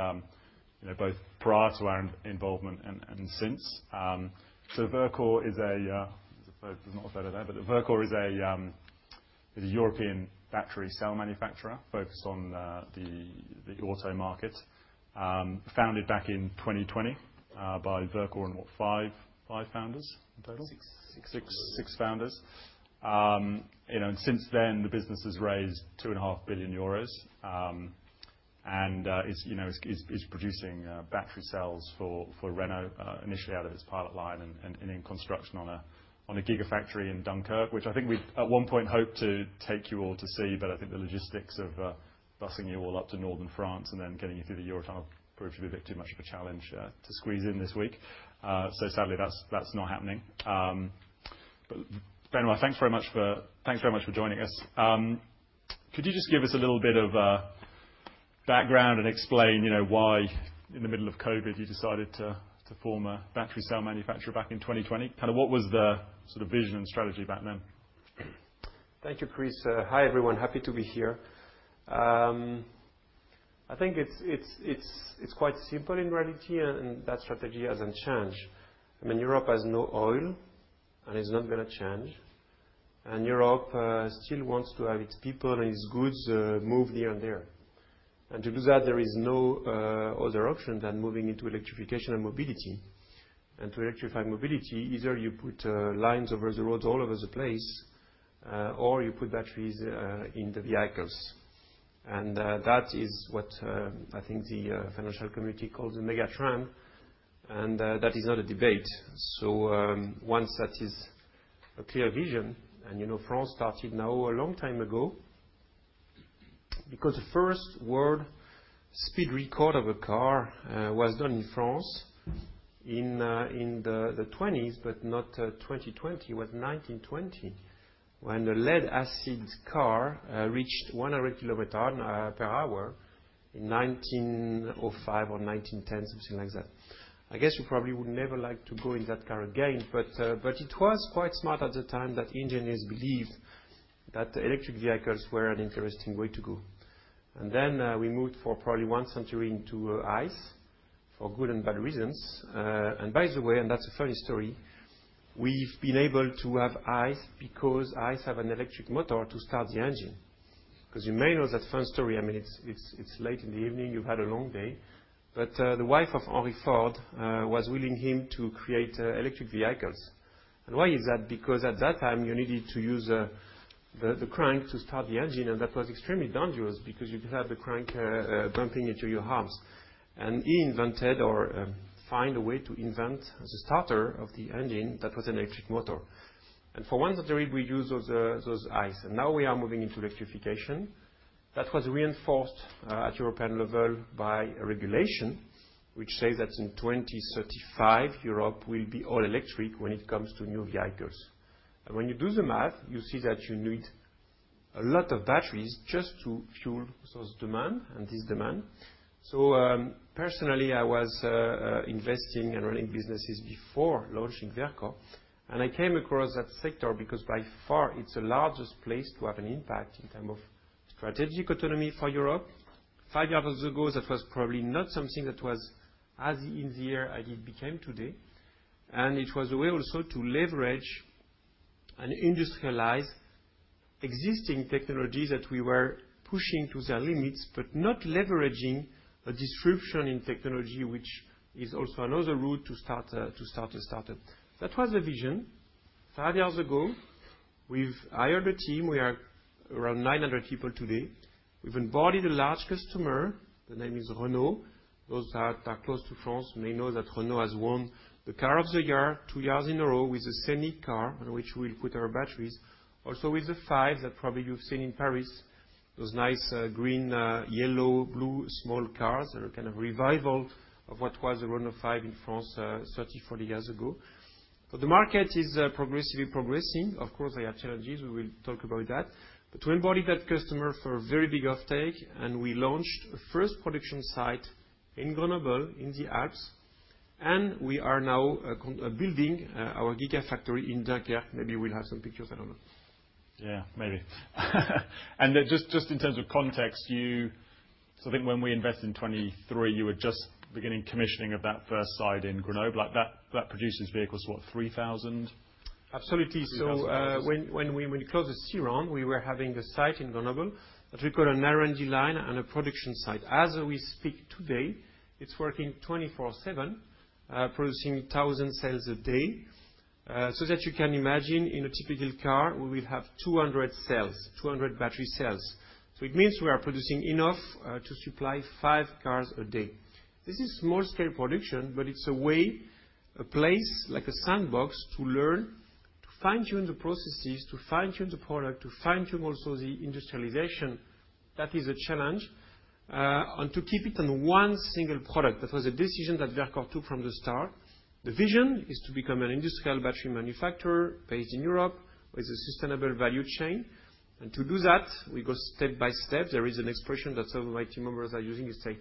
both prior to our involvement and since. Verkor is a—there's not a photo there, but Verkor is a European battery cell manufacturer focused on the auto market, founded back in 2020 by Verkor and what, five founders in total? Six. Six founders. Since then, the business has raised 2.5 billion euros and is producing battery cells for Renault, initially out of its pilot line and in construction on a gigafactory in Dunkirk, which I think we at one point hoped to take you all to see, but I think the logistics of busing you all up to northern France and then getting you through the Eurotunnel proved to be a bit too much of a challenge to squeeze in this week. Sadly, that's not happening. Benoit, thanks very much for joining us. Could you just give us a little bit of background and explain why, in the middle of COVID, you decided to form a battery cell manufacturer back in 2020? Kind of what was the sort of vision and strategy back then? Thank you, Chris. Hi, everyone. Happy to be here. I think it's quite simple in reality and that strategy hasn't changed. I mean, Europe has no oil and is not going to change. Europe still wants to have its people and its goods moved here and there. To do that, there is no other option than moving into electrification and mobility. To electrify mobility, either you put lines over the roads all over the place or you put batteries in the vehicles. That is what I think the financial community calls a megatrend. That is not a debate. Once that is a clear vision, and France started now a long time ago, because the first world speed record of a car was done in France in the 1920s, but not 2020. It was 1920 when the lead-acid car reached 100 kilometers per hour in 1905 or 1910, something like that. I guess you probably would never like to go in that car again, but it was quite smart at the time that engineers believed that electric vehicles were an interesting way to go. We moved for probably one century into ice for good and bad reasons. By the way, and that's a funny story, we've been able to have ice because ice has an electric motor to start the engine. You may know that fun story, I mean, it's late in the evening, you've had a long day, but the wife of Henry Ford was willing him to create electric vehicles. Why is that? At that time, you needed to use the crank to start the engine, and that was extremely dangerous because you could have the crank bumping into your arms. He invented or found a way to invent the starter of the engine that was an electric motor. For one century, we used those ICE. Now we are moving into electrification. That was reinforced at European level by regulation, which says that in 2035, Europe will be all electric when it comes to new vehicles. When you do the math, you see that you need a lot of batteries just to fuel those demands and this demand. Personally, I was investing and running businesses before launching Verkor, and I came across that sector because by far, it is the largest place to have an impact in terms of strategic autonomy for Europe. Five years ago, that was probably not something that was as easy as it became today. It was a way also to leverage and industrialize existing technologies that we were pushing to their limits, but not leveraging a disruption in technology, which is also another route to start a startup. That was the vision. Five years ago, we've hired a team. We are around 900 people today. We've embodied a large customer. The name is Renault. Those that are close to France may know that Renault has won the Car of the Year two years in a row with a Semi car, on which we'll put our batteries. Also with the Five that probably you've seen in Paris, those nice green, yellow, blue small cars are a kind of revival of what was the Renault 5 in France 30, 40 years ago. The market is progressively progressing. Of course, there are challenges. We will talk about that. To embody that customer for a very big offtake, we launched a first production site in Grenoble in the Alps. We are now building our gigafactory in Dunkirk. Maybe we'll have some pictures. I don't know. Yeah, maybe. Just in terms of context, I think when we invested in 2023, you were just beginning commissioning of that first site in Grenoble. That produces vehicles, what, 3,000? Absolutely. When we closed the C-Round, we were having the site in Grenoble that we called an R&D line and a production site. As we speak today, it's working 24/7, producing 1,000 cells a day. You can imagine, in a typical car, we will have 200 cells, 200 battery cells. It means we are producing enough to supply five cars a day. This is small-scale production, but it's a way, a place like a sandbox to learn, to fine-tune the processes, to fine-tune the product, to fine-tune also the industrialization. That is a challenge. To keep it on one single product, that was a decision that Verkor took from the start. The vision is to become an industrial battery manufacturer based in Europe with a sustainable value chain. To do that, we go step by step. There is an expression that some of my team members are using. It's a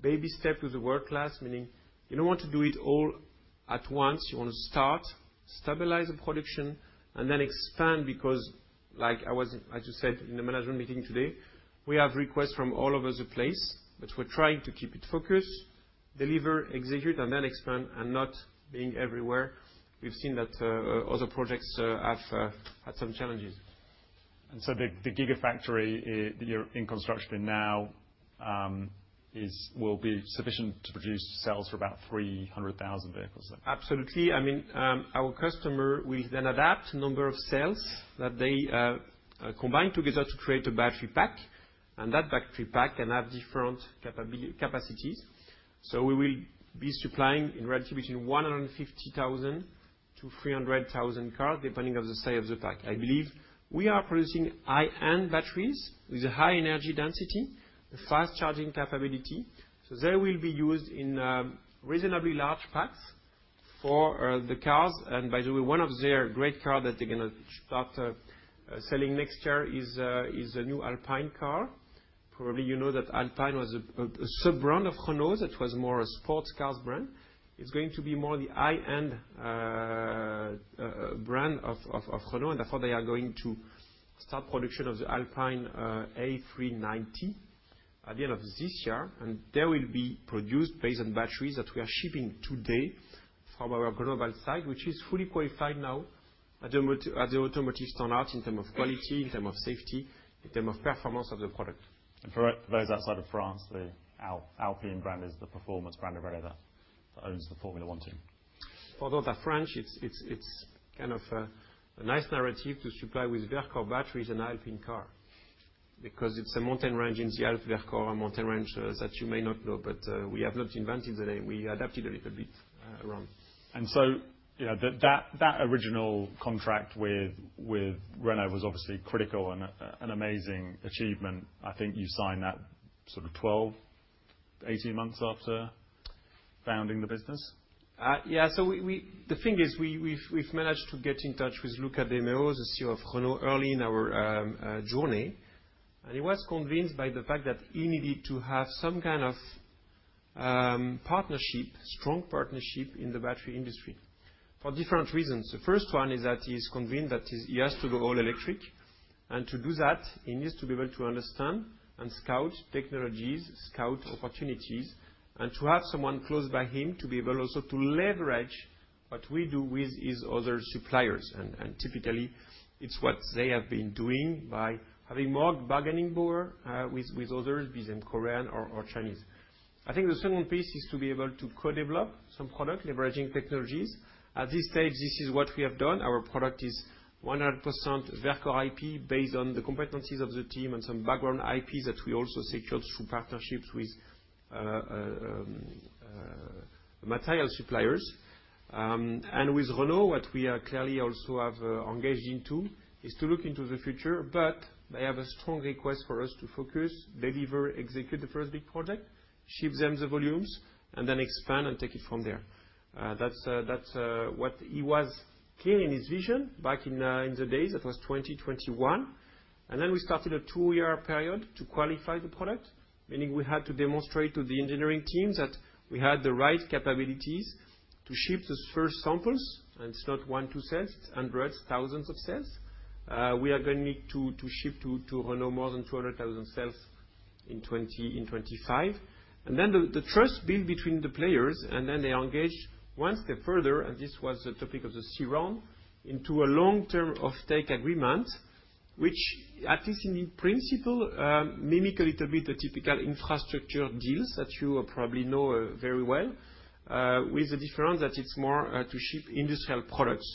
baby step to the world class, meaning you don't want to do it all at once. You want to start, stabilize the production, and then expand because, like I was, as you said, in the management meeting today, we have requests from all over the place, but we're trying to keep it focused, deliver, execute, and then expand and not being everywhere. We've seen that other projects have had some challenges. The gigafactory that you're in construction in now will be sufficient to produce cells for about 300,000 vehicles? Absolutely. I mean, our customer will then adapt a number of cells that they combine together to create a battery pack. That battery pack can have different capacities. We will be supplying in reality between 150,000 and 300,000 cars depending on the size of the pack. I believe we are producing high-end batteries with a high energy density, fast charging capability. They will be used in reasonably large packs for the cars. By the way, one of their great cars that they're going to start selling next year is a new Alpine car. Probably you know that Alpine was a sub-brand of Renault that was more a sports cars brand. It is going to be more the high-end brand of Renault. Therefore, they are going to start production of the Alpine A390 at the end of this year. They will be produced based on batteries that we are shipping today from our Grenoble site, which is fully qualified now at the automotive standards in terms of quality, in terms of safety, in terms of performance of the product. For those outside of France, the Alpine brand is the performance brand of Renault that owns the Formula 1 team. For those in France, it's kind of a nice narrative to supply with Verkor batteries and Alpine car because it's a mountain range in the Alps, Verkor, a mountain range that you may not know, but we have not invented the name. We adapted a little bit around. That original contract with Renault was obviously critical and an amazing achievement. I think you signed that sort of 12, 18 months after founding the business. Yeah. The thing is we've managed to get in touch with Luca de Meo, the CEO of Renault, early in our journey. He was convinced by the fact that he needed to have some kind of partnership, strong partnership in the battery industry for different reasons. The first one is that he is convinced that he has to go all electric. To do that, he needs to be able to understand and scout technologies, scout opportunities, and to have someone close by him to be able also to leverage what we do with his other suppliers. Typically, it's what they have been doing by having more bargaining power with others, be them Korean or Chinese. I think the second piece is to be able to co-develop some product leveraging technologies. At this stage, this is what we have done. Our product is 100% Verkor IP based on the competencies of the team and some background IPs that we also secured through partnerships with material suppliers. With Renault, what we clearly also have engaged into is to look into the future, but they have a strong request for us to focus, deliver, execute the first big project, ship them the volumes, and then expand and take it from there. That is what he was clear in his vision back in the days. That was 2021. We started a two-year period to qualify the product, meaning we had to demonstrate to the engineering team that we had the right capabilities to ship the first samples. It is not one, two cells. It is hundreds, thousands of cells. We are going to need to ship to Renault more than 200,000 cells in 2025. Then the trust built between the players, and then they engaged one step further, and this was the topic of the C-Round, into a long-term offtake agreement, which, at least in principle, mimics a little bit the typical infrastructure deals that you probably know very well, with the difference that it is more to ship industrial products.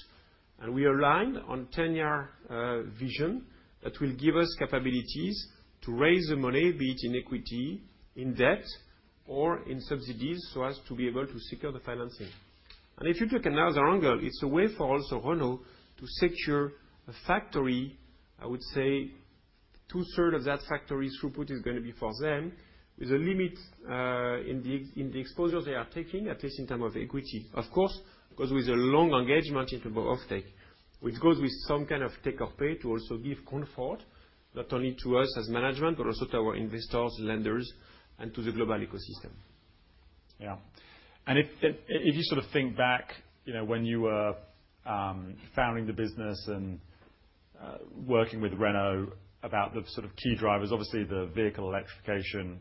We aligned on a 10-year vision that will give us capabilities to raise the money, be it in equity, in debt, or in subsidies, so as to be able to secure the financing. If you take another angle, it is a way for also Renault to secure a factory. I would say two-thirds of that factory throughput is going to be for them with a limit in the exposure they are taking, at least in terms of equity. Of course, it goes with a long engagement into the offtake, which goes with some kind of take-or-pay to also give comfort, not only to us as management, but also to our investors, lenders, and to the global ecosystem. Yeah. If you sort of think back when you were founding the business and working with Renault about the sort of key drivers, obviously the vehicle electrification,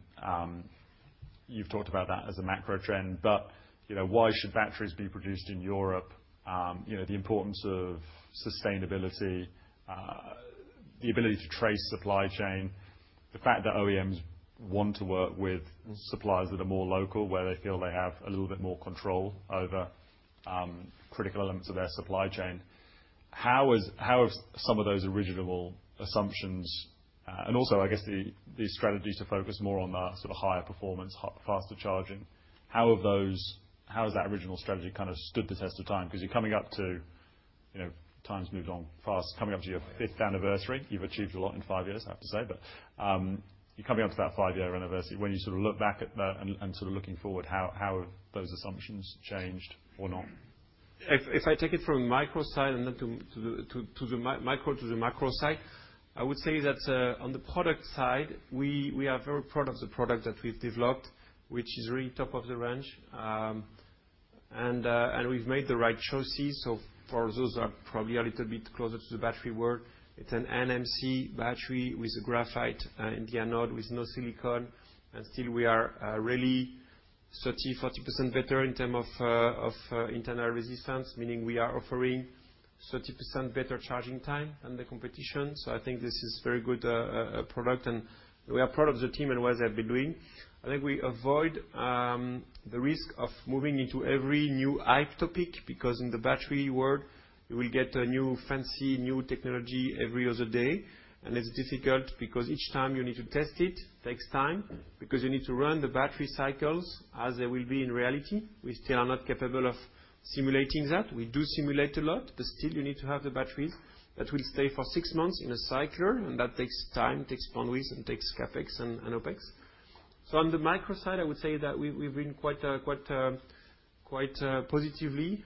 you've talked about that as a macro trend, but why should batteries be produced in Europe? The importance of sustainability, the ability to trace supply chain, the fact that OEMs want to work with suppliers that are more local, where they feel they have a little bit more control over critical elements of their supply chain. How have some of those original assumptions, and also, I guess, the strategy to focus more on that sort of higher performance, faster charging, how has that original strategy kind of stood the test of time? Because you're coming up to—time's moved on fast—coming up to your fifth anniversary. You've achieved a lot in five years, I have to say. You are coming up to that five-year anniversary. When you sort of look back at that and sort of looking forward, how have those assumptions changed or not? If I take it from a micro side and then to the macro side, I would say that on the product side, we are very proud of the product that we've developed, which is really top of the range. We have made the right choices. For those that are probably a little bit closer to the battery world, it's an NMC battery with a graphite in the anode with no silicone. Still, we are really 30-40% better in terms of internal resistance, meaning we are offering 30% better charging time than the competition. I think this is a very good product. We are proud of the team and what they've been doing. I think we avoid the risk of moving into every new hype topic because in the battery world, you will get a new fancy, new technology every other day. It's difficult because each time you need to test it, it takes time because you need to run the battery cycles as they will be in reality. We still are not capable of simulating that. We do simulate a lot, but still, you need to have the batteries that will stay for six months in a cycle, and that takes time, takes plunge, and takes CapEx and OpEx. On the micro side, I would say that we've been quite positively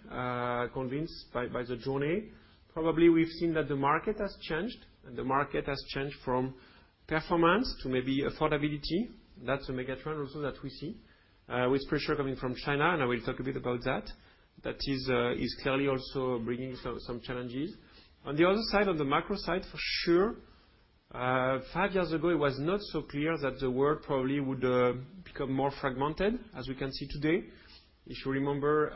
convinced by the journey. Probably we've seen that the market has changed, and the market has changed from performance to maybe affordability. That's a megatrend also that we see with pressure coming from China, and I will talk a bit about that. That is clearly also bringing some challenges. On the other side, on the macro side, for sure, five years ago, it was not so clear that the world probably would become more fragmented, as we can see today. If you remember,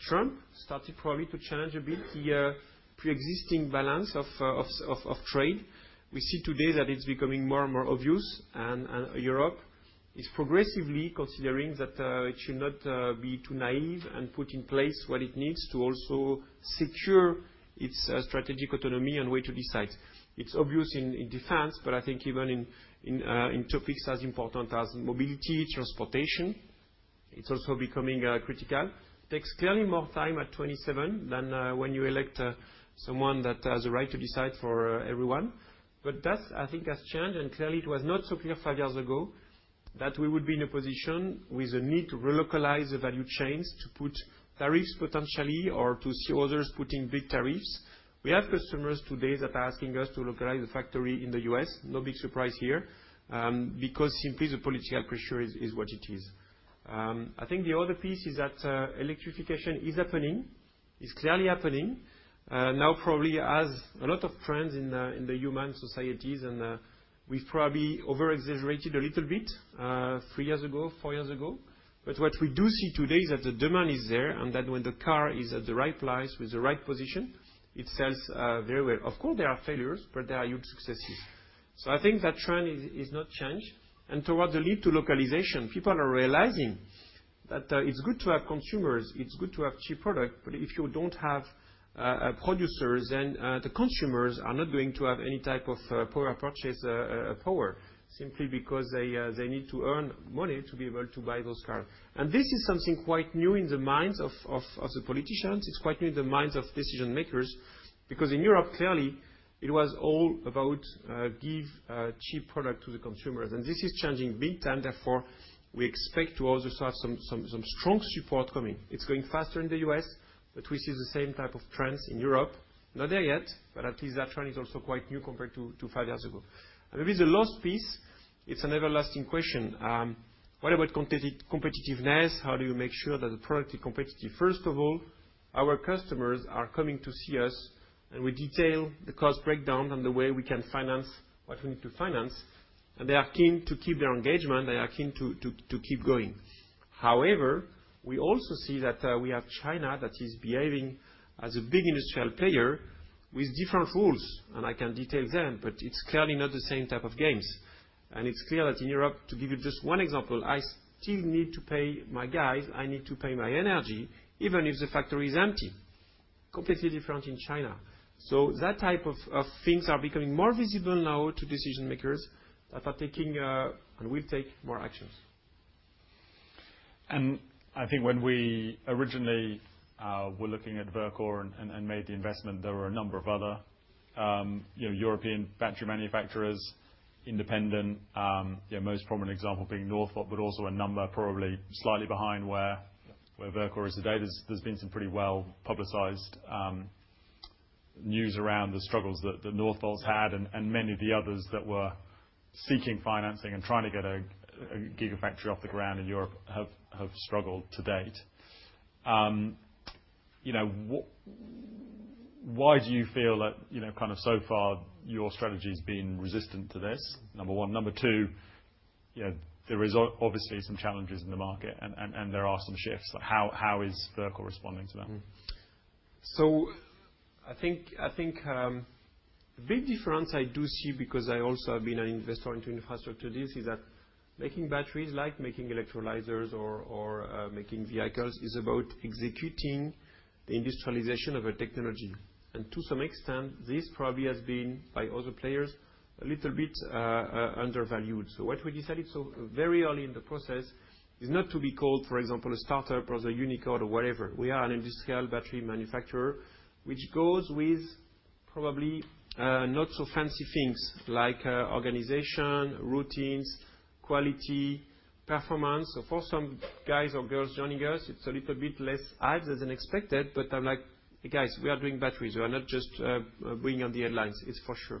Trump started probably to challenge a bit the pre-existing balance of trade. We see today that it's becoming more and more obvious, and Europe is progressively considering that it should not be too naive and put in place what it needs to also secure its strategic autonomy and way to decide. It's obvious in defense, but I think even in topics as important as mobility, transportation, it's also becoming critical. It takes clearly more time at 27 than when you elect someone that has a right to decide for everyone. That, I think, has changed. Clearly, it was not so clear five years ago that we would be in a position with a need to relocalize the value chains to put tariffs potentially or to see others putting big tariffs. We have customers today that are asking us to localize the factory in the U.S., no big surprise here, because simply the political pressure is what it is. I think the other piece is that electrification is happening. It's clearly happening now, probably as a lot of trends in the human societies, and we've probably overexaggerated a little bit three years ago, four years ago. What we do see today is that the demand is there and that when the car is at the right place with the right position, it sells very well. Of course, there are failures, but there are huge successes. I think that trend is not changed. Toward the lead to localization, people are realizing that it's good to have consumers. It's good to have cheap products, but if you don't have producers, then the consumers are not going to have any type of power purchase power, simply because they need to earn money to be able to buy those cars. This is something quite new in the minds of the politicians. It is quite new in the minds of decision-makers because in Europe, clearly, it was all about giving cheap products to the consumers. This is changing big time. Therefore, we expect to also have some strong support coming. It is going faster in the U.S., but we see the same type of trends in Europe. Not there yet, but at least that trend is also quite new compared to five years ago. Maybe the last piece, it is an everlasting question. What about competitiveness? How do you make sure that the product is competitive? First of all, our customers are coming to see us, and we detail the cost breakdown and the way we can finance what we need to finance. They are keen to keep their engagement. They are keen to keep going. However, we also see that we have China that is behaving as a big industrial player with different rules. I can detail them, but it's clearly not the same type of games. It's clear that in Europe, to give you just one example, I still need to pay my guys. I need to pay my energy even if the factory is empty. Completely different in China. That type of things are becoming more visible now to decision-makers that are taking and will take more actions. I think when we originally were looking at Verkor and made the investment, there were a number of other European battery manufacturers, independent, most prominent example being Northvolt, but also a number probably slightly behind where Verkor is today. There's been some pretty well-publicized news around the struggles that Northvolt's had and many of the others that were seeking financing and trying to get a gigafactory off the ground in Europe have struggled to date. Why do you feel that kind of so far your strategy has been resistant to this? Number one. Number two, there is obviously some challenges in the market, and there are some shifts. How is Verkor responding to that? I think the big difference I do see, because I also have been an investor into infrastructure deals, is that making batteries, like making electrolyzers or making vehicles, is about executing the industrialization of a technology. To some extent, this probably has been, by other players, a little bit undervalued. What we decided very early in the process is not to be called, for example, a startup or the Unicode or whatever. We are an industrial battery manufacturer, which goes with probably not so fancy things like organization, routines, quality, performance. For some guys or girls joining us, it's a little bit less hype than expected, but I'm like, "Hey guys, we are doing batteries. We are not just bringing on the headlines." It's for sure.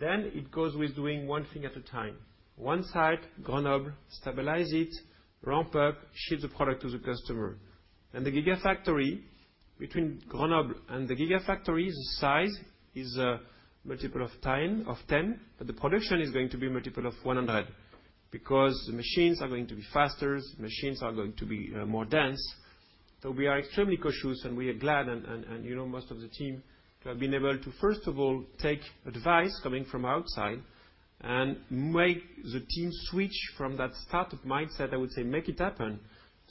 It goes with doing one thing at a time. One side, Grenoble, stabilize it, ramp up, ship the product to the customer. The gigafactory, between Grenoble and the gigafactory, the size is a multiple of 10, but the production is going to be a multiple of 100 because the machines are going to be faster, the machines are going to be more dense. We are extremely cautious, and we are glad, and most of the team, to have been able to, first of all, take advice coming from outside and make the team switch from that startup mindset, I would say, make it happen,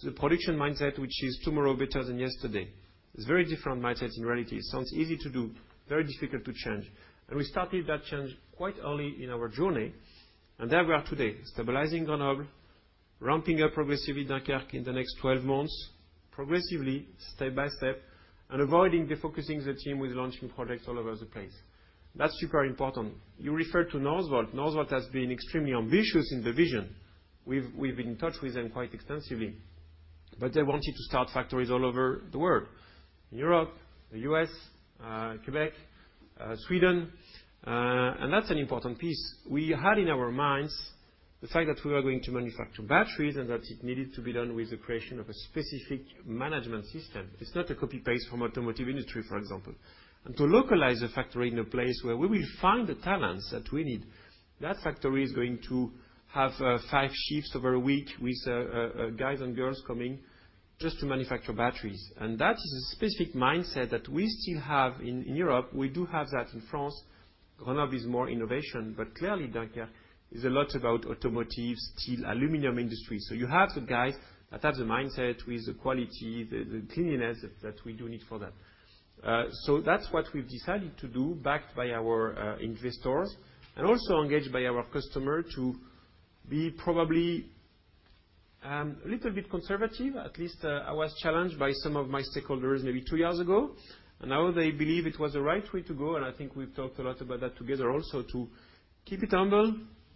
to the production mindset, which is tomorrow better than yesterday. It is a very different mindset in reality. It sounds easy to do, very difficult to change. We started that change quite early in our journey. There we are today, stabilizing Grenoble, ramping up progressively Dunkirk in the next 12 months, progressively, step by step, and avoiding the focusing the team with launching projects all over the place. That is super important. You referred to Northvolt. Northvolt has been extremely ambitious in the vision. We have been in touch with them quite extensively, but they wanted to start factories all over the world: Europe, the U.S., Quebec, Sweden. That's an important piece. We had in our minds the fact that we were going to manufacture batteries and that it needed to be done with the creation of a specific management system. It's not a copy-paste from the automotive industry, for example. To localize a factory in a place where we will find the talents that we need, that factory is going to have five shifts over a week with guys and girls coming just to manufacture batteries. That is a specific mindset that we still have in Europe. We do have that in France. Grenoble is more innovation, but clearly, Dunkirk is a lot about automotive, steel, aluminum industry. You have the guys that have the mindset with the quality, the cleanliness that we do need for that. That's what we've decided to do, backed by our investors and also engaged by our customer to be probably a little bit conservative. At least I was challenged by some of my stakeholders maybe two years ago, and now they believe it was the right way to go. I think we've talked a lot about that together also, to keep it humble,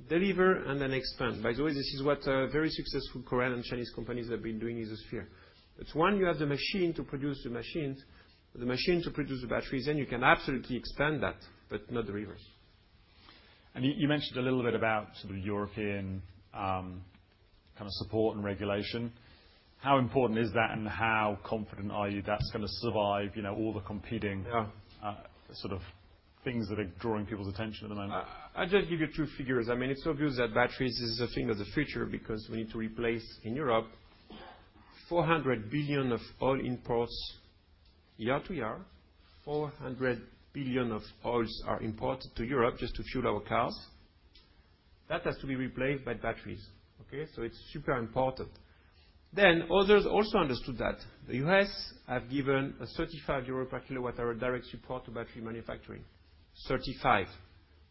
deliver, and then expand. By the way, this is what very successful Korean and Chinese companies have been doing in this sphere. Once you have the machine to produce the machines, the machine to produce the batteries, then you can absolutely expand that, but not the reverse. You mentioned a little bit about sort of European kind of support and regulation. How important is that, and how confident are you that's going to survive all the competing sort of things that are drawing people's attention at the moment? I'll just give you two figures. I mean, it's obvious that batteries is a thing of the future because we need to replace in Europe 400 billion of oil imports year to year. 400 billion of oils are imported to Europe just to fuel our cars. That has to be replaced by batteries. Okay? It is super important. Others also understood that. The US have given a 35 euro per kilowatt-hour direct support to battery manufacturing. 35.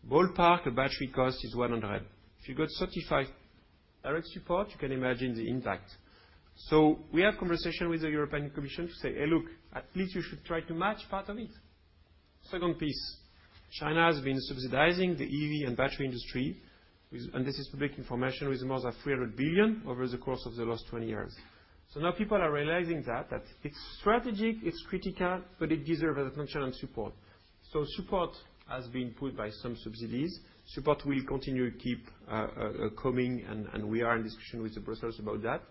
Ballpark, the battery cost is 100. If you got 35 direct support, you can imagine the impact. We have conversation with the European Commission to say, "Hey, look, at least you should try to match part of it." The second piece, China has been subsidizing the EV and battery industry, and this is public information, with more than $300 billion over the course of the last 20 years. Now people are realizing that it's strategic, it's critical, but it deserves attention and support. Support has been put by some subsidies. Support will continue to keep coming, and we are in discussion with Brussels about that.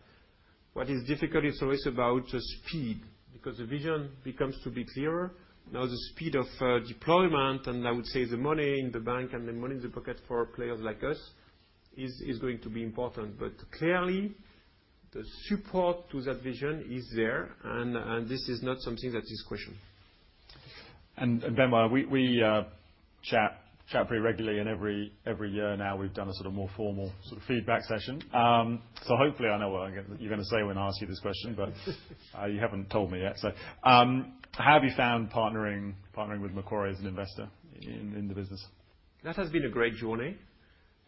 What is difficult is always about the speed because the vision becomes to be clearer. Now, the speed of deployment, and I would say the money in the bank and the money in the pocket for players like us is going to be important. Clearly, the support to that vision is there, and this is not something that is questioned. Benoît, we chat pretty regularly. Every year now, we've done a sort of more formal sort of feedback session. Hopefully, I know what you're going to say when I ask you this question, but you haven't told me yet. How have you found partnering with Macquarie as an investor in the business? That has been a great journey.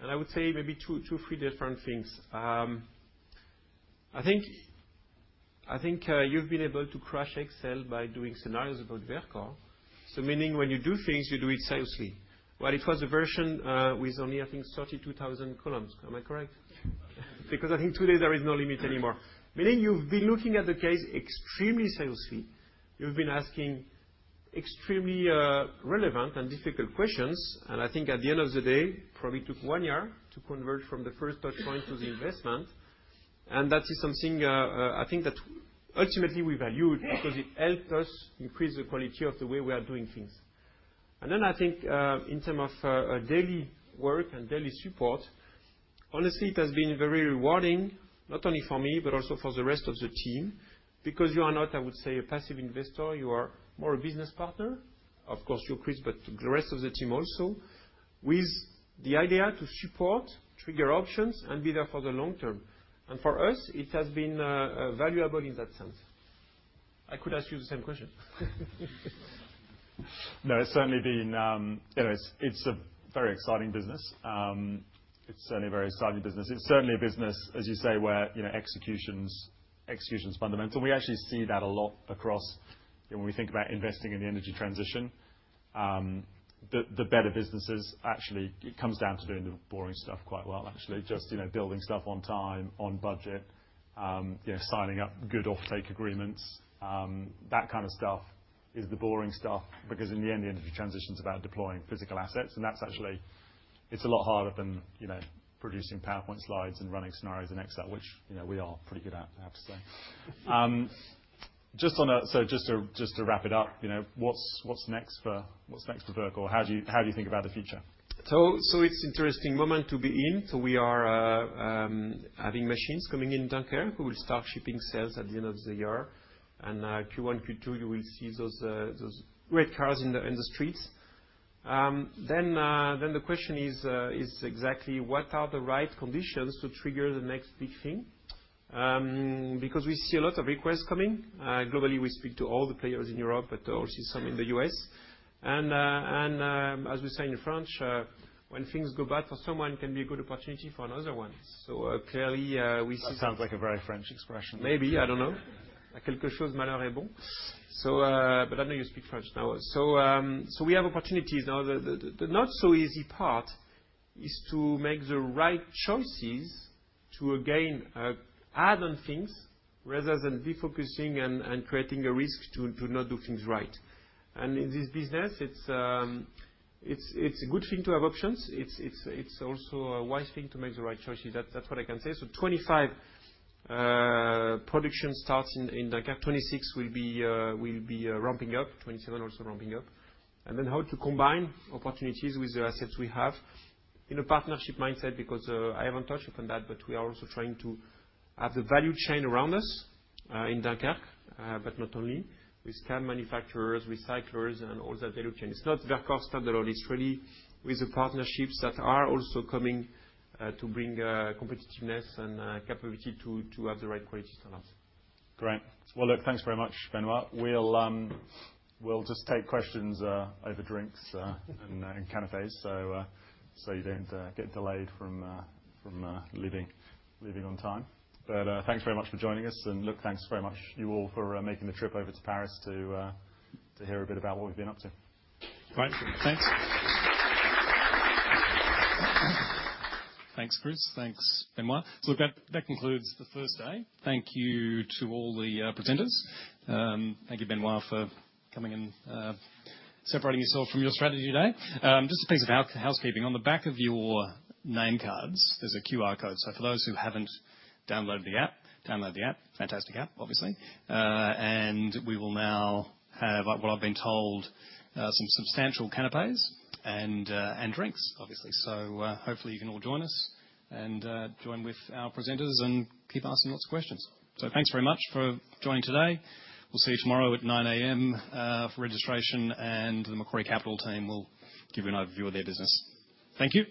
I would say maybe two or three different things. I think you've been able to crush Excel by doing scenarios about Verkor. Meaning when you do things, you do it seriously. It was a version with only, I think, 32,000 columns. Am I correct? I think today there is no limit anymore. Meaning you've been looking at the case extremely seriously. You've been asking extremely relevant and difficult questions. I think at the end of the day, probably took one year to convert from the first touchpoint to the investment. That is something I think that ultimately we valued because it helped us increase the quality of the way we are doing things. I think in terms of daily work and daily support, honestly, it has been very rewarding, not only for me, but also for the rest of the team, because you are not, I would say, a passive investor. You are more a business partner, of course, you, Chris, but the rest of the team also, with the idea to support, trigger options, and be there for the long term. For us, it has been valuable in that sense. I could ask you the same question. No, it's certainly been a very exciting business. It's certainly a very exciting business. It's certainly a business, as you say, where execution's fundamental. We actually see that a lot across when we think about investing in the energy transition. The better businesses actually it comes down to doing the boring stuff quite well, actually, just building stuff on time, on budget, signing up good off-take agreements. That kind of stuff is the boring stuff because in the end, the energy transition's about deploying physical assets. That's actually it's a lot harder than producing PowerPoint slides and running scenarios in Excel, which we are pretty good at, I have to say. Just to wrap it up, what's next for Verkor? How do you think about the future? It's an interesting moment to be in. We are having machines coming in Dunkirk who will start shipping cells at the end of the year. Q1, Q2, you will see those red cars in the streets. The question is exactly what are the right conditions to trigger the next big thing? Because we see a lot of requests coming. Globally, we speak to all the players in Europe, but also some in the U.S. As we say in French, when things go bad for someone, it can be a good opportunity for another one. Clearly, we see that. That sounds like a very French expression. Maybe, I do not know. Quelque chose malheur est bon. I know you speak French now. We have opportunities now. The not-so-easy part is to make the right choices to, again, add on things rather than be focusing and creating a risk to not do things right. In this business, it is a good thing to have options. It's also a wise thing to make the right choices. That's what I can say. Twenty-five production starts in Dunkirk. Twenty-six will be ramping up. Twenty-seven also ramping up. How to combine opportunities with the assets we have in a partnership mindset because I haven't touched upon that, but we are also trying to have the value chain around us in Dunkirk, but not only. We scan manufacturers, recyclers, and all that value chain. It's not Verkor standalone. It's really with the partnerships that are also coming to bring competitiveness and capability to have the right quality standards. Great. Look, thanks very much, Benoît. We'll just take questions over drinks and canapés so you don't get delayed from leaving on time. Thanks very much for joining us. Look, thanks very much, you all, for making the trip over to Paris to hear a bit about what we've been up to. Thanks. Thanks, Chris. Thanks, Benoît. That concludes the first day. Thank you to all the presenters. Thank you, Benoît, for coming and separating yourself from your strategy today. Just a piece of housekeeping. On the back of your name cards, there's a QR code. For those who haven't downloaded the app, download the app. Fantastic app, obviously. We will now have, what I've been told, some substantial canapés and drinks, obviously. Hopefully, you can all join us and join with our presenters and keep asking lots of questions. Thanks very much for joining today. We'll see you tomorrow at 9:00 A.M. for registration, and the Macquarie Capital team will give you an overview of their business. Thank you.